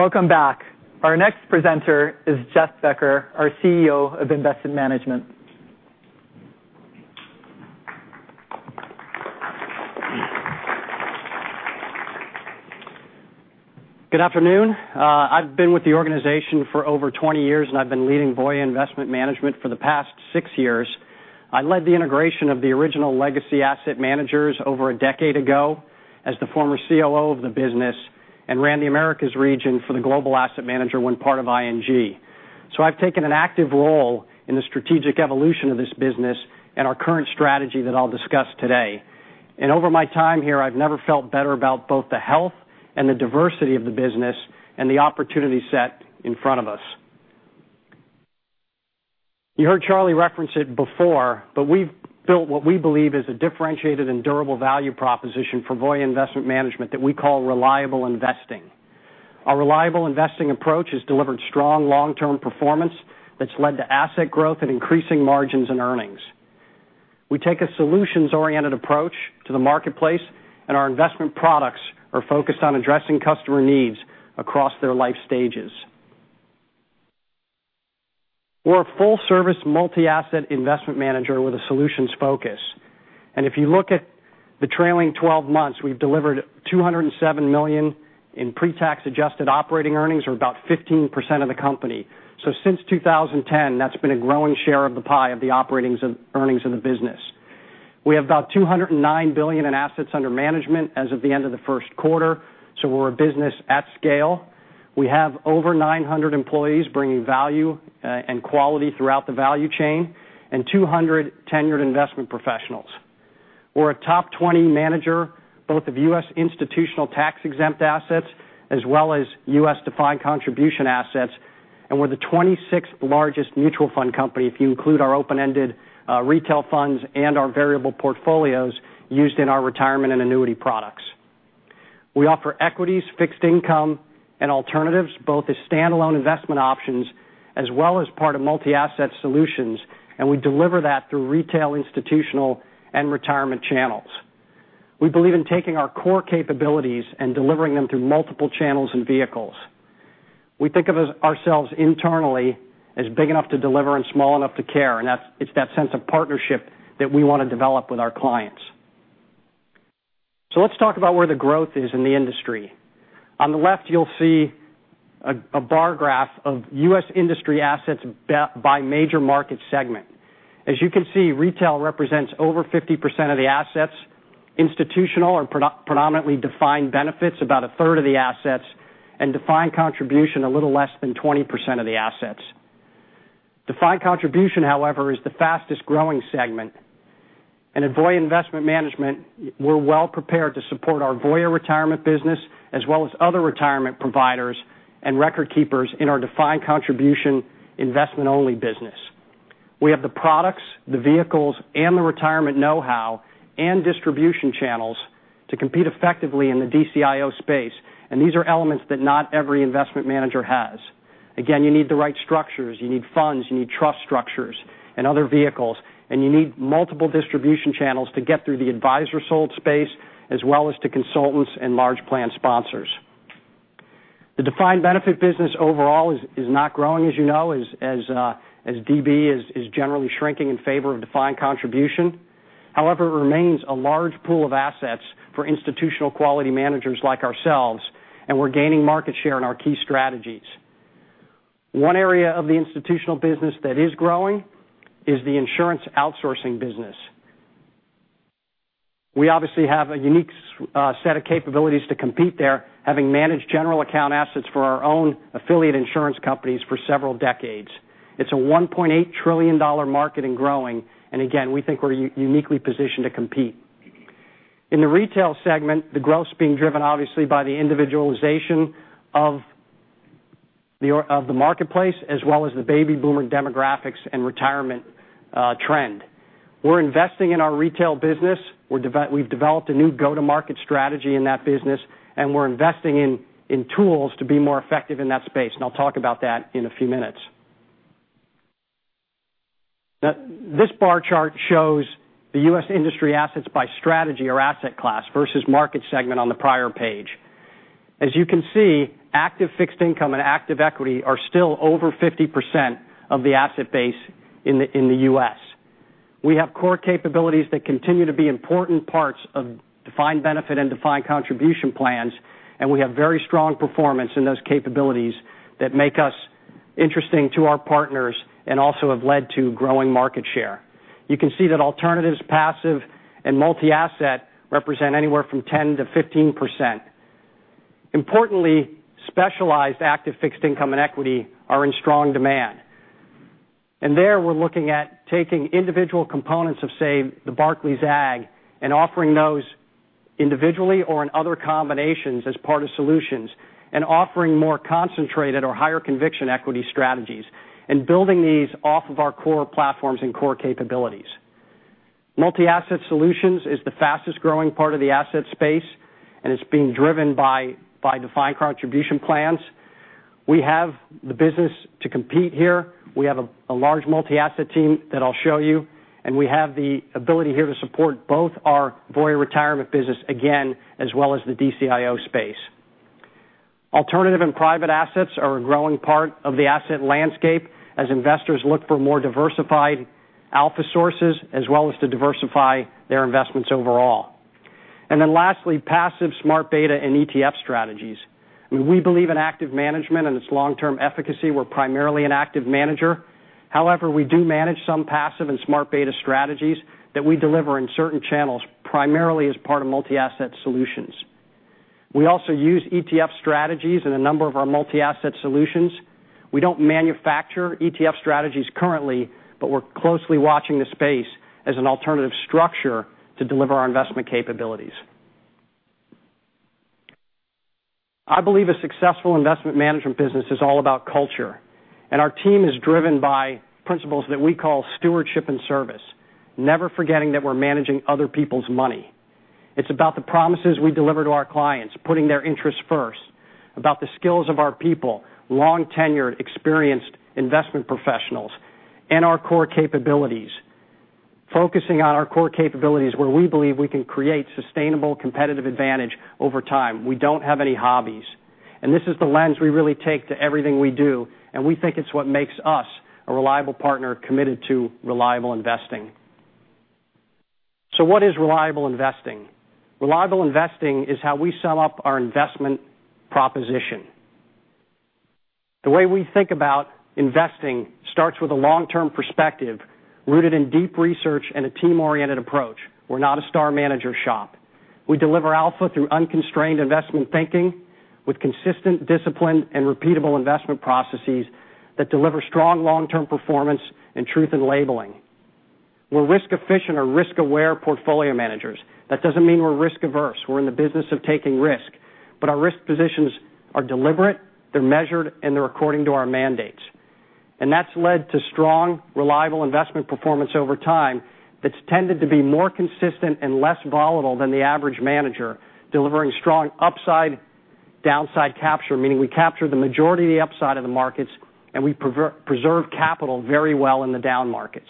Welcome back. Our next presenter is Jeff Becker, our CEO of Investment Management. Good afternoon. I've been with the organization for over 20 years, and I've been leading Voya Investment Management for the past 6 years. I led the integration of the original legacy asset managers over a decade ago as the former COO of the business and ran the Americas region for the global asset manager when part of ING. I've taken an active role in the strategic evolution of this business and our current strategy that I'll discuss today. Over my time here, I've never felt better about both the health and the diversity of the business and the opportunity set in front of us. You heard Charlie reference it before, but we've built what we believe is a differentiated and durable value proposition for Voya Investment Management that we call reliable investing. Our reliable investing approach has delivered strong long-term performance that's led to asset growth and increasing margins and earnings. We take a solutions-oriented approach to the marketplace, and our investment products are focused on addressing customer needs across their life stages. We're a full-service, multi-asset investment manager with a solutions focus, and if you look at the trailing 12 months, we've delivered $207 million in pre-tax adjusted operating earnings, or about 15% of the company. Since 2010, that's been a growing share of the pie of the earnings of the business. We have about $209 billion in assets under management as of the end of the first quarter, so we're a business at scale. We have over 900 employees bringing value and quality throughout the value chain and 200 tenured investment professionals. We're a top 20 manager, both of U.S. institutional tax-exempt assets as well as U.S. defined contribution assets, and we're the 26th largest mutual fund company if you include our open-ended retail funds and our variable portfolios used in our retirement and annuity products. We offer equities, fixed income, and alternatives, both as standalone investment options as well as part of multi-asset solutions, and we deliver that through retail, institutional, and retirement channels. We believe in taking our core capabilities and delivering them through multiple channels and vehicles. We think of ourselves internally as big enough to deliver and small enough to care, and it's that sense of partnership that we want to develop with our clients. Let's talk about where the growth is in the industry. On the left, you'll see a bar graph of U.S. industry assets by major market segment. As you can see, retail represents over 50% of the assets, institutional or predominantly defined benefits, about a third of the assets, and defined contribution, a little less than 20% of the assets. Defined contribution, however, is the fastest growing segment. At Voya Investment Management, we're well prepared to support our Voya Retirement business as well as other retirement providers and record keepers in our defined contribution investment-only business. We have the products, the vehicles, and the retirement know-how and distribution channels to compete effectively in the DCIO space. These are elements that not every investment manager has. Again, you need the right structures, you need funds, you need trust structures and other vehicles. You need multiple distribution channels to get through the advisor-sold space as well as to consultants and large plan sponsors. The defined benefit business overall is not growing, as you know, as DB is generally shrinking in favor of defined contribution. However, it remains a large pool of assets for institutional quality managers like ourselves. We're gaining market share in our key strategies. One area of the institutional business that is growing is the insurance outsourcing business. We obviously have a unique set of capabilities to compete there, having managed general account assets for our own affiliate insurance companies for several decades. It's a $1.8 trillion market and growing. Again, we think we're uniquely positioned to compete. In the retail segment, the growth is being driven obviously by the individualization of the marketplace as well as the baby boomer demographics and retirement trend. We're investing in our retail business. We've developed a new go-to-market strategy in that business. We're investing in tools to be more effective in that space. I'll talk about that in a few minutes. This bar chart shows the U.S. industry assets by strategy or asset class versus market segment on the prior page. As you can see, active fixed income and active equity are still over 50% of the asset base in the U.S. We have core capabilities that continue to be important parts of defined benefit and defined contribution plans. We have very strong performance in those capabilities that make us interesting to our partners and also have led to growing market share. You can see that alternatives, passive, and multi-asset represent anywhere from 10%-15%. Importantly, specialized active fixed income and equity are in strong demand. There, we're looking at taking individual components of, say, the Barclays Agg and offering those individually or in other combinations as part of solutions. Offering more concentrated or higher conviction equity strategies and building these off of our core platforms and core capabilities. Multi-asset solutions is the fastest growing part of the asset space. It's being driven by defined contribution plans. We have the business to compete here. We have a large multi-asset team that I'll show you. We have the ability here to support both our Voya Retirement business, again, as well as the DCIO space. Alternative and private assets are a growing part of the asset landscape as investors look for more diversified alpha sources as well as to diversify their investments overall. Lastly, passive, smart beta, and ETF strategies. We believe in active management and its long-term efficacy. We're primarily an active manager. However, we do manage some passive and smart beta strategies that we deliver in certain channels, primarily as part of multi-asset solutions. We also use ETF strategies in a number of our multi-asset solutions. We don't manufacture ETF strategies currently, but we're closely watching the space as an alternative structure to deliver our investment capabilities. I believe a successful investment management business is all about culture, and our team is driven by principles that we call stewardship and service, never forgetting that we're managing other people's money. It's about the promises we deliver to our clients, putting their interests first, about the skills of our people, long-tenured, experienced investment professionals, and our core capabilities. Focusing on our core capabilities where we believe we can create sustainable competitive advantage over time. We don't have any hobbies. This is the lens we really take to everything we do, and we think it's what makes us a reliable partner committed to reliable investing. What is reliable investing? Reliable investing is how we sum up our investment proposition. The way we think about investing starts with a long-term perspective rooted in deep research and a team-oriented approach. We're not a star manager shop. We deliver alpha through unconstrained investment thinking with consistent discipline and repeatable investment processes that deliver strong long-term performance and truth in labeling. We're risk-efficient or risk-aware portfolio managers. That doesn't mean we're risk-averse. We're in the business of taking risk. Our risk positions are deliberate, they're measured, and they're according to our mandates. That's led to strong, reliable investment performance over time that's tended to be more consistent and less volatile than the average manager, delivering strong upside/downside capture, meaning we capture the majority of the upside of the markets, and we preserve capital very well in the down markets.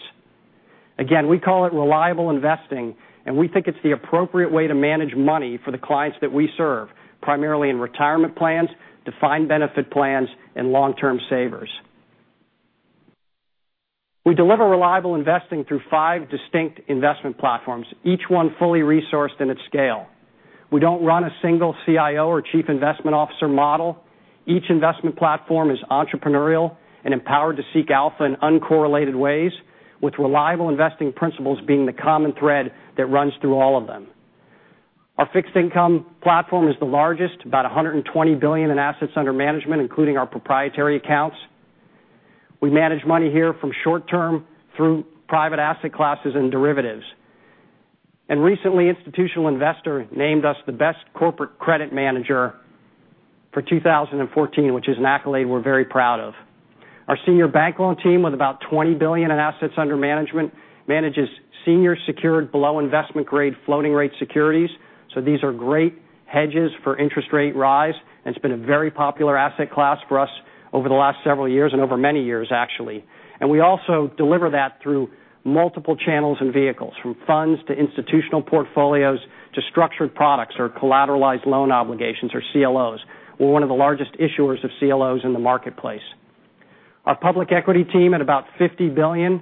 Again, we call it reliable investing, and we think it's the appropriate way to manage money for the clients that we serve, primarily in retirement plans, defined benefit plans, and long-term savers. We deliver reliable investing through five distinct investment platforms, each one fully resourced and at scale. We don't run a single CIO or chief investment officer model. Each investment platform is entrepreneurial and empowered to seek alpha in uncorrelated ways, with reliable investing principles being the common thread that runs through all of them. Our fixed income platform is the largest, about $120 billion in assets under management, including our proprietary accounts. We manage money here from short-term through private asset classes and derivatives. Recently, Institutional Investor named us the best corporate credit manager for 2014, which is an accolade we're very proud of. Our senior bank loan team, with about $20 billion in assets under management, manages senior secured below investment grade floating rate securities. These are great hedges for interest rate rise, and it's been a very popular asset class for us over the last several years and over many years, actually. We also deliver that through multiple channels and vehicles, from funds to institutional portfolios to structured products or collateralized loan obligations, or CLOs. We're one of the largest issuers of CLOs in the marketplace. Our public equity team at about $50 billion,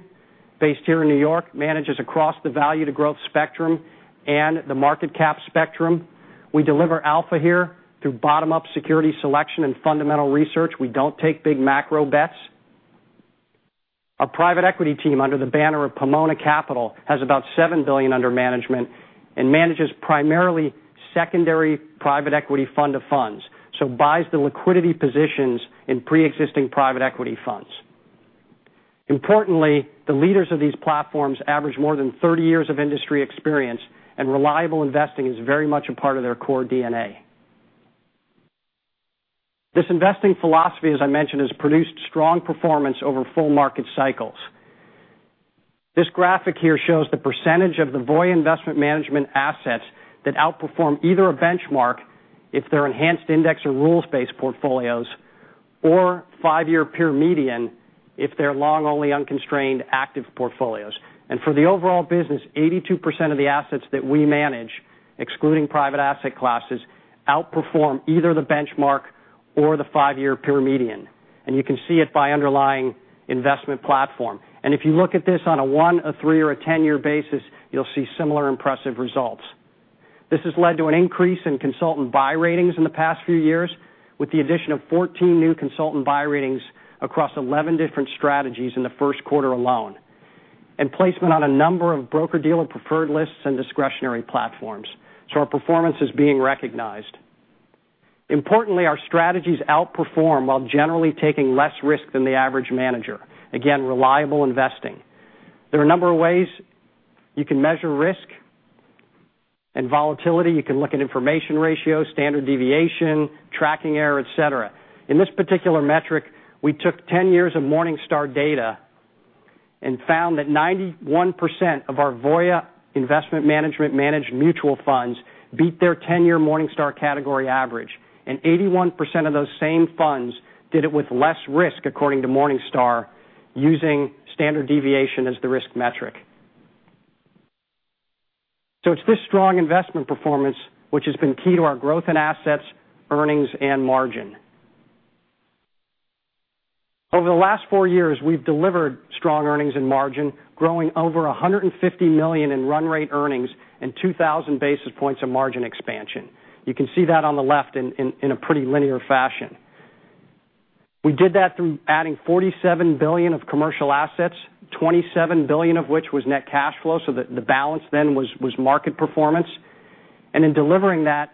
based here in New York, manages across the value to growth spectrum and the market cap spectrum. We deliver alpha here through bottom-up security selection and fundamental research. We don't take big macro bets. Our private equity team, under the banner of Pomona Capital, has about $7 billion under management and manages primarily secondary private equity fund of funds, so buys the liquidity positions in preexisting private equity funds. Importantly, the leaders of these platforms average more than 30 years of industry experience, and reliable investing is very much a part of their core DNA. This investing philosophy, as I mentioned, has produced strong performance over full market cycles. This graphic here shows the percentage of the Voya Investment Management assets that outperform either a benchmark if they're enhanced index or rules-based portfolios, or five-year peer median if they're long-only unconstrained active portfolios. For the overall business, 82% of the assets that we manage, excluding private asset classes, outperform either the benchmark or the five-year peer median, and you can see it by underlying investment platform. If you look at this on a one, a three, or a 10-year basis, you'll see similar impressive results. This has led to an increase in consultant buy ratings in the past few years, with the addition of 14 new consultant buy ratings across 11 different strategies in the first quarter alone, and placement on a number of broker-dealer preferred lists and discretionary platforms. Our performance is being recognized. Importantly, our strategies outperform while generally taking less risk than the average manager. Again, reliable investing. There are a number of ways you can measure risk and volatility. You can look at information ratio, standard deviation, tracking error, et cetera. In this particular metric, we took 10 years of Morningstar data and found that 91% of our Voya Investment Management managed mutual funds beat their 10-year Morningstar category average, and 81% of those same funds did it with less risk, according to Morningstar, using standard deviation as the risk metric. It's this strong investment performance which has been key to our growth in assets, earnings, and margin. Over the last four years, we've delivered strong earnings and margin, growing over $150 million in run rate earnings and 2,000 basis points of margin expansion. You can see that on the left in a pretty linear fashion. We did that through adding $47 billion of commercial assets, $27 billion of which was net cash flow, the balance then was market performance. In delivering that,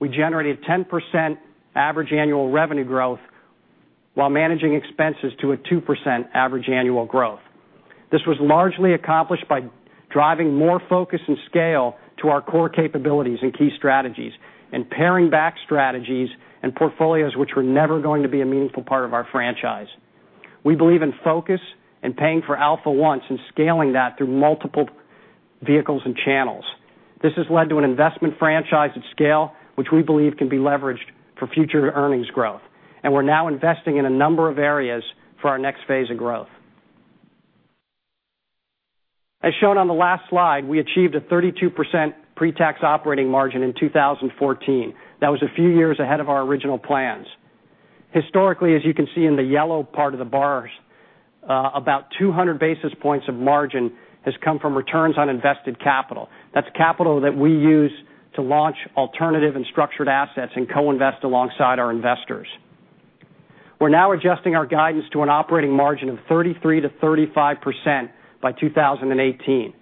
we generated 10% average annual revenue growth while managing expenses to a 2% average annual growth. This was largely accomplished by driving more focus and scale to our core capabilities and key strategies and paring back strategies and portfolios which were never going to be a meaningful part of our franchise. We believe in focus and paying for alpha once and scaling that through multiple vehicles and channels. This has led to an investment franchise at scale, which we believe can be leveraged for future earnings growth. We're now investing in a number of areas for our next phase of growth. As shown on the last slide, we achieved a 32% pre-tax operating margin in 2014. That was a few years ahead of our original plans. Historically, as you can see in the yellow part of the bars, about 200 basis points of margin has come from returns on invested capital. That's capital that we use to launch alternative and structured assets and co-invest alongside our investors. We're now adjusting our guidance to an operating margin of 33%-35% by 2018.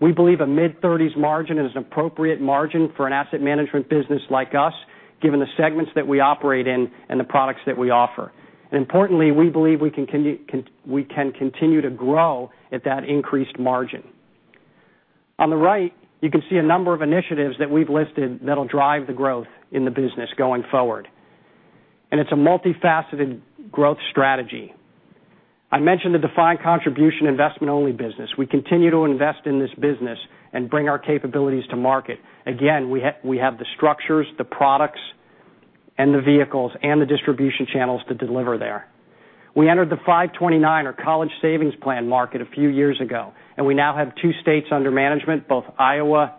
We believe a mid-30s margin is an appropriate margin for an asset management business like us, given the segments that we operate in and the products that we offer. Importantly, we believe we can continue to grow at that increased margin. On the right, you can see a number of initiatives that we've listed that'll drive the growth in the business going forward. It's a multifaceted growth strategy. I mentioned the defined contribution investment-only business. We continue to invest in this business and bring our capabilities to market. Again, we have the structures, the products, and the vehicles and the distribution channels to deliver there. We entered the 529 or college savings plan market a few years ago, and we now have two states under management, both Iowa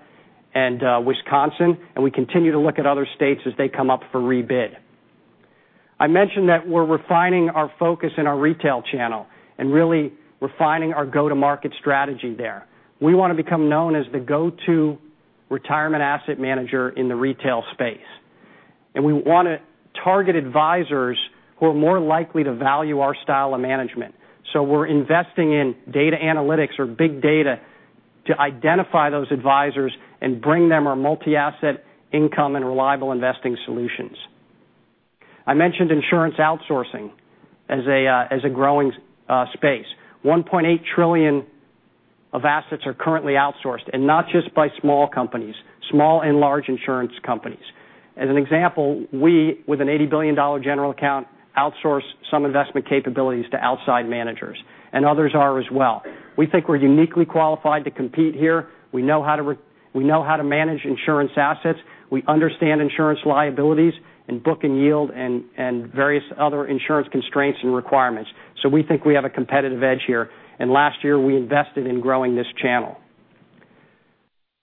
and Wisconsin, and we continue to look at other states as they come up for rebid. I mentioned that we're refining our focus in our retail channel and really refining our go-to-market strategy there. We want to become known as the go-to retirement asset manager in the retail space. We want to target advisors who are more likely to value our style of management. We're investing in data analytics or big data to identify those advisors and bring them our multi-asset income and reliable investing solutions. I mentioned insurance outsourcing as a growing space. $1.8 trillion of assets are currently outsourced, not just by small companies, small and large insurance companies. As an example, we, with an $80 billion general account, outsource some investment capabilities to outside managers, and others are as well. We think we're uniquely qualified to compete here. We know how to manage insurance assets. We understand insurance liabilities and book and yield and various other insurance constraints and requirements. We think we have a competitive edge here, and last year, we invested in growing this channel.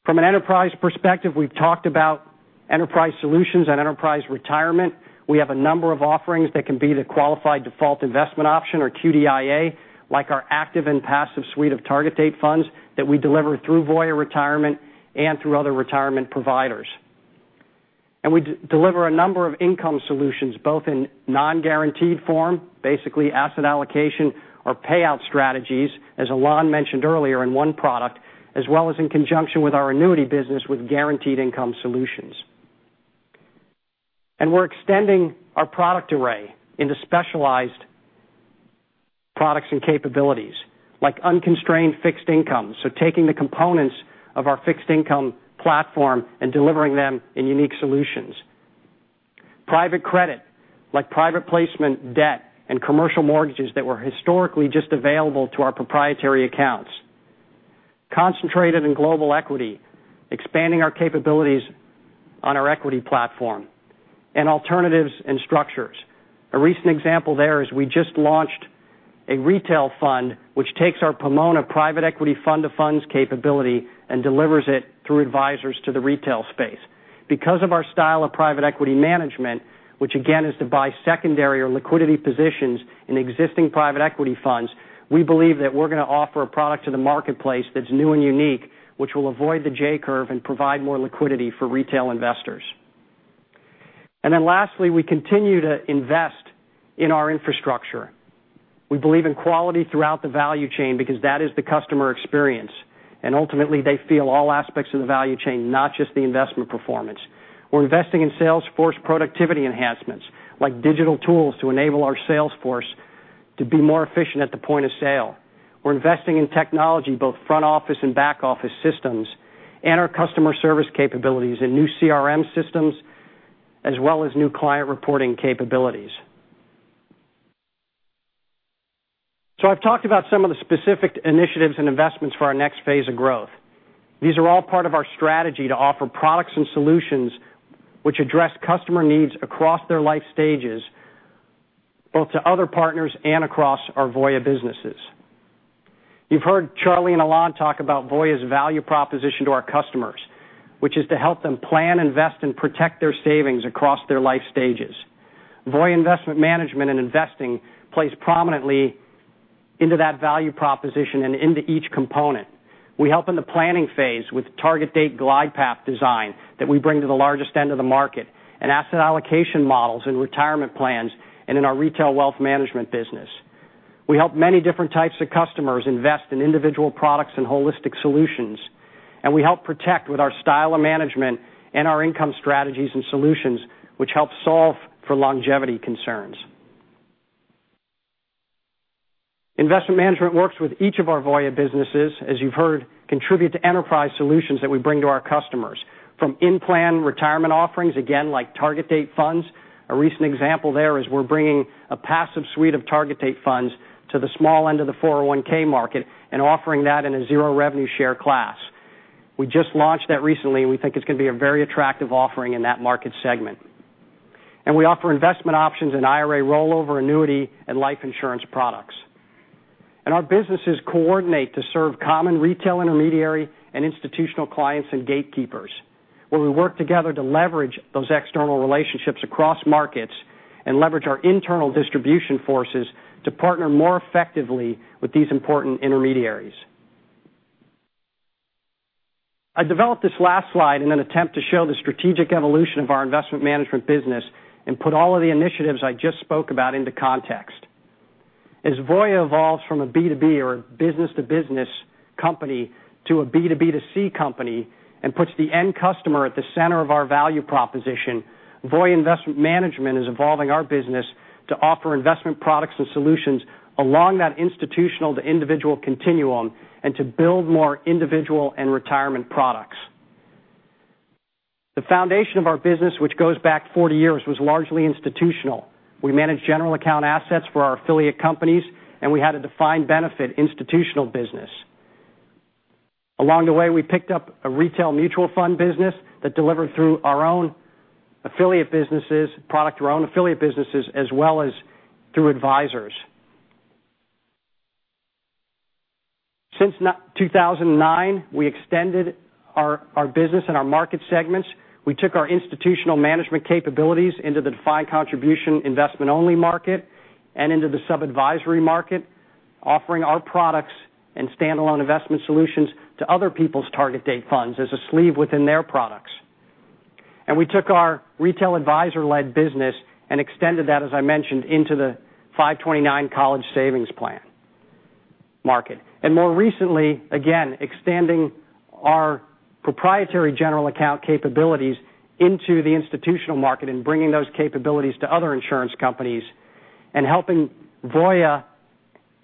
From an enterprise perspective, we've talked about enterprise solutions and enterprise retirement. We have a number of offerings that can be the qualified default investment option or QDIA, like our active and passive suite of target date funds that we deliver through Voya Retirement and through other retirement providers. We deliver a number of income solutions, both in non-guaranteed form, basically asset allocation or payout strategies, as Alain mentioned earlier in one product, as well as in conjunction with our annuity business with guaranteed income solutions. We're extending our product array into specialized products and capabilities, like unconstrained fixed income, so taking the components of our fixed income platform and delivering them in unique solutions. Private credit, like private placement debt and commercial mortgages that were historically just available to our proprietary accounts. Concentrated and global equity, expanding our capabilities on our equity platform. Alternatives and structures. A recent example there is we just launched a retail fund, which takes our Pomona private equity fund to funds capability and delivers it through advisors to the retail space. Because of our style of private equity management, which again is to buy secondary or liquidity positions in existing private equity funds, we believe that we're going to offer a product to the marketplace that's new and unique, which will avoid the J-curve and provide more liquidity for retail investors. Lastly, we continue to invest in our infrastructure. We believe in quality throughout the value chain because that is the customer experience. Ultimately, they feel all aspects of the value chain, not just the investment performance. We're investing in sales force productivity enhancements, like digital tools to enable our sales force to be more efficient at the point of sale. We're investing in technology, both front office and back office systems, and our customer service capabilities in new CRM systems, as well as new client reporting capabilities. I've talked about some of the specific initiatives and investments for our next phase of growth. These are all part of our strategy to offer products and solutions which address customer needs across their life stages, both to other partners and across our Voya businesses. You've heard Charlie and Alain talk about Voya's value proposition to our customers, which is to help them plan, invest, and protect their savings across their life stages. Voya Investment Management and investing plays prominently into that value proposition and into each component. We help in the planning phase with target date glide path design that we bring to the largest end of the market and asset allocation models in retirement plans and in our retail wealth management business. We help many different types of customers invest in individual products and holistic solutions. We help protect with our style of management and our income strategies and solutions, which help solve for longevity concerns. Investment management works with each of our Voya businesses, as you've heard, contribute to enterprise solutions that we bring to our customers from in-plan retirement offerings, again, like target date funds. A recent example there is we're bringing a passive suite of target date funds to the small end of the 401 market and offering that in a zero revenue share class. We just launched that recently. We think it's going to be a very attractive offering in that market segment. We offer investment options in IRA rollover annuity and life insurance products. Our businesses coordinate to serve common retail intermediary and institutional clients and gatekeepers, where we work together to leverage those external relationships across markets and leverage our internal distribution forces to partner more effectively with these important intermediaries. I developed this last slide in an attempt to show the strategic evolution of our investment management business and put all of the initiatives I just spoke about into context. As Voya evolves from a B2B or a business-to-business company to a B2B2C company and puts the end customer at the center of our value proposition, Voya Investment Management is evolving our business to offer investment products and solutions along that institutional to individual continuum and to build more individual and retirement products. The foundation of our business, which goes back 40 years, was largely institutional. We managed general account assets for our affiliate companies, and we had a defined benefit institutional business. Along the way, we picked up a retail mutual fund business that delivered through our own affiliate businesses, product to our own affiliate businesses as well as through advisors. Since 2009, we extended our business and our market segments. We took our institutional management capabilities into the defined contribution investment only market and into the sub-advisory market, offering our products and standalone investment solutions to other people's target date funds as a sleeve within their products. We took our retail advisor-led business and extended that, as I mentioned, into the 529 college savings plan market. More recently, again, expanding our proprietary general account capabilities into the institutional market and bringing those capabilities to other insurance companies and helping Voya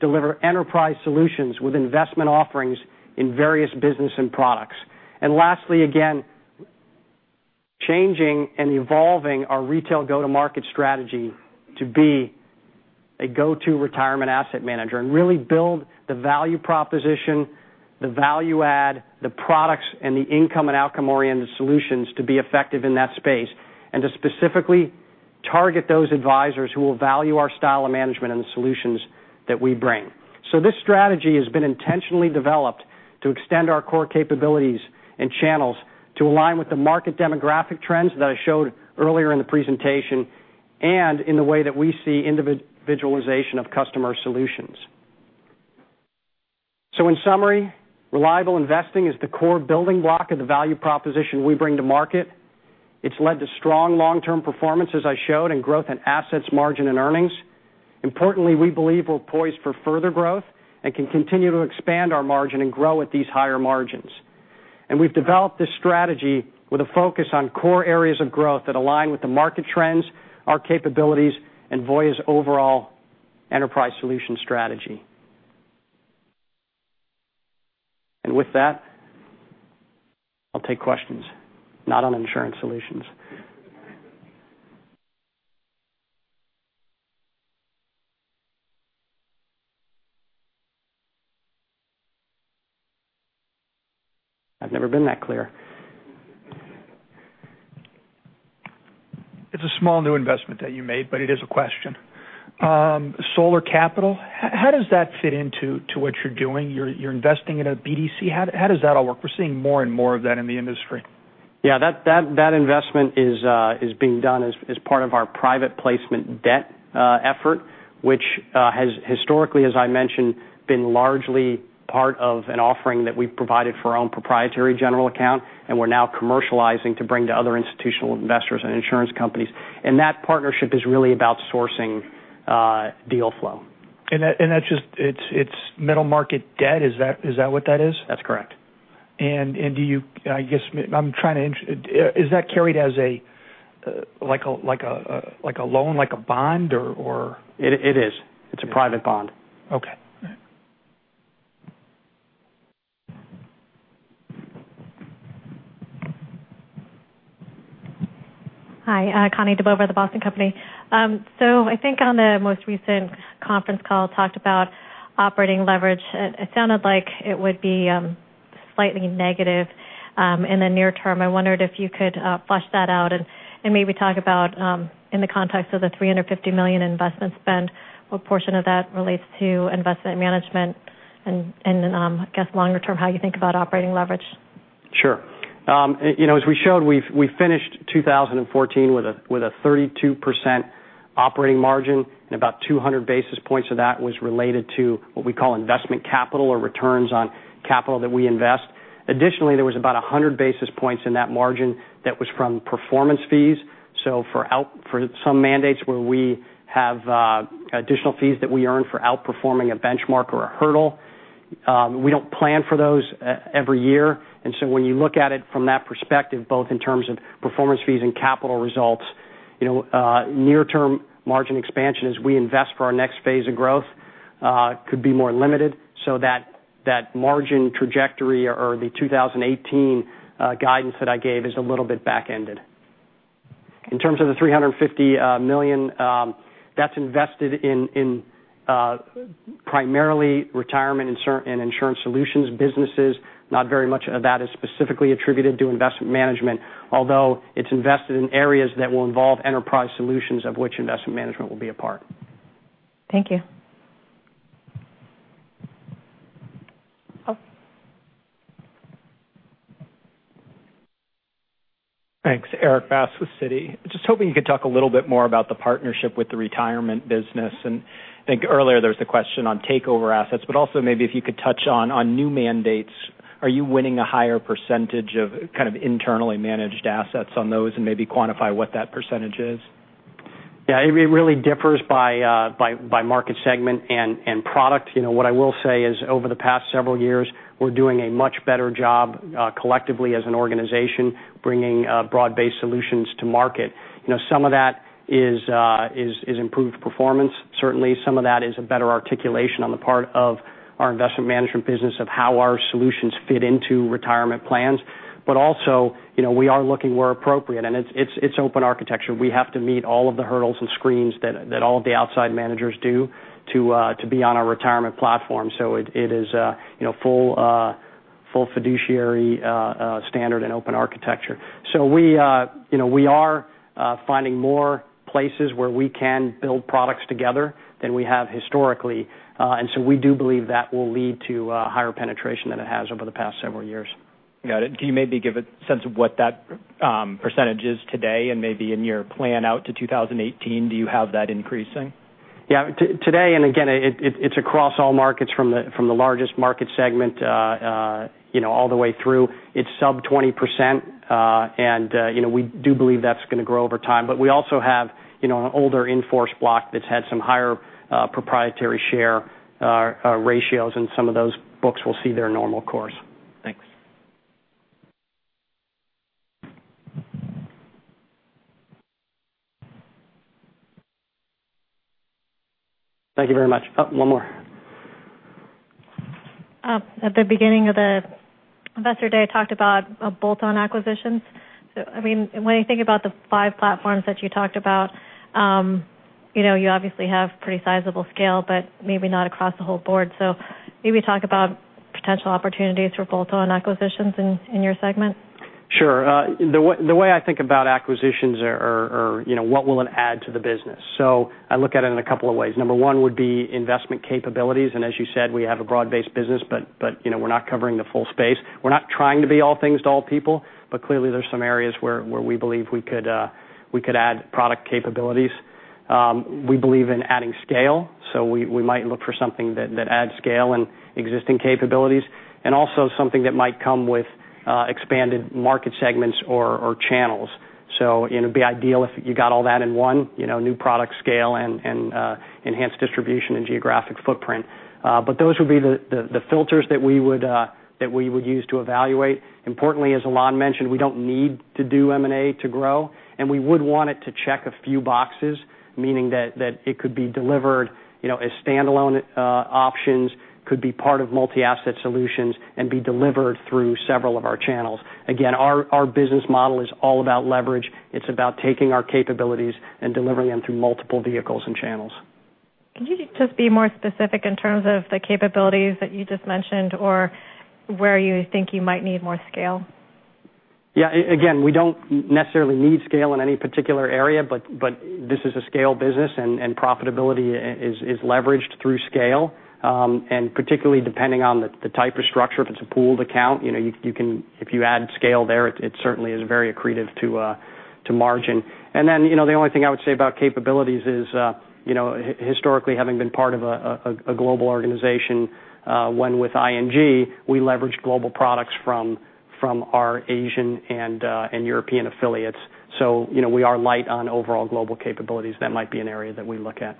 deliver enterprise solutions with investment offerings in various business and products. Lastly, again, changing and evolving our retail go-to-market strategy to be a go-to retirement asset manager and really build the value proposition, the value add, the products, and the income and outcome-oriented solutions to be effective in that space and to specifically target those advisors who will value our style of management and the solutions that we bring. This strategy has been intentionally developed to extend our core capabilities and channels to align with the market demographic trends that I showed earlier in the presentation and in the way that we see individualization of customer solutions. In summary, reliable investing is the core building block of the value proposition we bring to market. It's led to strong long-term performance, as I showed, in growth and assets margin and earnings. Importantly, we believe we're poised for further growth and can continue to expand our margin and grow at these higher margins. We've developed this strategy with a focus on core areas of growth that align with the market trends, our capabilities, and Voya's overall enterprise solution strategy. With that, I'll take questions, not on Insurance Solutions. I've never been that clear. It's a small new investment that you made, but it is a question. Solar Capital, how does that fit into what you're doing? You're investing in a BDC. How does that all work? We're seeing more and more of that in the industry. That investment is being done as part of our private placement debt effort, which has historically, as I mentioned, been largely part of an offering that we provided for our own proprietary general account, and we're now commercializing to bring to other institutional investors and insurance companies. That partnership is really about sourcing deal flow. It's middle market debt, is that what that is? That's correct. Is that carried as a loan, like a bond or? It is. It's a private bond. Okay. All right. Hi, Connie Dibova, The Boston Company. I think on the most recent conference call talked about operating leverage. It sounded like it would be slightly negative in the near term. I wondered if you could flush that out and maybe talk about, in the context of the $350 million investment spend, what portion of that relates to investment management and, I guess longer term, how you think about operating leverage? Sure. As we showed, we finished 2014 with a 32% operating margin and about 200 basis points of that was related to what we call investment capital or returns on capital that we invest. Additionally, there was about 100 basis points in that margin that was from performance fees. For some mandates where we have additional fees that we earn for outperforming a benchmark or a hurdle, we don't plan for those every year. When you look at it from that perspective, both in terms of performance fees and capital results. Near-term margin expansion as we invest for our next phase of growth could be more limited. That margin trajectory or the 2018 guidance that I gave is a little bit back-ended. In terms of the $350 million, that's invested in primarily retirement and insurance solutions businesses. Not very much of that is specifically attributed to Investment Management, although it's invested in areas that will involve enterprise solutions of which Investment Management will be a part. Thank you. Thanks. Erik Bass with Citi. Hoping you could talk a little bit more about the partnership with the retirement business. I think earlier there was the question on takeover assets, also maybe if you could touch on new mandates. Are you winning a higher % of internally managed assets on those, and maybe quantify what that % is? Yeah, it really differs by market segment and product. What I will say is over the past several years, we're doing a much better job collectively as an organization bringing broad-based solutions to market. Some of that is improved performance. Certainly, some of that is a better articulation on the part of our Investment Management business of how our solutions fit into retirement plans. Also, we are looking where appropriate, and it's open architecture. We have to meet all of the hurdles and screens that all of the outside managers do to be on our retirement platform. It is full fiduciary standard and open architecture. We are finding more places where we can build products together than we have historically. We do believe that will lead to higher penetration than it has over the past several years. Got it. Can you maybe give a sense of what that % is today and maybe in your plan out to 2018, do you have that increasing? Yeah. Today, again, it's across all markets from the largest market segment all the way through, it's sub 20%. We do believe that's going to grow over time. We also have an older in-force block that's had some higher proprietary share ratios, and some of those books will see their normal course. Thanks. Thank you very much. One more. At the beginning of the Investor Day, talked about bolt-on acquisitions. When I think about the five platforms that you talked about, you obviously have pretty sizable scale, but maybe not across the whole board. Maybe talk about potential opportunities for bolt-on acquisitions in your segment. Sure. The way I think about acquisitions are what will it add to the business? I look at it in a couple of ways. Number one would be investment capabilities, as you said, we have a broad-based business, we're not covering the full space. We're not trying to be all things to all people, clearly, there's some areas where we believe we could add product capabilities. We believe in adding scale, we might look for something that adds scale and existing capabilities, also something that might come with expanded market segments or channels. It'd be ideal if you got all that in one, new product scale and enhanced distribution and geographic footprint. Those would be the filters that we would use to evaluate. Importantly, as Alain mentioned, we don't need to do M&A to grow. We would want it to check a few boxes, meaning that it could be delivered as standalone options, could be part of multi-asset solutions, and be delivered through several of our channels. Again, our business model is all about leverage. It's about taking our capabilities and delivering them through multiple vehicles and channels. Can you just be more specific in terms of the capabilities that you just mentioned or where you think you might need more scale? Yeah. Again, we don't necessarily need scale in any particular area, but this is a scale business, and profitability is leveraged through scale. Particularly depending on the type of structure, if it's a pooled account, if you add scale there, it certainly is very accretive to margin. The only thing I would say about capabilities is historically, having been part of a global organization when with ING, we leveraged global products from our Asian and European affiliates. We are light on overall global capabilities. That might be an area that we look at.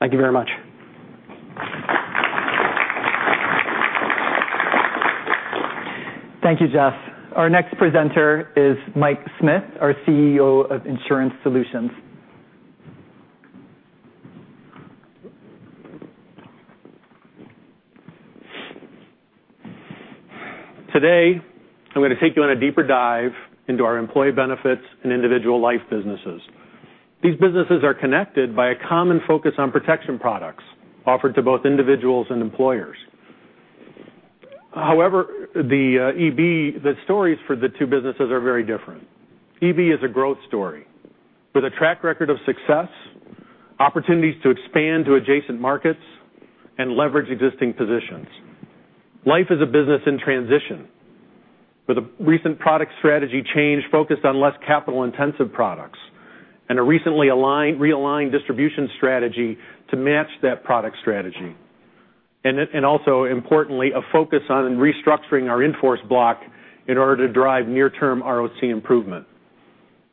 Thank you very much. Thank you, Jeff. Our next presenter is Michael Smith, our CEO of Insurance Solutions. Today, I'm going to take you on a deeper dive into our employee benefits and individual life businesses. These businesses are connected by a common focus on protection products offered to both individuals and employers. However, the stories for the two businesses are very different. EB is a growth story with a track record of success, opportunities to expand to adjacent markets, and leverage existing positions. Life is a business in transition with a recent product strategy change focused on less capital-intensive products and a recently realigned distribution strategy to match that product strategy. Also importantly, a focus on restructuring our in-force block in order to drive near-term ROC improvement.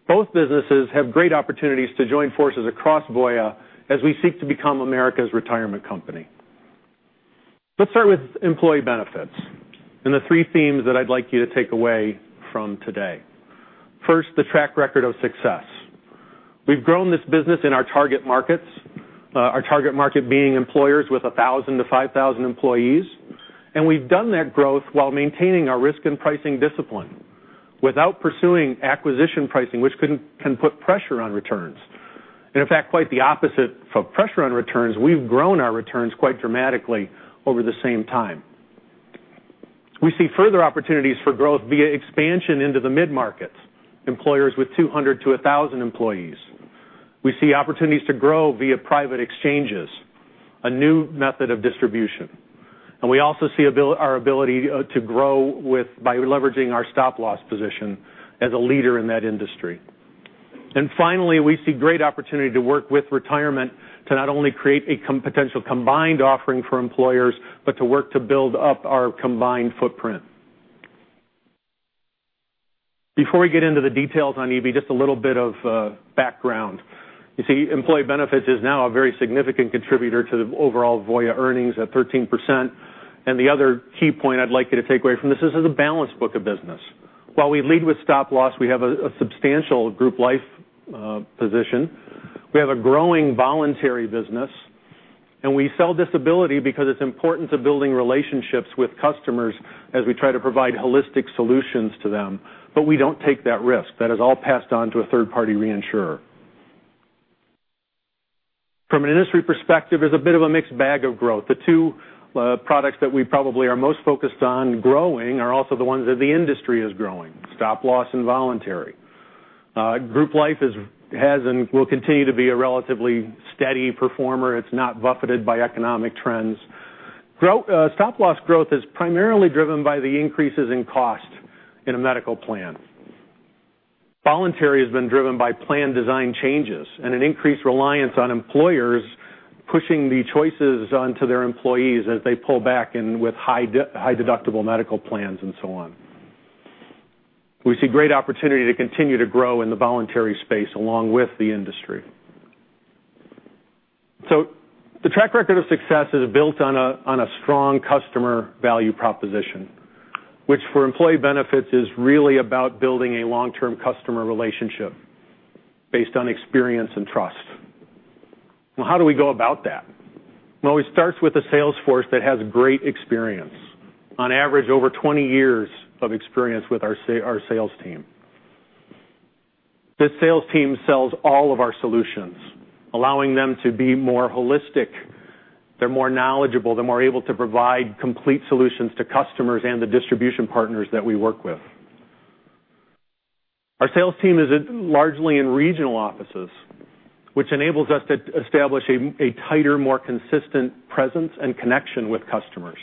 Both businesses have great opportunities to join forces across Voya as we seek to become America's Retirement Company. Let's start with employee benefits and the three themes that I'd like you to take away from today. First, the track record of success. We've grown this business in our target markets, our target market being employers with 1,000 to 5,000 employees, and we've done that growth while maintaining our risk and pricing discipline, without pursuing acquisition pricing, which can put pressure on returns. In fact, quite the opposite. For pressure on returns, we've grown our returns quite dramatically over the same time. We see further opportunities for growth via expansion into the mid-markets, employers with 200 to 1,000 employees. We see opportunities to grow via private exchanges, a new method of distribution. We also see our ability to grow by leveraging our stop loss position as a leader in that industry. Finally, we see great opportunity to work with Retirement to not only create a potential combined offering for employers, but to work to build up our combined footprint. Before we get into the details on EB, just a little bit of background. You see, employee benefits is now a very significant contributor to the overall Voya earnings at 13%. The other key point I'd like you to take away from this is a balanced book of business. While we lead with stop loss, we have a substantial group life position. We have a growing voluntary business, and we sell disability because it's important to building relationships with customers as we try to provide holistic solutions to them, but we don't take that risk. That is all passed on to a third party reinsurer. From an industry perspective is a bit of a mixed bag of growth. The two products that we probably are most focused on growing are also the ones that the industry is growing, stop loss and voluntary. Group life has and will continue to be a relatively steady performer. It's not buffeted by economic trends. Stop loss growth is primarily driven by the increases in cost in a medical plan. Voluntary has been driven by plan design changes and an increased reliance on employers pushing the choices onto their employees as they pull back and with high deductible medical plans and so on. We see great opportunity to continue to grow in the voluntary space along with the industry. The track record of success is built on a strong customer value proposition, which for employee benefits is really about building a long-term customer relationship based on experience and trust. Well, how do we go about that? Well, it starts with a sales force that has great experience, on average over 20 years of experience with our sales team. This sales team sells all of our solutions, allowing them to be more holistic. They're more knowledgeable. They're more able to provide complete solutions to customers and the distribution partners that we work with. Our sales team is largely in regional offices, which enables us to establish a tighter, more consistent presence and connection with customers.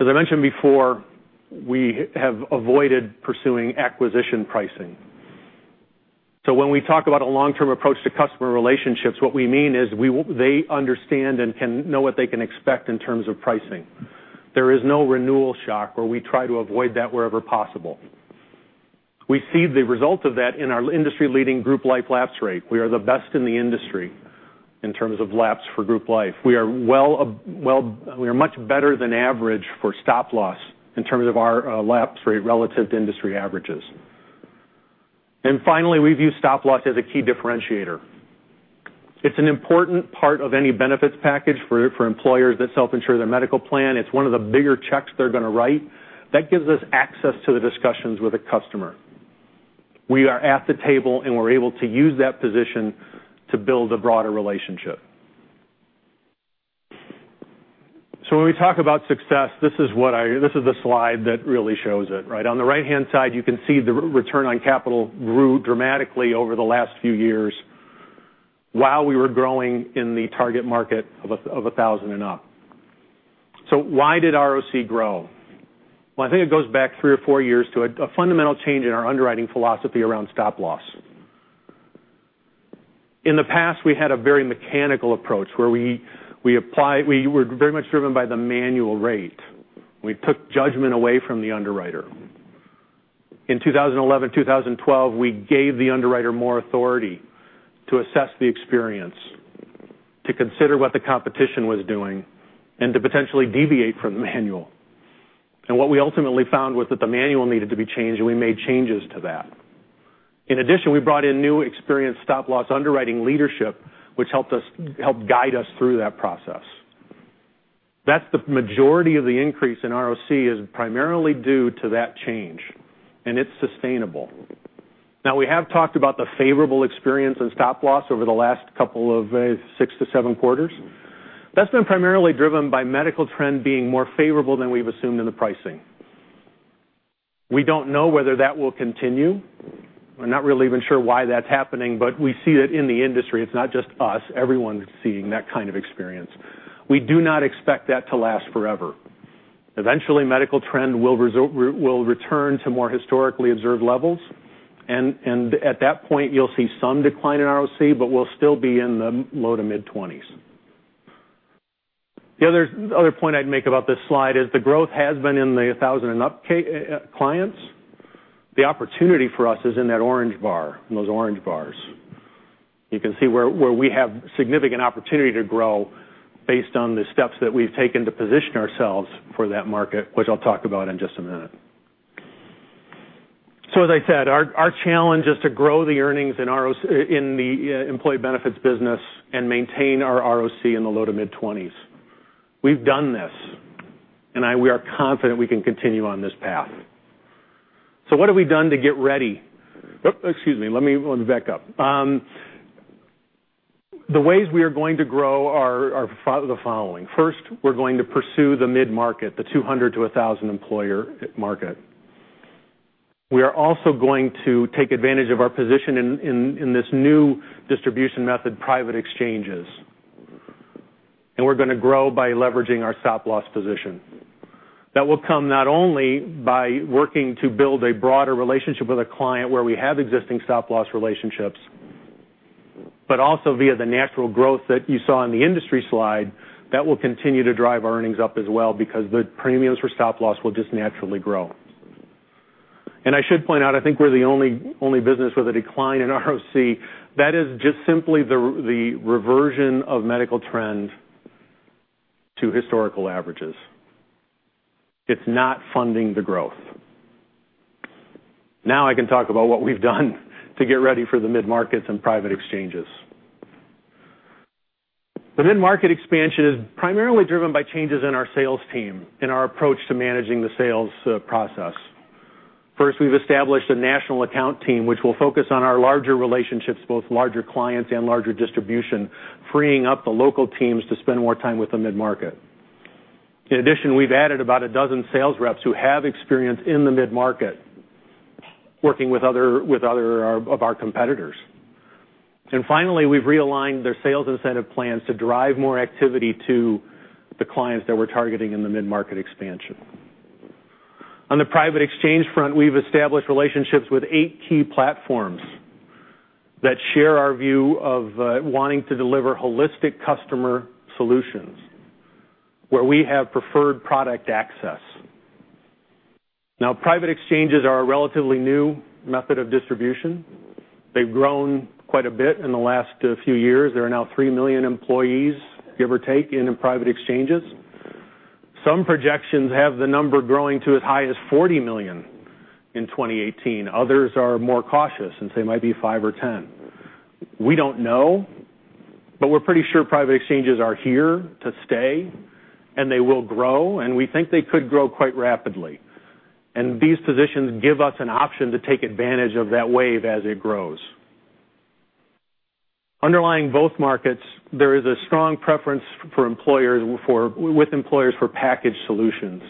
As I mentioned before, we have avoided pursuing acquisition pricing. When we talk about a long-term approach to customer relationships, what we mean is they understand and know what they can expect in terms of pricing. There is no renewal shock or we try to avoid that wherever possible. We see the result of that in our industry-leading group life lapse rate. We are the best in the industry in terms of lapse for group life. We are much better than average for stop loss in terms of our lapse rate relative to industry averages. Finally, we view stop loss as a key differentiator. It's an important part of any benefits package for employers that self-insure their medical plan. It's one of the bigger checks they're going to write. That gives us access to the discussions with a customer. We are at the table, and we're able to use that position to build a broader relationship. When we talk about success, this is the slide that really shows it. On the right-hand side, you can see the return on capital grew dramatically over the last few years while we were growing in the target market of 1,000 and up. Why did ROC grow? Well, I think it goes back three or four years to a fundamental change in our underwriting philosophy around stop loss. In the past, we had a very mechanical approach where we were very much driven by the manual rate. We took judgment away from the underwriter. In 2011, 2012, we gave the underwriter more authority to assess the experience, to consider what the competition was doing, and to potentially deviate from the manual. What we ultimately found was that the manual needed to be changed, and we made changes to that. In addition, we brought in new experienced stop loss underwriting leadership, which helped guide us through that process. The majority of the increase in ROC is primarily due to that change, and it's sustainable. Now, we have talked about the favorable experience in stop loss over the last couple of six to seven quarters. That's been primarily driven by medical trend being more favorable than we've assumed in the pricing. We don't know whether that will continue. We're not really even sure why that's happening, but we see it in the industry. It's not just us. Everyone's seeing that kind of experience. We do not expect that to last forever. Eventually, medical trend will return to more historically observed levels, and at that point, you'll see some decline in ROC, but we'll still be in the low to mid-20s. The other point I'd make about this slide is the growth has been in the 1,000 and up clients. The opportunity for us is in those orange bars. You can see where we have significant opportunity to grow based on the steps that we've taken to position ourselves for that market, which I'll talk about in just a minute. As I said, our challenge is to grow the earnings in the employee benefits business and maintain our ROC in the low to mid-20s. We have done this, and we are confident we can continue on this path. What have we done to get ready? Oh, excuse me. Let me back up. The ways we are going to grow are the following. First, we are going to pursue the mid-market, the 200 to 1,000 employer market. We are also going to take advantage of our position in this new distribution method, private exchanges. We are going to grow by leveraging our stop loss position. That will come not only by working to build a broader relationship with a client where we have existing stop loss relationships, but also via the natural growth that you saw in the industry slide. That will continue to drive our earnings up as well because the premiums for stop loss will just naturally grow. I should point out, I think we are the only business with a decline in ROC. That is just simply the reversion of medical trend to historical averages. It is not funding the growth. Now I can talk about what we have done to get ready for the mid-markets and private exchanges. The mid-market expansion is primarily driven by changes in our sales team, in our approach to managing the sales process. First, we have established a national account team, which will focus on our larger relationships, both larger clients and larger distribution, freeing up the local teams to spend more time with the mid-market. In addition, we have added about a dozen sales reps who have experience in the mid-market, working with other of our competitors. Finally, we have realigned their sales incentive plans to drive more activity to the clients that we are targeting in the mid-market expansion. On the private exchange front, we have established relationships with eight key platforms that share our view of wanting to deliver holistic customer solutions, where we have preferred product access. Now, private exchanges are a relatively new method of distribution. They have grown quite a bit in the last few years. There are now 3 million employees, give or take, in private exchanges. Some projections have the number growing to as high as 40 million in 2018. Others are more cautious and say it might be five or 10. We do not know, but we are pretty sure private exchanges are here to stay, and they will grow, and we think they could grow quite rapidly. These positions give us an option to take advantage of that wave as it grows. Underlying both markets, there is a strong preference with employers for packaged solutions,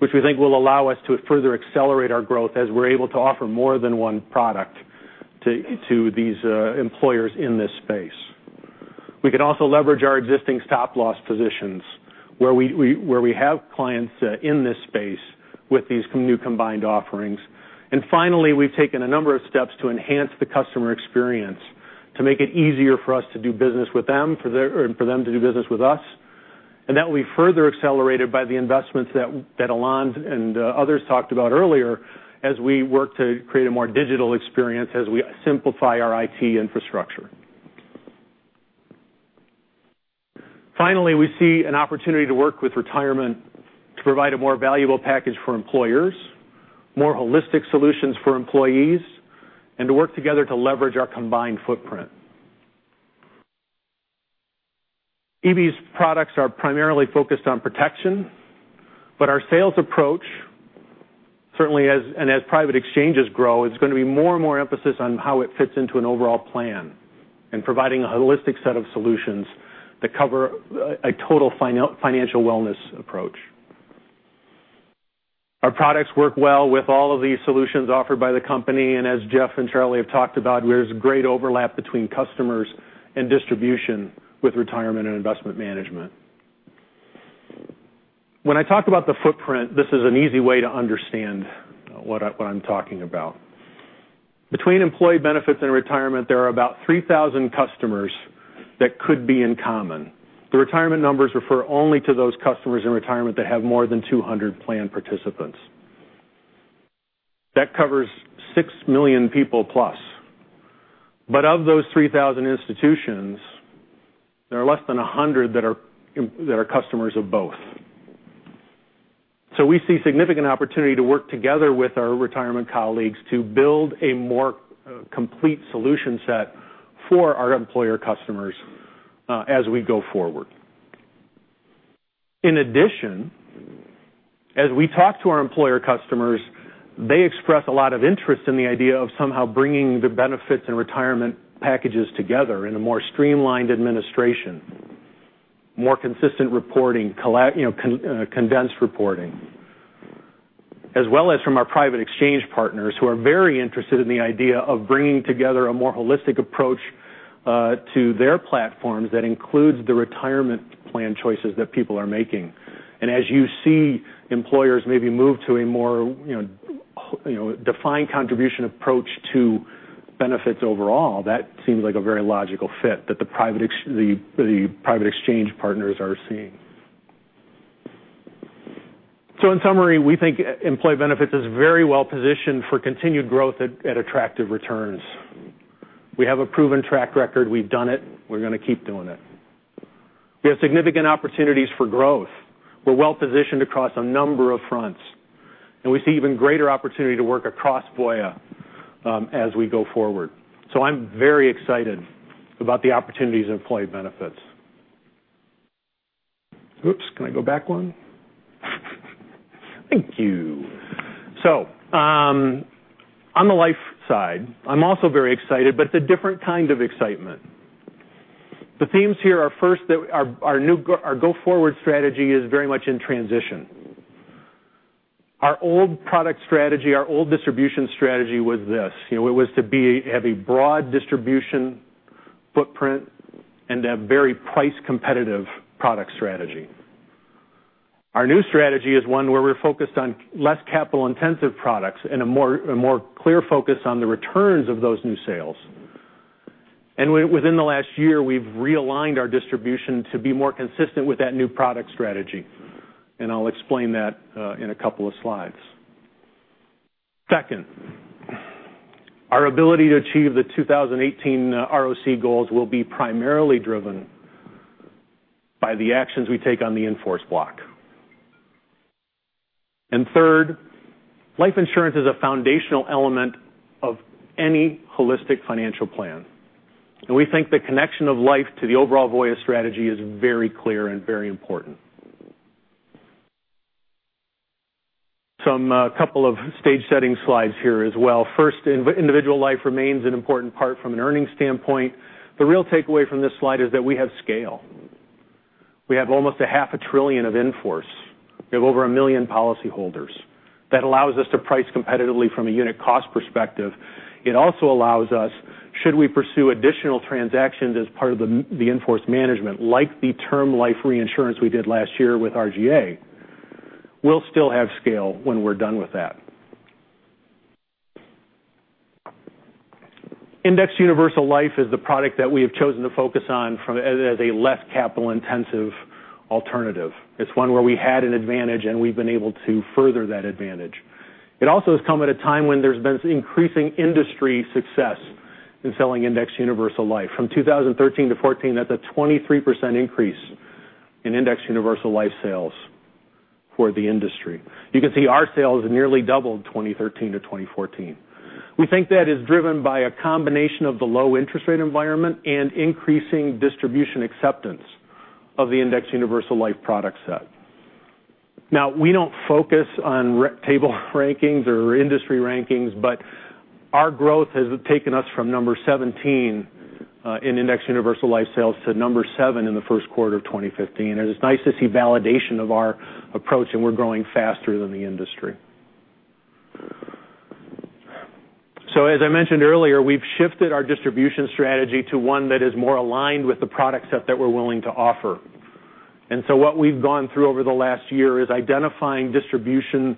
which we think will allow us to further accelerate our growth as we are able to offer more than one product to these employers in this space. We can also leverage our existing stop loss positions, where we have clients in this space with these new combined offerings. Finally, we have taken a number of steps to enhance the customer experience to make it easier for us to do business with them, for them to do business with us. That will be further accelerated by the investments that Alain and others talked about earlier as we work to create a more digital experience as we simplify our IT infrastructure. Finally, we see an opportunity to work with retirement to provide a more valuable package for employers, more holistic solutions for employees, and to work together to leverage our combined footprint. EB's products are primarily focused on protection, but our sales approach, certainly as, and as private exchanges grow, it's going to be more and more emphasis on how it fits into an overall plan and providing a holistic set of solutions that cover a total financial wellness approach. Our products work well with all of the solutions offered by the company, and as Jeff and Charlie have talked about, there's great overlap between customers and distribution with retirement and investment management. When I talk about the footprint, this is an easy way to understand what I'm talking about. Between employee benefits and retirement, there are about 3,000 customers that could be in common. The retirement numbers refer only to those customers in retirement that have more than 200 plan participants. That covers 6 million people plus. Of those 3,000 institutions, there are less than 100 that are customers of both. We see significant opportunity to work together with our retirement colleagues to build a more complete solution set for our employer customers as we go forward. In addition, as we talk to our employer customers, they express a lot of interest in the idea of somehow bringing the benefits and retirement packages together in a more streamlined administration, more consistent reporting, condensed reporting. As well as from our private exchange partners, who are very interested in the idea of bringing together a more holistic approach to their platforms that includes the retirement plan choices that people are making. As you see employers maybe move to a more defined contribution approach to benefits overall, that seems like a very logical fit that the private exchange partners are seeing. In summary, we think Employee Benefits is very well positioned for continued growth at attractive returns. We have a proven track record. We've done it. We're going to keep doing it. We have significant opportunities for growth. We're well positioned across a number of fronts, and we see even greater opportunity to work across Voya as we go forward. I'm very excited about the opportunities in Employee Benefits. Oops, can I go back one? Thank you. On the life side, I'm also very excited, but it's a different kind of excitement. The themes here are first, our go-forward strategy is very much in transition. Our old product strategy, our old distribution strategy was this. It was to have a broad distribution footprint and a very price-competitive product strategy. Our new strategy is one where we're focused on less capital-intensive products and a more clear focus on the returns of those new sales. Within the last year, we've realigned our distribution to be more consistent with that new product strategy, and I'll explain that in a couple of slides. Second, our ability to achieve the 2018 ROC goals will be primarily driven by the actions we take on the in-force block. Third, life insurance is a foundational element of any holistic financial plan. We think the connection of life to the overall Voya strategy is very clear and very important. Some couple of stage-setting slides here as well. First, individual life remains an important part from an earnings standpoint. The real takeaway from this slide is that we have scale. We have almost a half a trillion of in-force. We have over a million policyholders. That allows us to price competitively from a unit cost perspective. It also allows us, should we pursue additional transactions as part of the in-force management, like the term life reinsurance we did last year with RGA, we'll still have scale when we're done with that. Indexed Universal Life is the product that we have chosen to focus on as a less capital-intensive alternative. It's one where we had an advantage, and we've been able to further that advantage. It also has come at a time when there's been increasing industry success in selling Indexed Universal Life. From 2013 to 2014, that's a 23% increase in Indexed Universal Life sales for the industry. You can see our sales nearly doubled 2013 to 2014. We think that is driven by a combination of the low interest rate environment and increasing distribution acceptance of the Indexed Universal Life product set. We don't focus on table rankings or industry rankings, but our growth has taken us from number 17 in Indexed Universal Life sales to number 7 in the first quarter of 2015, and it's nice to see validation of our approach, and we're growing faster than the industry. As I mentioned earlier, we've shifted our distribution strategy to one that is more aligned with the product set that we're willing to offer. What we've gone through over the last year is identifying distribution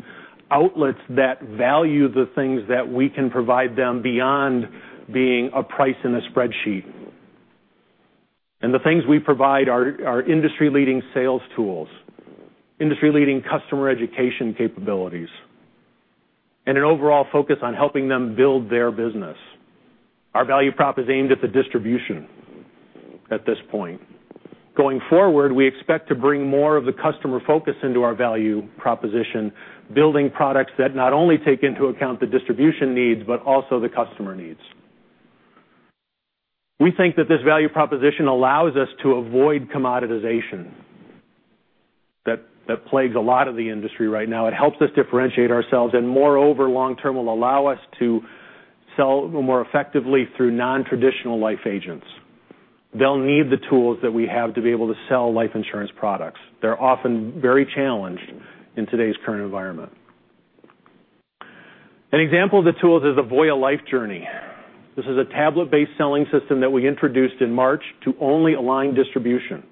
outlets that value the things that we can provide them beyond being a price in a spreadsheet. The things we provide are industry-leading sales tools, industry-leading customer education capabilities, and an overall focus on helping them build their business. Our value prop is aimed at the distribution at this point. Going forward, we expect to bring more of the customer focus into our value proposition, building products that not only take into account the distribution needs but also the customer needs. We think that this value proposition allows us to avoid commoditization that plagues a lot of the industry right now. It helps us differentiate ourselves and, moreover, long term, will allow us to sell more effectively through non-traditional life agents. They'll need the tools that we have to be able to sell life insurance products. They're often very challenged in today's current environment. An example of the tools is the Voya Life Journey. This is a tablet-based selling system that we introduced in March to only aligned distribution.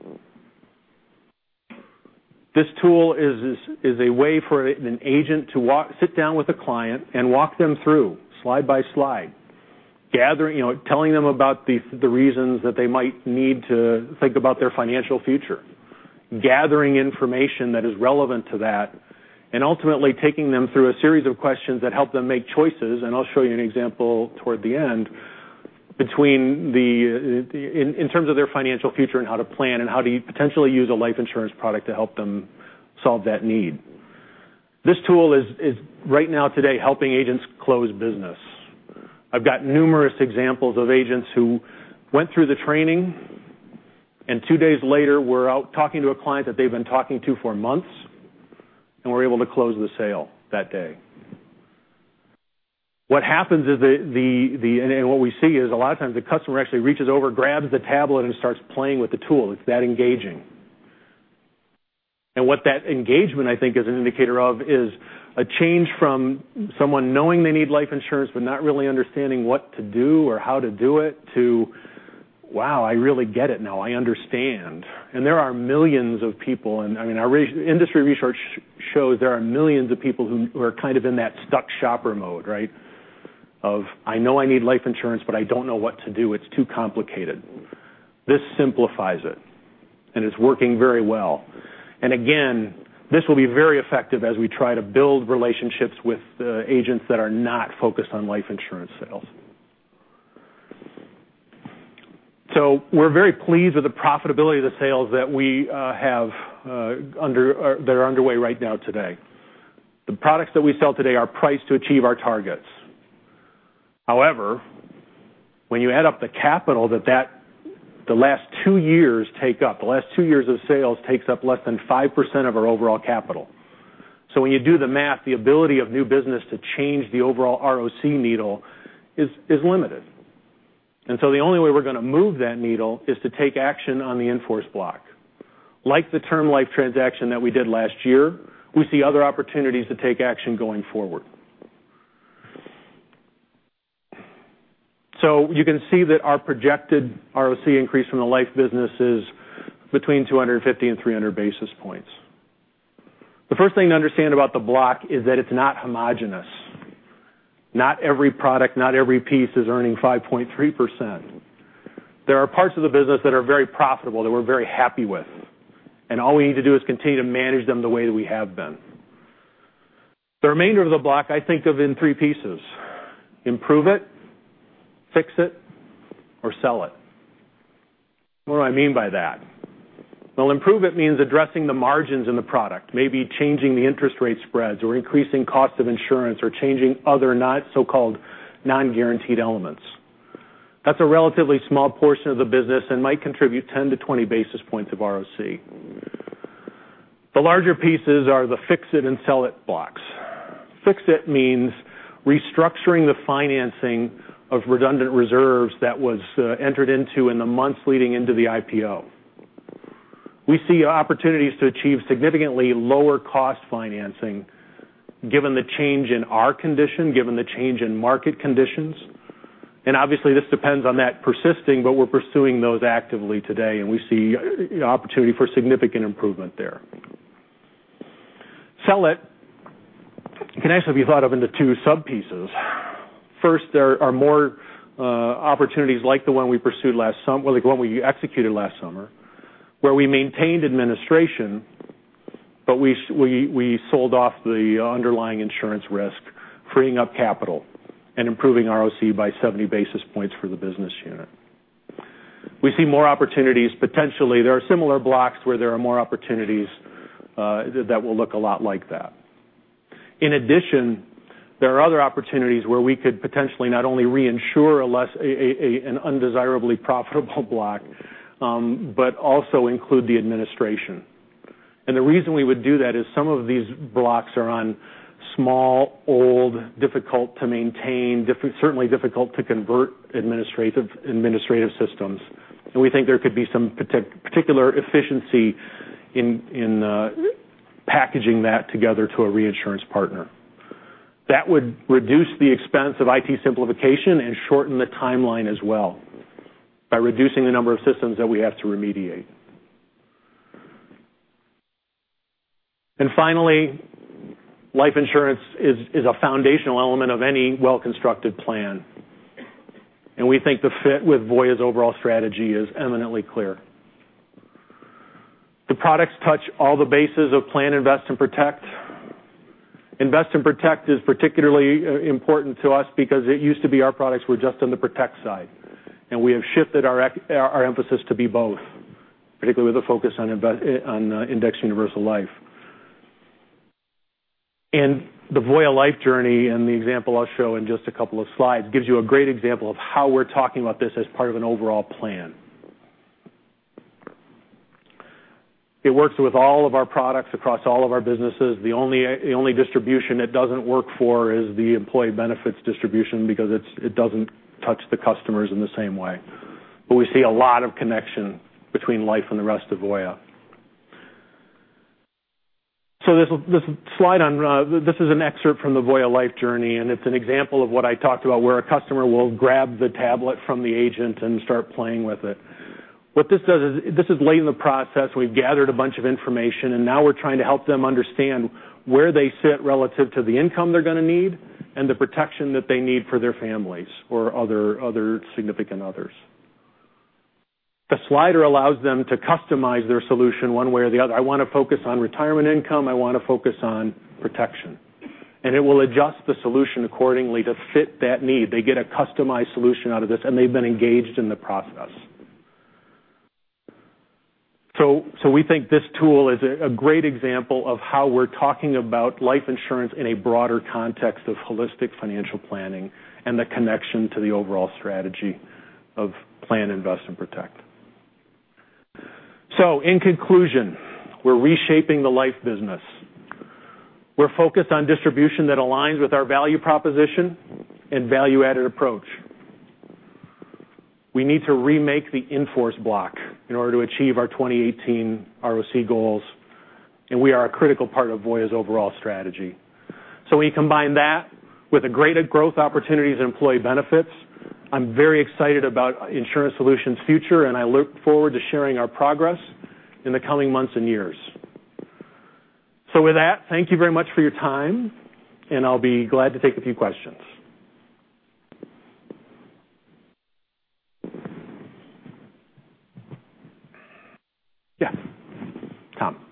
This tool is a way for an agent to sit down with a client and walk them through, slide by slide, telling them about the reasons that they might need to think about their financial future, gathering information that is relevant to that, and ultimately taking them through a series of questions that help them make choices, and I'll show you an example toward the end, in terms of their financial future and how to plan and how to potentially use a life insurance product to help them solve that need. This tool is right now today helping agents close business. I've got numerous examples of agents who went through the training, two days later, were out talking to a client that they've been talking to for months and were able to close the sale that day. What we see is a lot of times the customer actually reaches over, grabs the tablet, and starts playing with the tool. It's that engaging. What that engagement, I think, is an indicator of is a change from someone knowing they need life insurance but not really understanding what to do or how to do it to "Wow, I really get it now. I understand." There are millions of people, and our industry research shows there are millions of people who are kind of in that stuck shopper mode, right? Of, I know I need life insurance, but I don't know what to do. It's too complicated. This simplifies it's working very well. Again, this will be very effective as we try to build relationships with agents that are not focused on life insurance sales. We're very pleased with the profitability of the sales that are underway right now today. The products that we sell today are priced to achieve our targets. However, when you add up the capital that the last two years take up, the last two years of sales takes up less than 5% of our overall capital. When you do the math, the ability of new business to change the overall ROC needle is limited. The only way we're going to move that needle is to take action on the in-force block. Like the term life transaction that we did last year, we see other opportunities to take action going forward. You can see that our projected ROC increase from the life business is between 250 and 300 basis points. The first thing to understand about the block is that it's not homogenous. Not every product, not every piece is earning 5.3%. There are parts of the business that are very profitable, that we're very happy with, all we need to do is continue to manage them the way that we have been. The remainder of the block, I think of in three pieces: improve it, fix it, or sell it. What do I mean by that? Improve it means addressing the margins in the product, maybe changing the interest rate spreads or increasing cost of insurance or changing other not so-called non-guaranteed elements. That's a relatively small portion of the business might contribute 10 to 20 basis points of ROC. The larger pieces are the fix it and sell it blocks. Fix it means restructuring the financing of redundant reserves that was entered into in the months leading into the IPO. We see opportunities to achieve significantly lower cost financing given the change in our condition, given the change in market conditions, obviously this depends on that persisting, we're pursuing those actively today, we see opportunity for significant improvement there. Sell it can actually be thought of into two sub pieces. First, there are more opportunities like the one we executed last summer, where we maintained administration, but we sold off the underlying insurance risk, freeing up capital and improving ROC by 70 basis points for the business unit. We see more opportunities, potentially, there are similar blocks where there are more opportunities that will look a lot like that. In addition, there are other opportunities where we could potentially not only reinsure an undesirably profitable block, but also include the administration. The reason we would do that is some of these blocks are on small, old, difficult to maintain, certainly difficult to convert administrative systems, and we think there could be some particular efficiency in packaging that together to a reinsurance partner. That would reduce the expense of IT simplification and shorten the timeline as well by reducing the number of systems that we have to remediate. Finally, life insurance is a foundational element of any well-constructed plan, and we think the fit with Voya's overall strategy is eminently clear. The products touch all the bases of Plan, Invest, and Protect. Invest and Protect is particularly important to us because it used to be our products were just on the protect side, and we have shifted our emphasis to be both, particularly with a focus on Indexed Universal Life. The Voya Life Journey, and the example I'll show in just a couple of slides, gives you a great example of how we're talking about this as part of an overall plan. It works with all of our products across all of our businesses. The only distribution it doesn't work for is the employee benefits distribution because it doesn't touch the customers in the same way. We see a lot of connection between life and the rest of Voya. This is an excerpt from the Voya Life Journey, and it's an example of what I talked about, where a customer will grab the tablet from the agent and start playing with it. What this does is, this is late in the process. We've gathered a bunch of information, and now we're trying to help them understand where they sit relative to the income they're going to need and the protection that they need for their families or other significant others. The slider allows them to customize their solution one way or the other. I want to focus on retirement income. I want to focus on protection. It will adjust the solution accordingly to fit that need. They get a customized solution out of this, and they've been engaged in the process. We think this tool is a great example of how we're talking about life insurance in a broader context of holistic financial planning and the connection to the overall strategy of Plan, Invest, and Protect. In conclusion, we're reshaping the life business. We're focused on distribution that aligns with our value proposition and value-added approach. We need to remake the in-force block in order to achieve our 2018 ROC goals. We are a critical part of Voya's overall strategy. When you combine that with the greater growth opportunities in employee benefits, I'm very excited about Insurance Solutions' future, and I look forward to sharing our progress in the coming months and years. With that, thank you very much for your time, and I'll be glad to take a few questions. Yeah. Tom.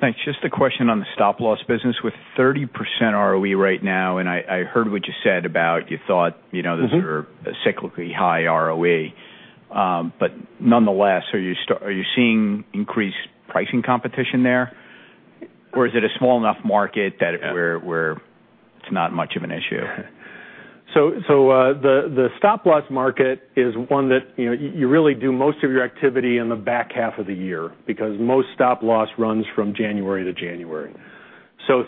Thanks. Just a question on the stop loss business. With 30% ROE right now, I heard what you said about you thought. Those are a cyclically high ROE. Nonetheless, are you seeing increased pricing competition there? Is it a small enough market that. Yeah Where it's not much of an issue? The stop loss market is one that you really do most of your activity in the back half of the year because most stop loss runs from January to January.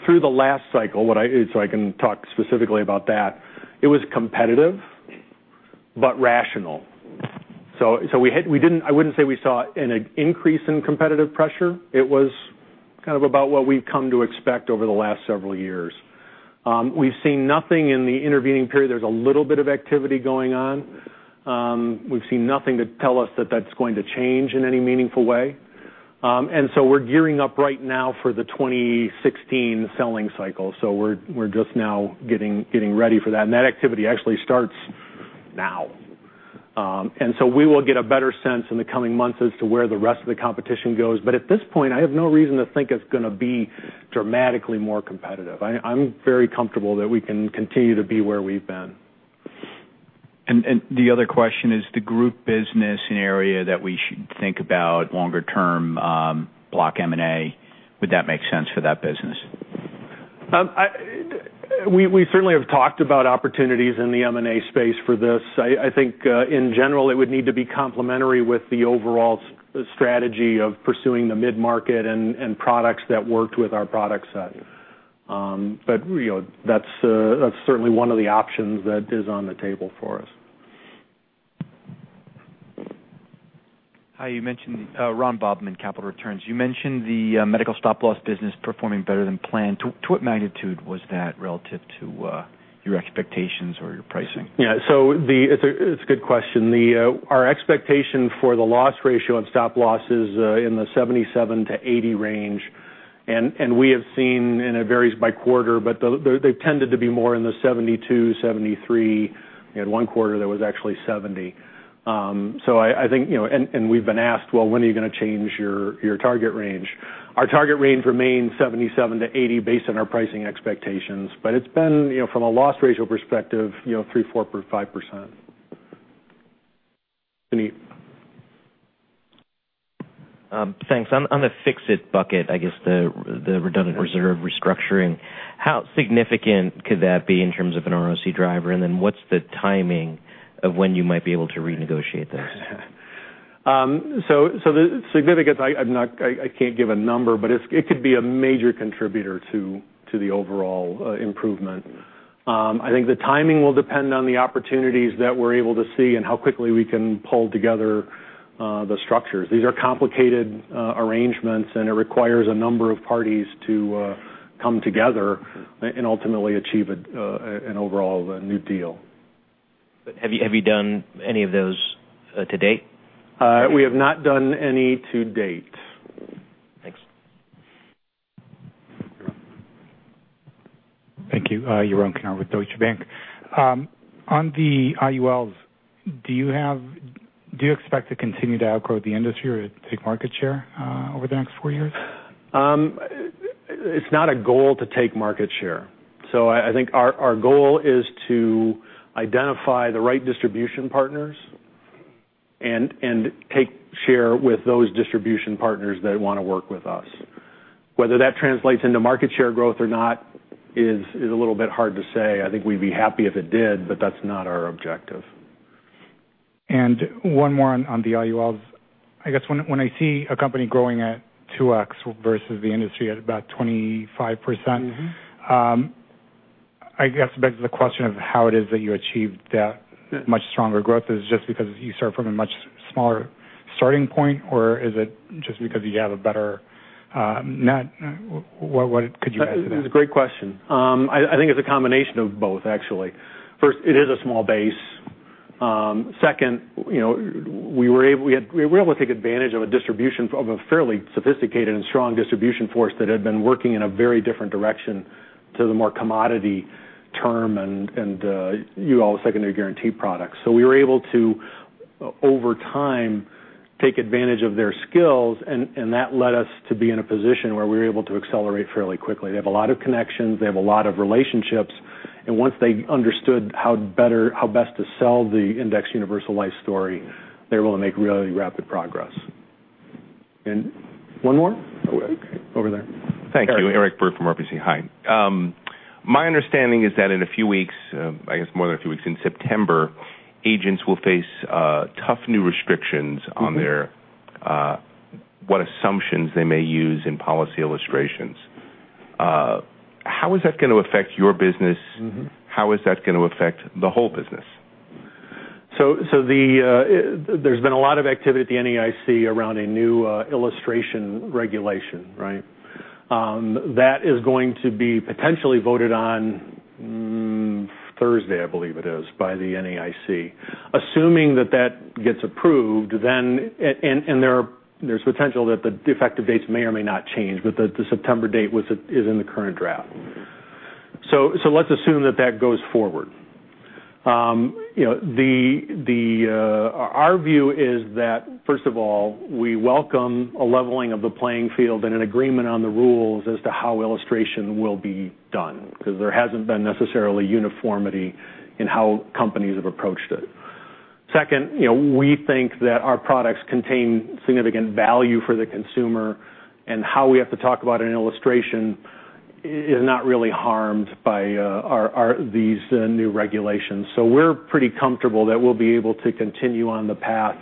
Through the last cycle, so I can talk specifically about that, it was competitive but rational. I wouldn't say we saw an increase in competitive pressure. It was kind of about what we've come to expect over the last several years. We've seen nothing in the intervening period. There's a little bit of activity going on. We've seen nothing to tell us that that's going to change in any meaningful way. We're gearing up right now for the 2016 selling cycle. We're just now getting ready for that, and that activity actually starts now. We will get a better sense in the coming months as to where the rest of the competition goes. At this point, I have no reason to think it's going to be dramatically more competitive. I'm very comfortable that we can continue to be where we've been. The other question is, the group business an area that we should think about longer term block M&A? Would that make sense for that business? We certainly have talked about opportunities in the M&A space for this. I think, in general, it would need to be complementary with the overall strategy of pursuing the mid-market and products that worked with our product set. That's certainly one of the options that is on the table for us. Hi. Ron Bauman, Capital Returns. You mentioned the medical stop loss business performing better than planned. To what magnitude was that relative to your expectations or your pricing? Yeah. It's a good question. Our expectation for the loss ratio and stop loss is in the 77%-80% range. We have seen, and it varies by quarter, but they've tended to be more in the 72%, 73%. We had one quarter that was actually 70%. We've been asked, "Well, when are you going to change your target range?" Our target range remains 77%-80% based on our pricing expectations. It's been, from a loss ratio perspective, 3%, 4%, 5%. Suneet. Thanks. On the fix-it bucket, I guess the redundant reserve restructuring, how significant could that be in terms of an ROC driver? What's the timing of when you might be able to renegotiate those? The significance, I can't give a number, but it could be a major contributor to the overall improvement. I think the timing will depend on the opportunities that we're able to see and how quickly we can pull together the structures. These are complicated arrangements, and it requires a number of parties to come together and ultimately achieve an overall new deal. Have you done any of those to date? We have not done any to date. Thanks. Thank you. Yaron Kinar with Deutsche Bank. On the IULs, do you expect to continue to outgrow the industry or take market share over the next four years? It's not a goal to take market share. I think our goal is to identify the right distribution partners and take share with those distribution partners that want to work with us. Whether that translates into market share growth or not is a little bit hard to say. I think we'd be happy if it did, but that's not our objective. One more on the IULs. I guess when I see a company growing at 2x versus the industry at about 25%- I guess begs the question of how it is that you achieved that much stronger growth. Is it just because you start from a much smaller starting point, or is it just because you have a better net? What could you add to that? It's a great question. I think it's a combination of both, actually. First, it is a small base. Second, we were able to take advantage of a fairly sophisticated and strong distribution force that had been working in a very different direction to the more commodity term and UL secondary guarantee products. We were able to, over time, take advantage of their skills, and that led us to be in a position where we were able to accelerate fairly quickly. They have a lot of connections. They have a lot of relationships. Once they understood how best to sell the Indexed Universal Life story, they were able to make really rapid progress. One more? Over there. Thank you. Eric Berg from RBC. Hi. My understanding is that in a few weeks, I guess more than a few weeks, in September, agents will face tough new restrictions on their what assumptions they may use in policy illustrations. How is that going to affect your business? How is that going to affect the whole business? There's been a lot of activity at the NAIC around a new illustration regulation, right? That is going to be potentially voted on Thursday, I believe it is, by the NAIC. Assuming that that gets approved, and there's potential that the effective dates may or may not change, but the September date is in the current draft. Let's assume that that goes forward. Our view is that, first of all, we welcome a leveling of the playing field and an agreement on the rules as to how illustration will be done, because there hasn't been necessarily uniformity in how companies have approached it. Second, we think that our products contain significant value for the consumer, and how we have to talk about an illustration is not really harmed by these new regulations. We're pretty comfortable that we'll be able to continue on the path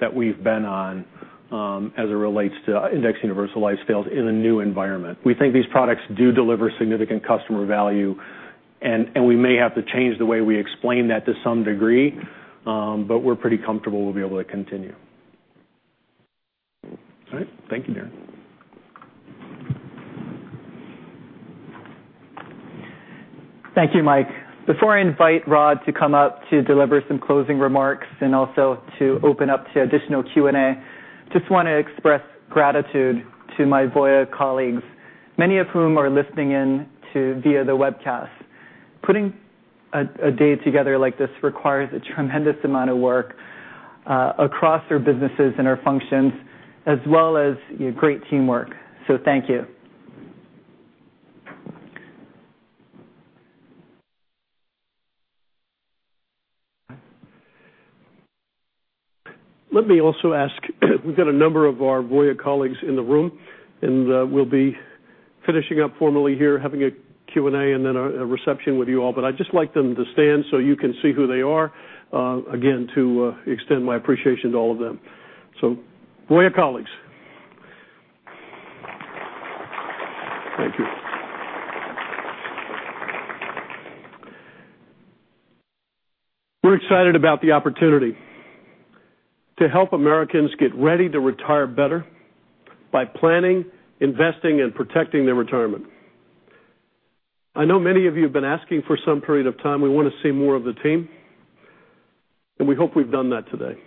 that we've been on as it relates to Indexed Universal Life sales in the new environment. We think these products do deliver significant customer value, and we may have to change the way we explain that to some degree, but we're pretty comfortable we'll be able to continue. All right. Thank you, Darin. Thank you, Mike. Before I invite Rod to come up to deliver some closing remarks and also to open up to additional Q&A, just want to express gratitude to my Voya colleagues, many of whom are listening in via the webcast. Putting a day together like this requires a tremendous amount of work across our businesses and our functions as well as great teamwork. Thank you. Let me also ask, we've got a number of our Voya colleagues in the room, and we'll be finishing up formally here, having a Q&A, and then a reception with you all. I'd just like them to stand so you can see who they are. Again, to extend my appreciation to all of them. Voya colleagues. Thank you. We're excited about the opportunity to help Americans get ready to retire better by planning, investing, and protecting their retirement. I know many of you have been asking for some period of time, we want to see more of the team, and we hope we've done that today.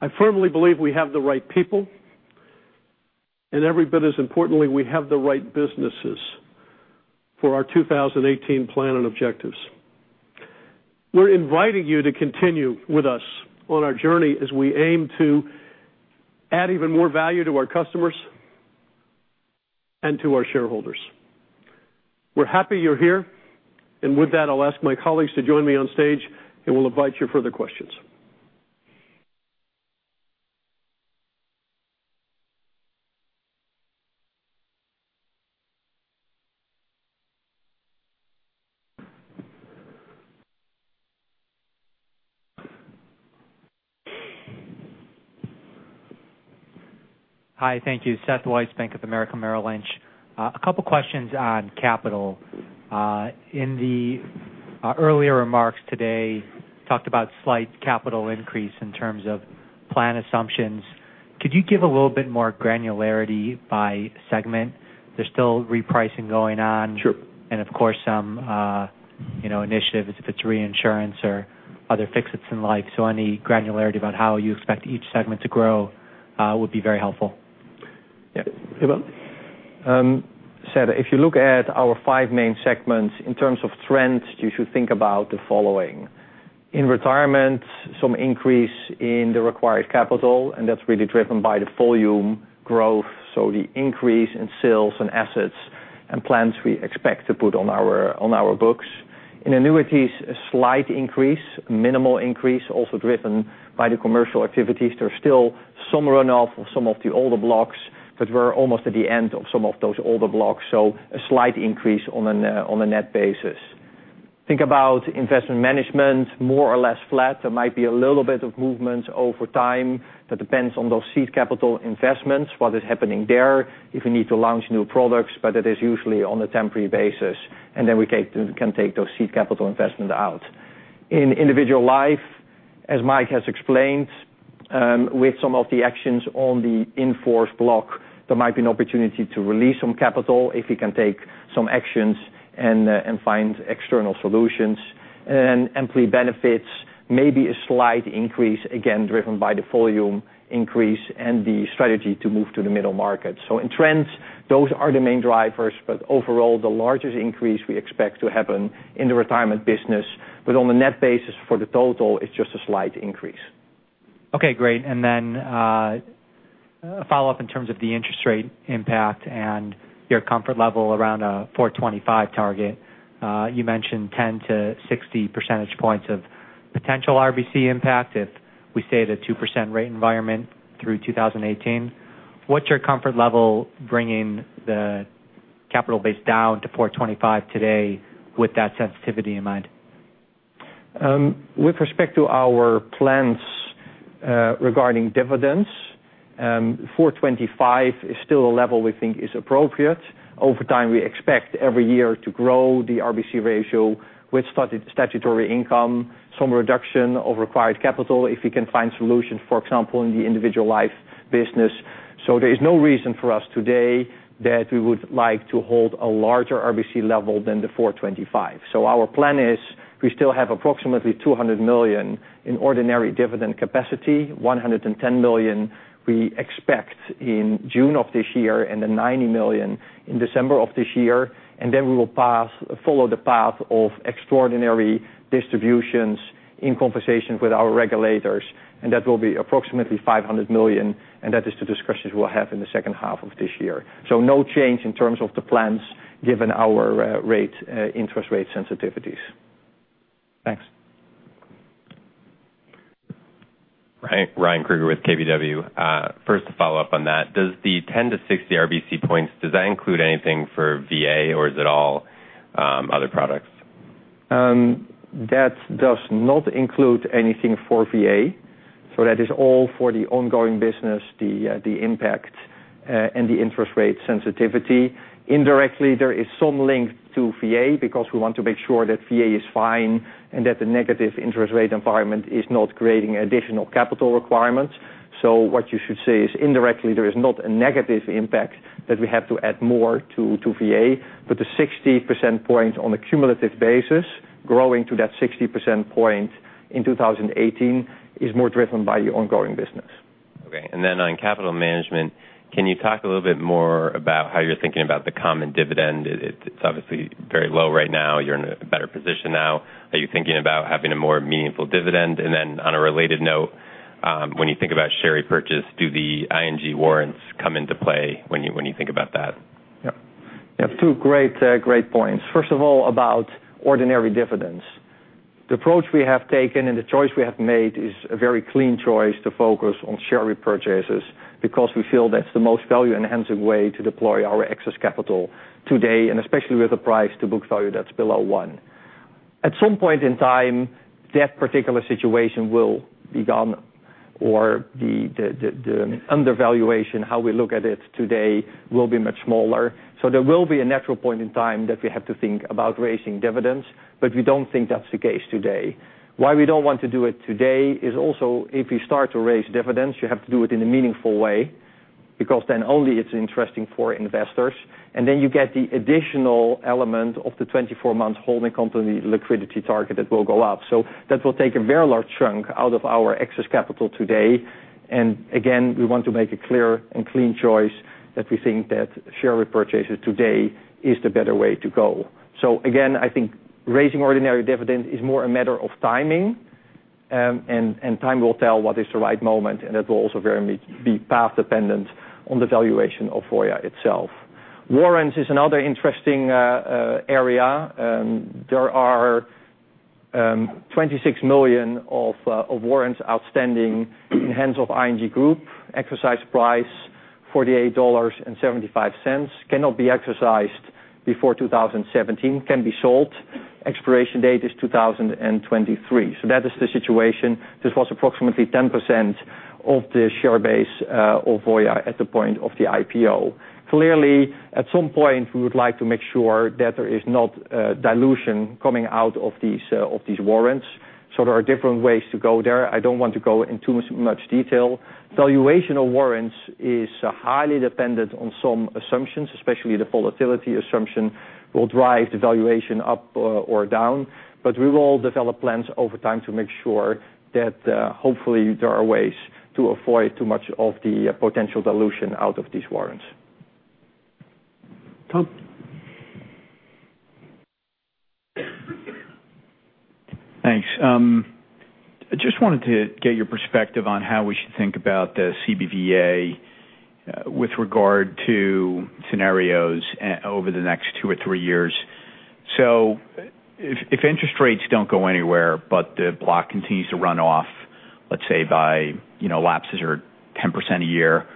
I firmly believe we have the right people, and every bit as importantly, we have the right businesses for our 2018 plan and objectives. We're inviting you to continue with us on our journey as we aim to add even more value to our customers and to our shareholders. We're happy you're here. With that, I'll ask my colleagues to join me on stage, and we'll invite your further questions. Hi. Thank you. Seth Weiss, Bank of America, Merrill Lynch. A couple questions on capital. In the earlier remarks today, talked about slight capital increase in terms of plan assumptions. Could you give a little bit more granularity by segment? There's still repricing going on. Sure. Of course, some initiative if it's reinsurance or other fixes and like, any granularity about how you expect each segment to grow would be very helpful. Yeah. Ewout? Seth, if you look at our five main segments, in terms of trends, you should think about the following. In Retirement, some increase in the required capital, and that's really driven by the volume growth. The increase in sales and assets and plans we expect to put on our books. In annuities, a slight increase, minimal increase, also driven by the commercial activities. There's still some runoff of some of the older blocks, we're almost at the end of some of those older blocks. A slight increase on a net basis. Think about Investment Management, more or less flat. There might be a little bit of movement over time. That depends on those seed capital investments, what is happening there, if we need to launch new products, that is usually on a temporary basis, then we can take those seed capital investments out. In Individual Life, as Mike has explained, with some of the actions on the in-force block, there might be an opportunity to release some capital if we can take some actions and find external solutions. Employee Benefits may be a slight increase, again, driven by the volume increase and the strategy to move to the middle market. In trends, those are the main drivers, overall, the largest increase we expect to happen in the Retirement business. On a net basis for the total, it's just a slight increase. Okay, great. Then a follow-up in terms of the interest rate impact and your comfort level around a 4.25 target. You mentioned 10 to 60 percentage points of potential RBC impact if we stay at a 2% rate environment through 2018. What's your comfort level bringing the capital base down to 4.25 today with that sensitivity in mind? With respect to our plans regarding dividends, 425 is still a level we think is appropriate. Over time, we expect every year to grow the RBC ratio with statutory income, some reduction of required capital if we can find solutions, for example, in the individual life business. There is no reason for us today that we would like to hold a larger RBC level than the 425. Our plan is we still have approximately $200 million in ordinary dividend capacity, $110 million we expect in June of this year, $90 million in December of this year. We will follow the path of extraordinary distributions in conversations with our regulators, and that will be approximately $500 million, and that is the discussions we'll have in the second half of this year. No change in terms of the plans given our interest rate sensitivities. Thanks. Ryan Krueger with KBW. First, to follow up on that, does the 10 to 60 RBC points, does that include anything for VA or is it all other products? That does not include anything for VA. That is all for the ongoing business, the impact, and the interest rate sensitivity. Indirectly, there is some link to VA because we want to make sure that VA is fine and that the negative interest rate environment is not creating additional capital requirements. What you should say is indirectly there is not a negative impact that we have to add more to VA. The 60% point on a cumulative basis, growing to that 60% point in 2018, is more driven by the ongoing business. Okay. On capital management, can you talk a little bit more about how you're thinking about the common dividend? It's obviously very low right now. You're in a better position now. Are you thinking about having a more meaningful dividend? On a related note, when you think about share purchase, do the ING warrants come into play when you think about that? Yeah. You have two great points. First of all, about ordinary dividends. The approach we have taken and the choice we have made is a very clean choice to focus on share repurchases because we feel that's the most value-enhancing way to deploy our excess capital today, and especially with a price to book value that's below one. At some point in time, that particular situation will be gone, or the undervaluation, how we look at it today, will be much smaller. There will be a natural point in time that we have to think about raising dividends, but we don't think that's the case today. Why we don't want to do it today is also if you start to raise dividends, you have to do it in a meaningful way, because then only it's interesting for investors. You get the additional element of the 24 months holding company liquidity target that will go up. That will take a very large chunk out of our excess capital today. Again, we want to make a clear and clean choice that we think that share repurchases today is the better way to go. Again, I think raising ordinary dividend is more a matter of timing, and time will tell what is the right moment, and that will also very much be path dependent on the valuation of Voya itself. Warrants is another interesting area. There are 26 million of warrants outstanding in the hands of ING Group. Exercise price, $48.75. Cannot be exercised before 2017. Can be sold. Expiration date is 2023. That is the situation. This was approximately 10% of the share base of Voya at the point of the IPO. Clearly, at some point, we would like to make sure that there is not dilution coming out of these warrants. There are different ways to go there. I don't want to go in too much detail. Valuation of warrants is highly dependent on some assumptions, especially the volatility assumption will drive the valuation up or down. We will develop plans over time to make sure that hopefully there are ways to avoid too much of the potential dilution out of these warrants. Tom. Thanks. I just wanted to get your perspective on how we should think about the CBVA with regard to scenarios over the next two or three years. If interest rates don't go anywhere but the block continues to run off, let's say by lapses or 10% a year,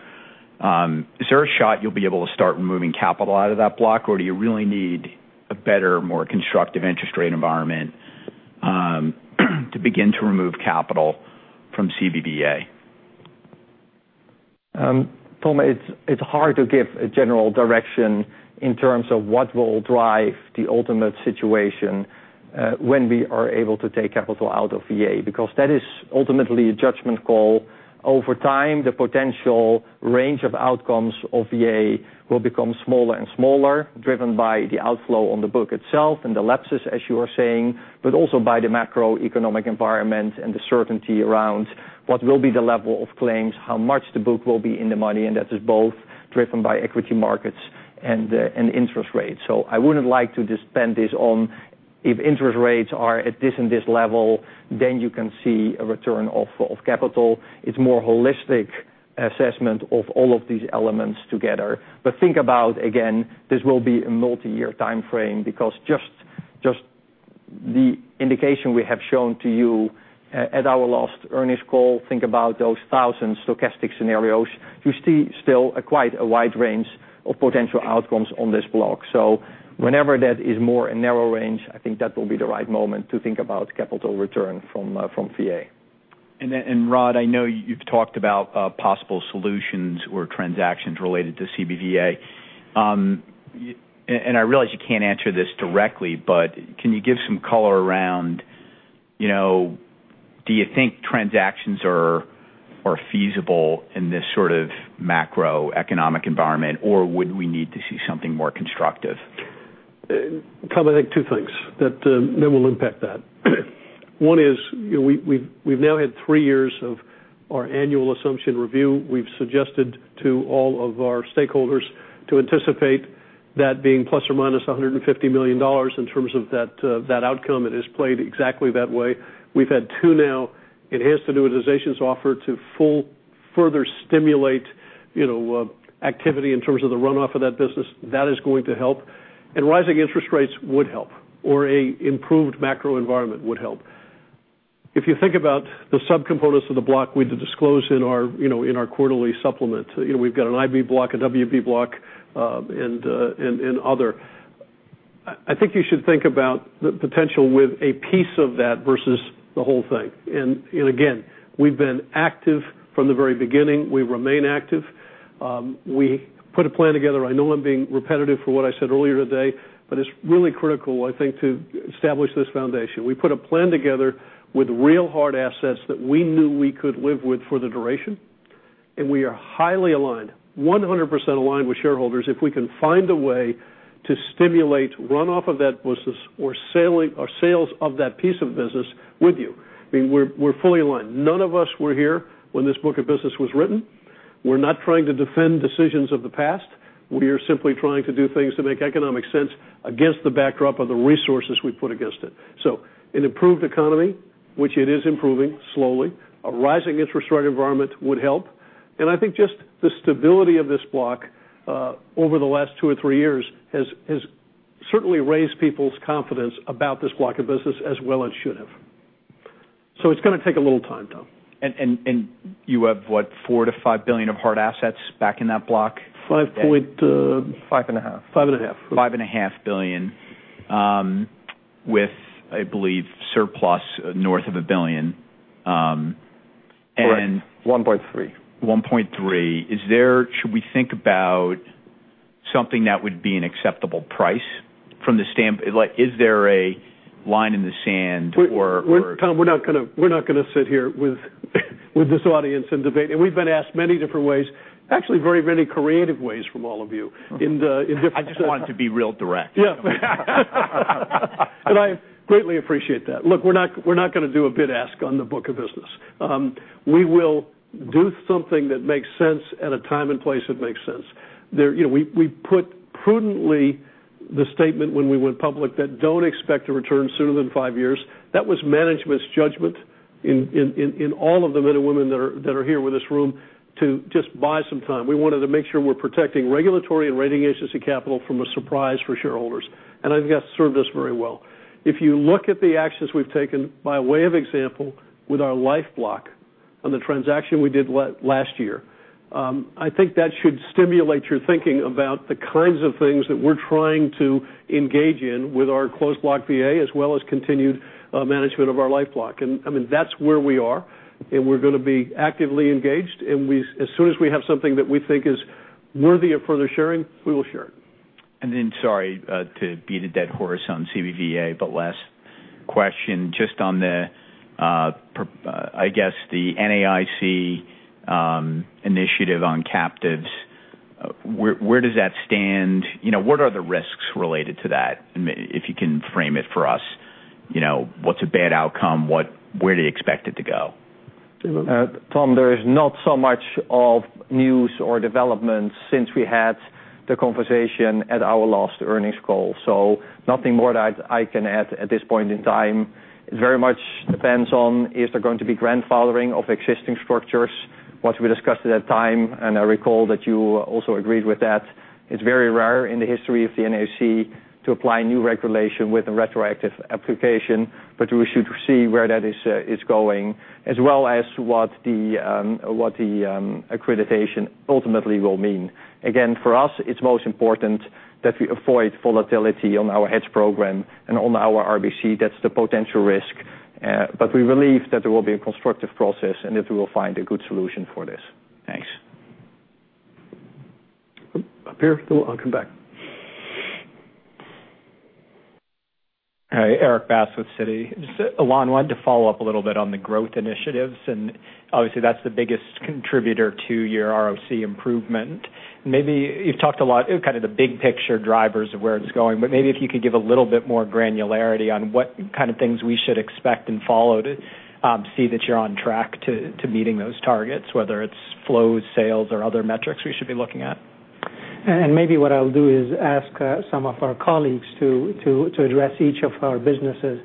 is there a shot you'll be able to start removing capital out of that block, or do you really need a better, more constructive interest rate environment to begin to remove capital from CBVA? Tom, it's hard to give a general direction in terms of what will drive the ultimate situation when we are able to take capital out of VA, because that is ultimately a judgment call. Over time, the potential range of outcomes of VA will become smaller and smaller, driven by the outflow on the book itself and the lapses, as you are saying, but also by the macroeconomic environment and the certainty around what will be the level of claims, how much the book will be in the money, and that is both driven by equity markets and interest rates. I wouldn't like to just spend this on if interest rates are at this and this level, then you can see a return of capital. It's more holistic assessment of all of these elements together. Think about, again, this will be a multiyear timeframe because just the indication we have shown to you at our last earnings call, think about those 1,000 stochastic scenarios. You see still quite a wide range of potential outcomes on this block. Whenever that is more a narrow range, I think that will be the right moment to think about capital return from VA. Rod, I know you've talked about possible solutions or transactions related to CBVA. I realize you can't answer this directly, but can you give some color around, do you think transactions are feasible in this sort of macroeconomic environment, or would we need to see something more constructive? Tom, I think two things that will impact that. One is, we've now had three years of our annual assumption review. We've suggested to all of our stakeholders to anticipate that being ±$150 million in terms of that outcome, and it's played exactly that way. We've had two now enhanced annuitization offers to further stimulate activity in terms of the runoff of that business. That is going to help. Rising interest rates would help, or an improved macro environment would help. If you think about the subcomponents of the block we had to disclose in our quarterly supplement. We've got an IB block, a WB block, and other. I think you should think about the potential with a piece of that versus the whole thing. Again, we've been active from the very beginning. We remain active. We put a plan together. I know I'm being repetitive for what I said earlier today, but it's really critical, I think, to establish this foundation. We put a plan together with real hard assets that we knew we could live with for the duration, and we are highly aligned, 100% aligned with shareholders if we can find a way to stimulate runoff of that business or sales of that piece of business with you. We're fully aligned. None of us were here when this book of business was written. We're not trying to defend decisions of the past. We are simply trying to do things that make economic sense against the backdrop of the resources we put against it. An improved economy, which it is improving, slowly, a rising interest rate environment would help. I think just the stability of this block, over the last two or three years, has certainly raised people's confidence about this block of business as well as should have. It's going to take a little time, Tom. You have what, $4 billion-$5 billion of hard assets back in that block? Five point. Five and a half. Five and a half. $Five and a half billion, with, I believe, surplus north of $1 billion. Correct, $1.3. Should we think about something that would be an acceptable price? Is there a line in the sand? Tom, we're not going to sit here with this audience and debate. We've been asked many different ways, actually very creative ways from all of you. I just wanted to be real direct. Yes. I greatly appreciate that. Look, we're not going to do a bid ask on the book of business. We will do something that makes sense at a time and place that makes sense. We put prudently the statement when we went public that don't expect a return sooner than five years. That was management's judgment in all of the men and women that are here with us in this room to just buy some time. We wanted to make sure we're protecting regulatory and rating agency capital from a surprise for shareholders, and I think that's served us very well. If you look at the actions we've taken, by way of example, with our life block on the transaction we did last year, I think that should stimulate your thinking about the kinds of things that we're trying to engage in with our closed block VA, as well as continued management of our life block. That's where we are, and we're going to be actively engaged. As soon as we have something that we think is worthy of further sharing, we will share it. Sorry, to beat a dead horse on CBVA, last question just on the, I guess the NAIC initiative on captives. Where does that stand? What are the risks related to that, if you can frame it for us? What's a bad outcome? Where do you expect it to go? Tom, there is not so much of news or developments since we had the conversation at our last earnings call. Nothing more that I can add at this point in time. It very much depends on, is there going to be grandfathering of existing structures? What we discussed at that time, and I recall that you also agreed with that. It's very rare in the history of the NAIC to apply new regulation with a retroactive application, we should see where that is going, as well as what the accreditation ultimately will mean. Again, for us, it's most important that we avoid volatility on our hedge program and on our RBC. That's the potential risk. We believe that there will be a constructive process and that we will find a good solution for this. Thanks. Pierre, still I'll come back. Hi, Erik Bass with Citi. Alain, wanted to follow up a little bit on the growth initiatives, obviously, that's the biggest contributor to your ROC improvement. You've talked a lot, kind of the big picture drivers of where it's going, but maybe if you could give a little bit more granularity on what kind of things we should expect and follow to see that you're on track to meeting those targets, whether it's flows, sales, or other metrics we should be looking at. Maybe what I'll do is ask some of our colleagues to address each of our businesses.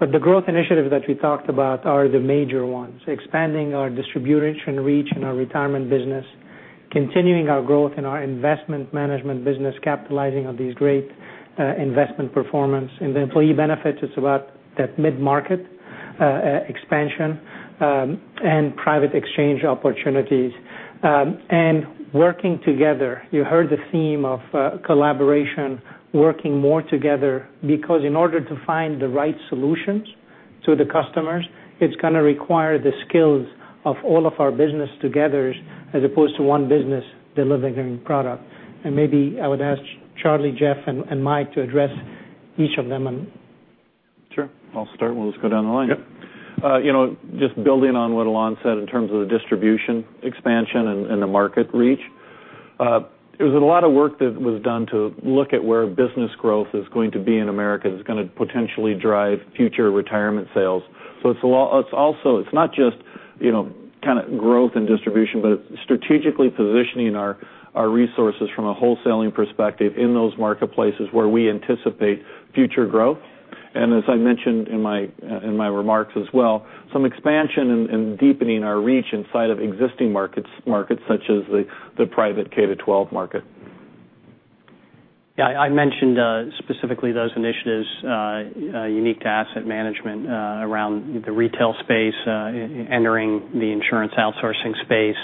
The growth initiatives that we talked about are the major ones. Expanding our distribution reach in our retirement business, continuing our growth in our investment management business, capitalizing on these great investment performance. In the employee benefits, it's about that mid-market expansion, and private exchange opportunities. Working together, you heard the theme of collaboration, working more together because in order to find the right solutions to the customers, it's going to require the skills of all of our business together as opposed to one business delivering product. Maybe I would ask Charlie, Jeff, and Mike to address each of them. Sure. I'll start and we'll just go down the line. Yep. Just building on what Alain said in terms of the distribution expansion and the market reach. There's a lot of work that was done to look at where business growth is going to be in America, that's going to potentially drive future retirement sales. It's not just growth and distribution, but strategically positioning our resources from a wholesaling perspective in those marketplaces where we anticipate future growth. As I mentioned in my remarks as well, some expansion and deepening our reach inside of existing markets such as the private K-12 market. Yeah. I mentioned specifically those initiatives unique to asset management around the retail space, entering the insurance outsourcing space,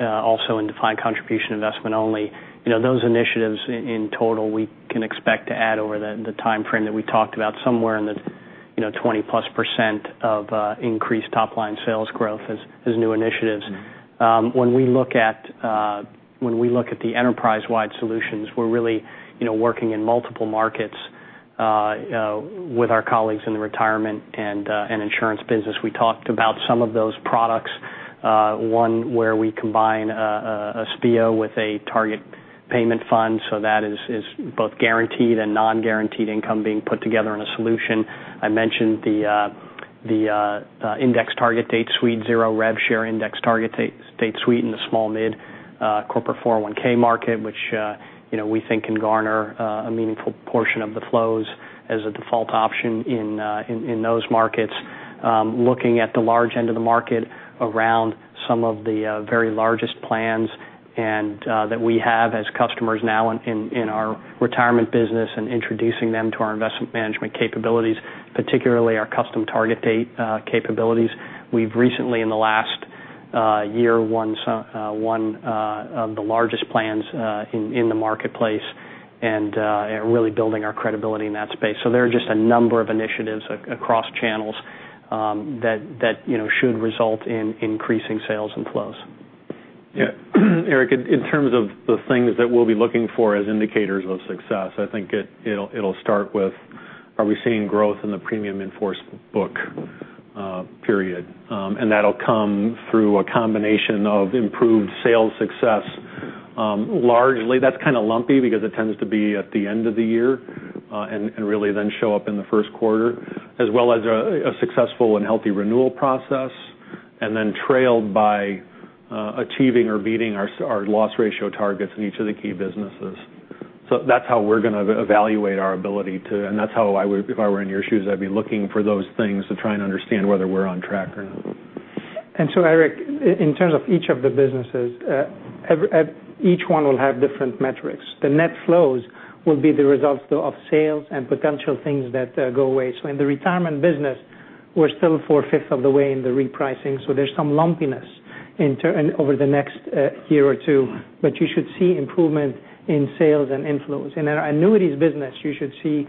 also in defined contribution investment only. Those initiatives in total, we can expect to add over the timeframe that we talked about somewhere in the 20-plus % of increased top-line sales growth as new initiatives. When we look at the enterprise-wide solutions, we're really working in multiple markets with our colleagues in the retirement and insurance business. We talked about some of those products, one where we combine a SPIA with a Target Payment Fund, that is both guaranteed and non-guaranteed income being put together in a solution. I mentioned the index target date suite, zero rev share index target date suite in the small mid corporate 401 market, which we think can garner a meaningful portion of the flows as a default option in those markets. Looking at the large end of the market around some of the very largest plans that we have as customers now in our retirement business and introducing them to our investment management capabilities, particularly our custom target date capabilities. We've recently, in the last year, won the largest plans in the marketplace and really building our credibility in that space. There are just a number of initiatives across channels that should result in increasing sales and flows. Yeah. Eric, in terms of the things that we'll be looking for as indicators of success, I think it'll start with, are we seeing growth in the premium in force book period? That'll come through a combination of improved sales success. Largely, that's kind of lumpy because it tends to be at the end of the year, and really then show up in the first quarter, as well as a successful and healthy renewal process, and then trailed by achieving or beating our loss ratio targets in each of the key businesses. That's how we're going to evaluate our ability to, and that's how I would, if I were in your shoes, I'd be looking for those things to try and understand whether we're on track or not. Eric, in terms of each of the businesses, each one will have different metrics. The net flows will be the results of sales and potential things that go away. In the retirement business, we're still four-fifths of the way in the repricing, so there's some lumpiness over the next year or two. You should see improvement in sales and inflows. In our annuities business, you should see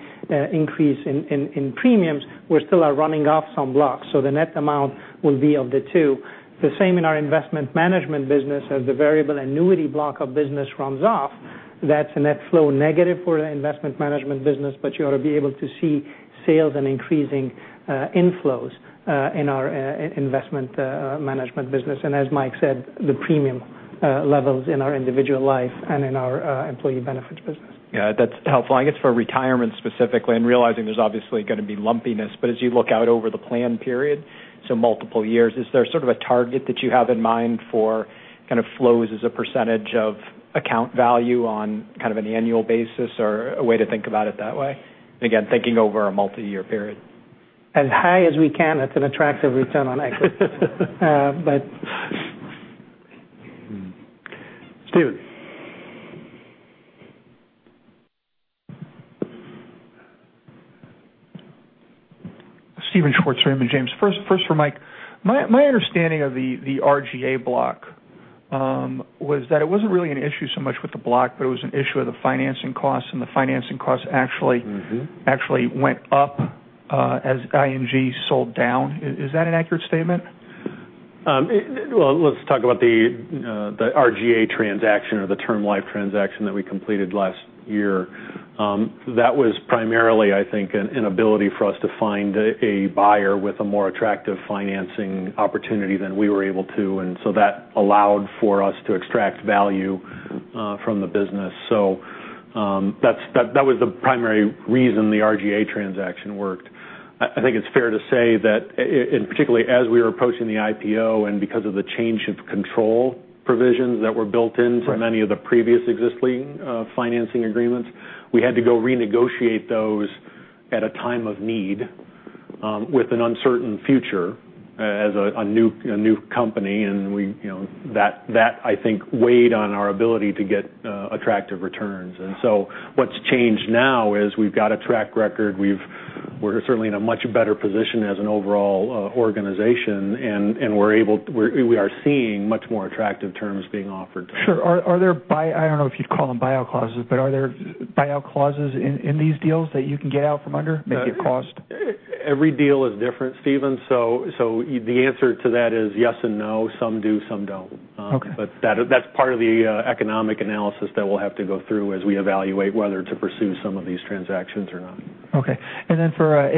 increase in premiums. We still are running off some blocks, so the net amount will be of the two. The same in our investment management business, as the variable annuity block of business runs off, that's a net flow negative for the investment management business, but you ought to be able to see sales and increasing inflows in our investment management business. As Mike said, the premium levels in our individual life and in our employee benefits business. Yeah, that's helpful. I guess for retirement specifically, realizing there's obviously going to be lumpiness, but as you look out over the plan period, so multiple years, is there sort of a target that you have in mind for flows as a percentage of account value on an annual basis or a way to think about it that way? Again, thinking over a multi-year period. As high as we can at an attractive return on equity. Steven. Steven Schwartz, Raymond James. First for Mike. My understanding of the RGA block was that it wasn't really an issue so much with the block, but it was an issue of the financing costs, and the financing costs actually. went up as ING sold down. Is that an accurate statement? Well, let's talk about the RGA transaction or the term life transaction that we completed last year. That was primarily, I think, an inability for us to find a buyer with a more attractive financing opportunity than we were able to, and so that allowed for us to extract value from the business. That was the primary reason the RGA transaction worked. I think it's fair to say that, and particularly as we were approaching the IPO and because of the change of control provisions that were built in for many of the previous existing financing agreements, we had to go renegotiate those at a time of need with an uncertain future as a new company, and that I think weighed on our ability to get attractive returns. What's changed now is we've got a track record. We're certainly in a much better position as an overall organization, and we are seeing much more attractive terms being offered. Sure. I don't know if you'd call them buyout clauses, but are there buyout clauses in these deals that you can get out from under, maybe at cost? Every deal is different, Steven, the answer to that is yes and no. Some do, some don't. Okay. That's part of the economic analysis that we'll have to go through as we evaluate whether to pursue some of these transactions or not. Okay. Then for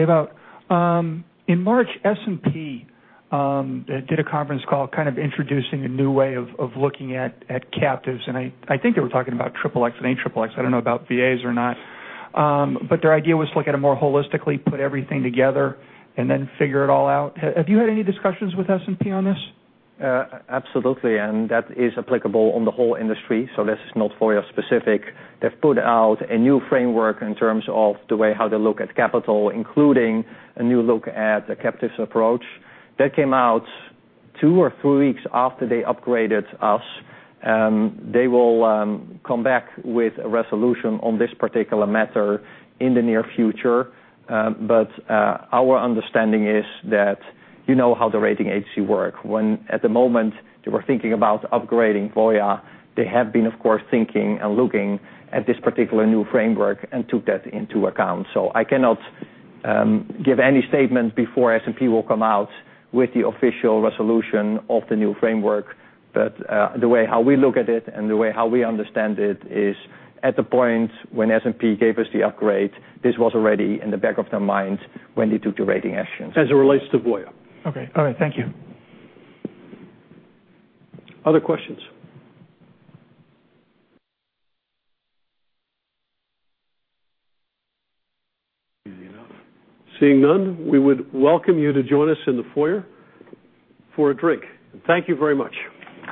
Ewout. In March, S&P did a conference call kind of introducing a new way of looking at captives, and I think they were talking about XXX and AXXX. I don't know about VAs or not. Their idea was to look at it more holistically, put everything together, and then figure it all out. Have you had any discussions with S&P on this? Absolutely, that is applicable on the whole industry, this is not Voya specific. They've put out a new framework in terms of the way how they look at capital, including a new look at the captives approach. That came out two or three weeks after they upgraded us. They will come back with a resolution on this particular matter in the near future. Our understanding is that you know how the rating agency work. When at the moment they were thinking about upgrading Voya, they have been, of course, thinking and looking at this particular new framework and took that into account. I cannot give any statement before S&P will come out with the official resolution of the new framework. The way how we look at it and the way how we understand it is at the point when S&P gave us the upgrade, this was already in the back of their minds when they took the rating actions. As it relates to Voya. Okay. All right. Thank you. Other questions? Seeing none, we would welcome you to join us in the foyer for a drink. Thank you very much.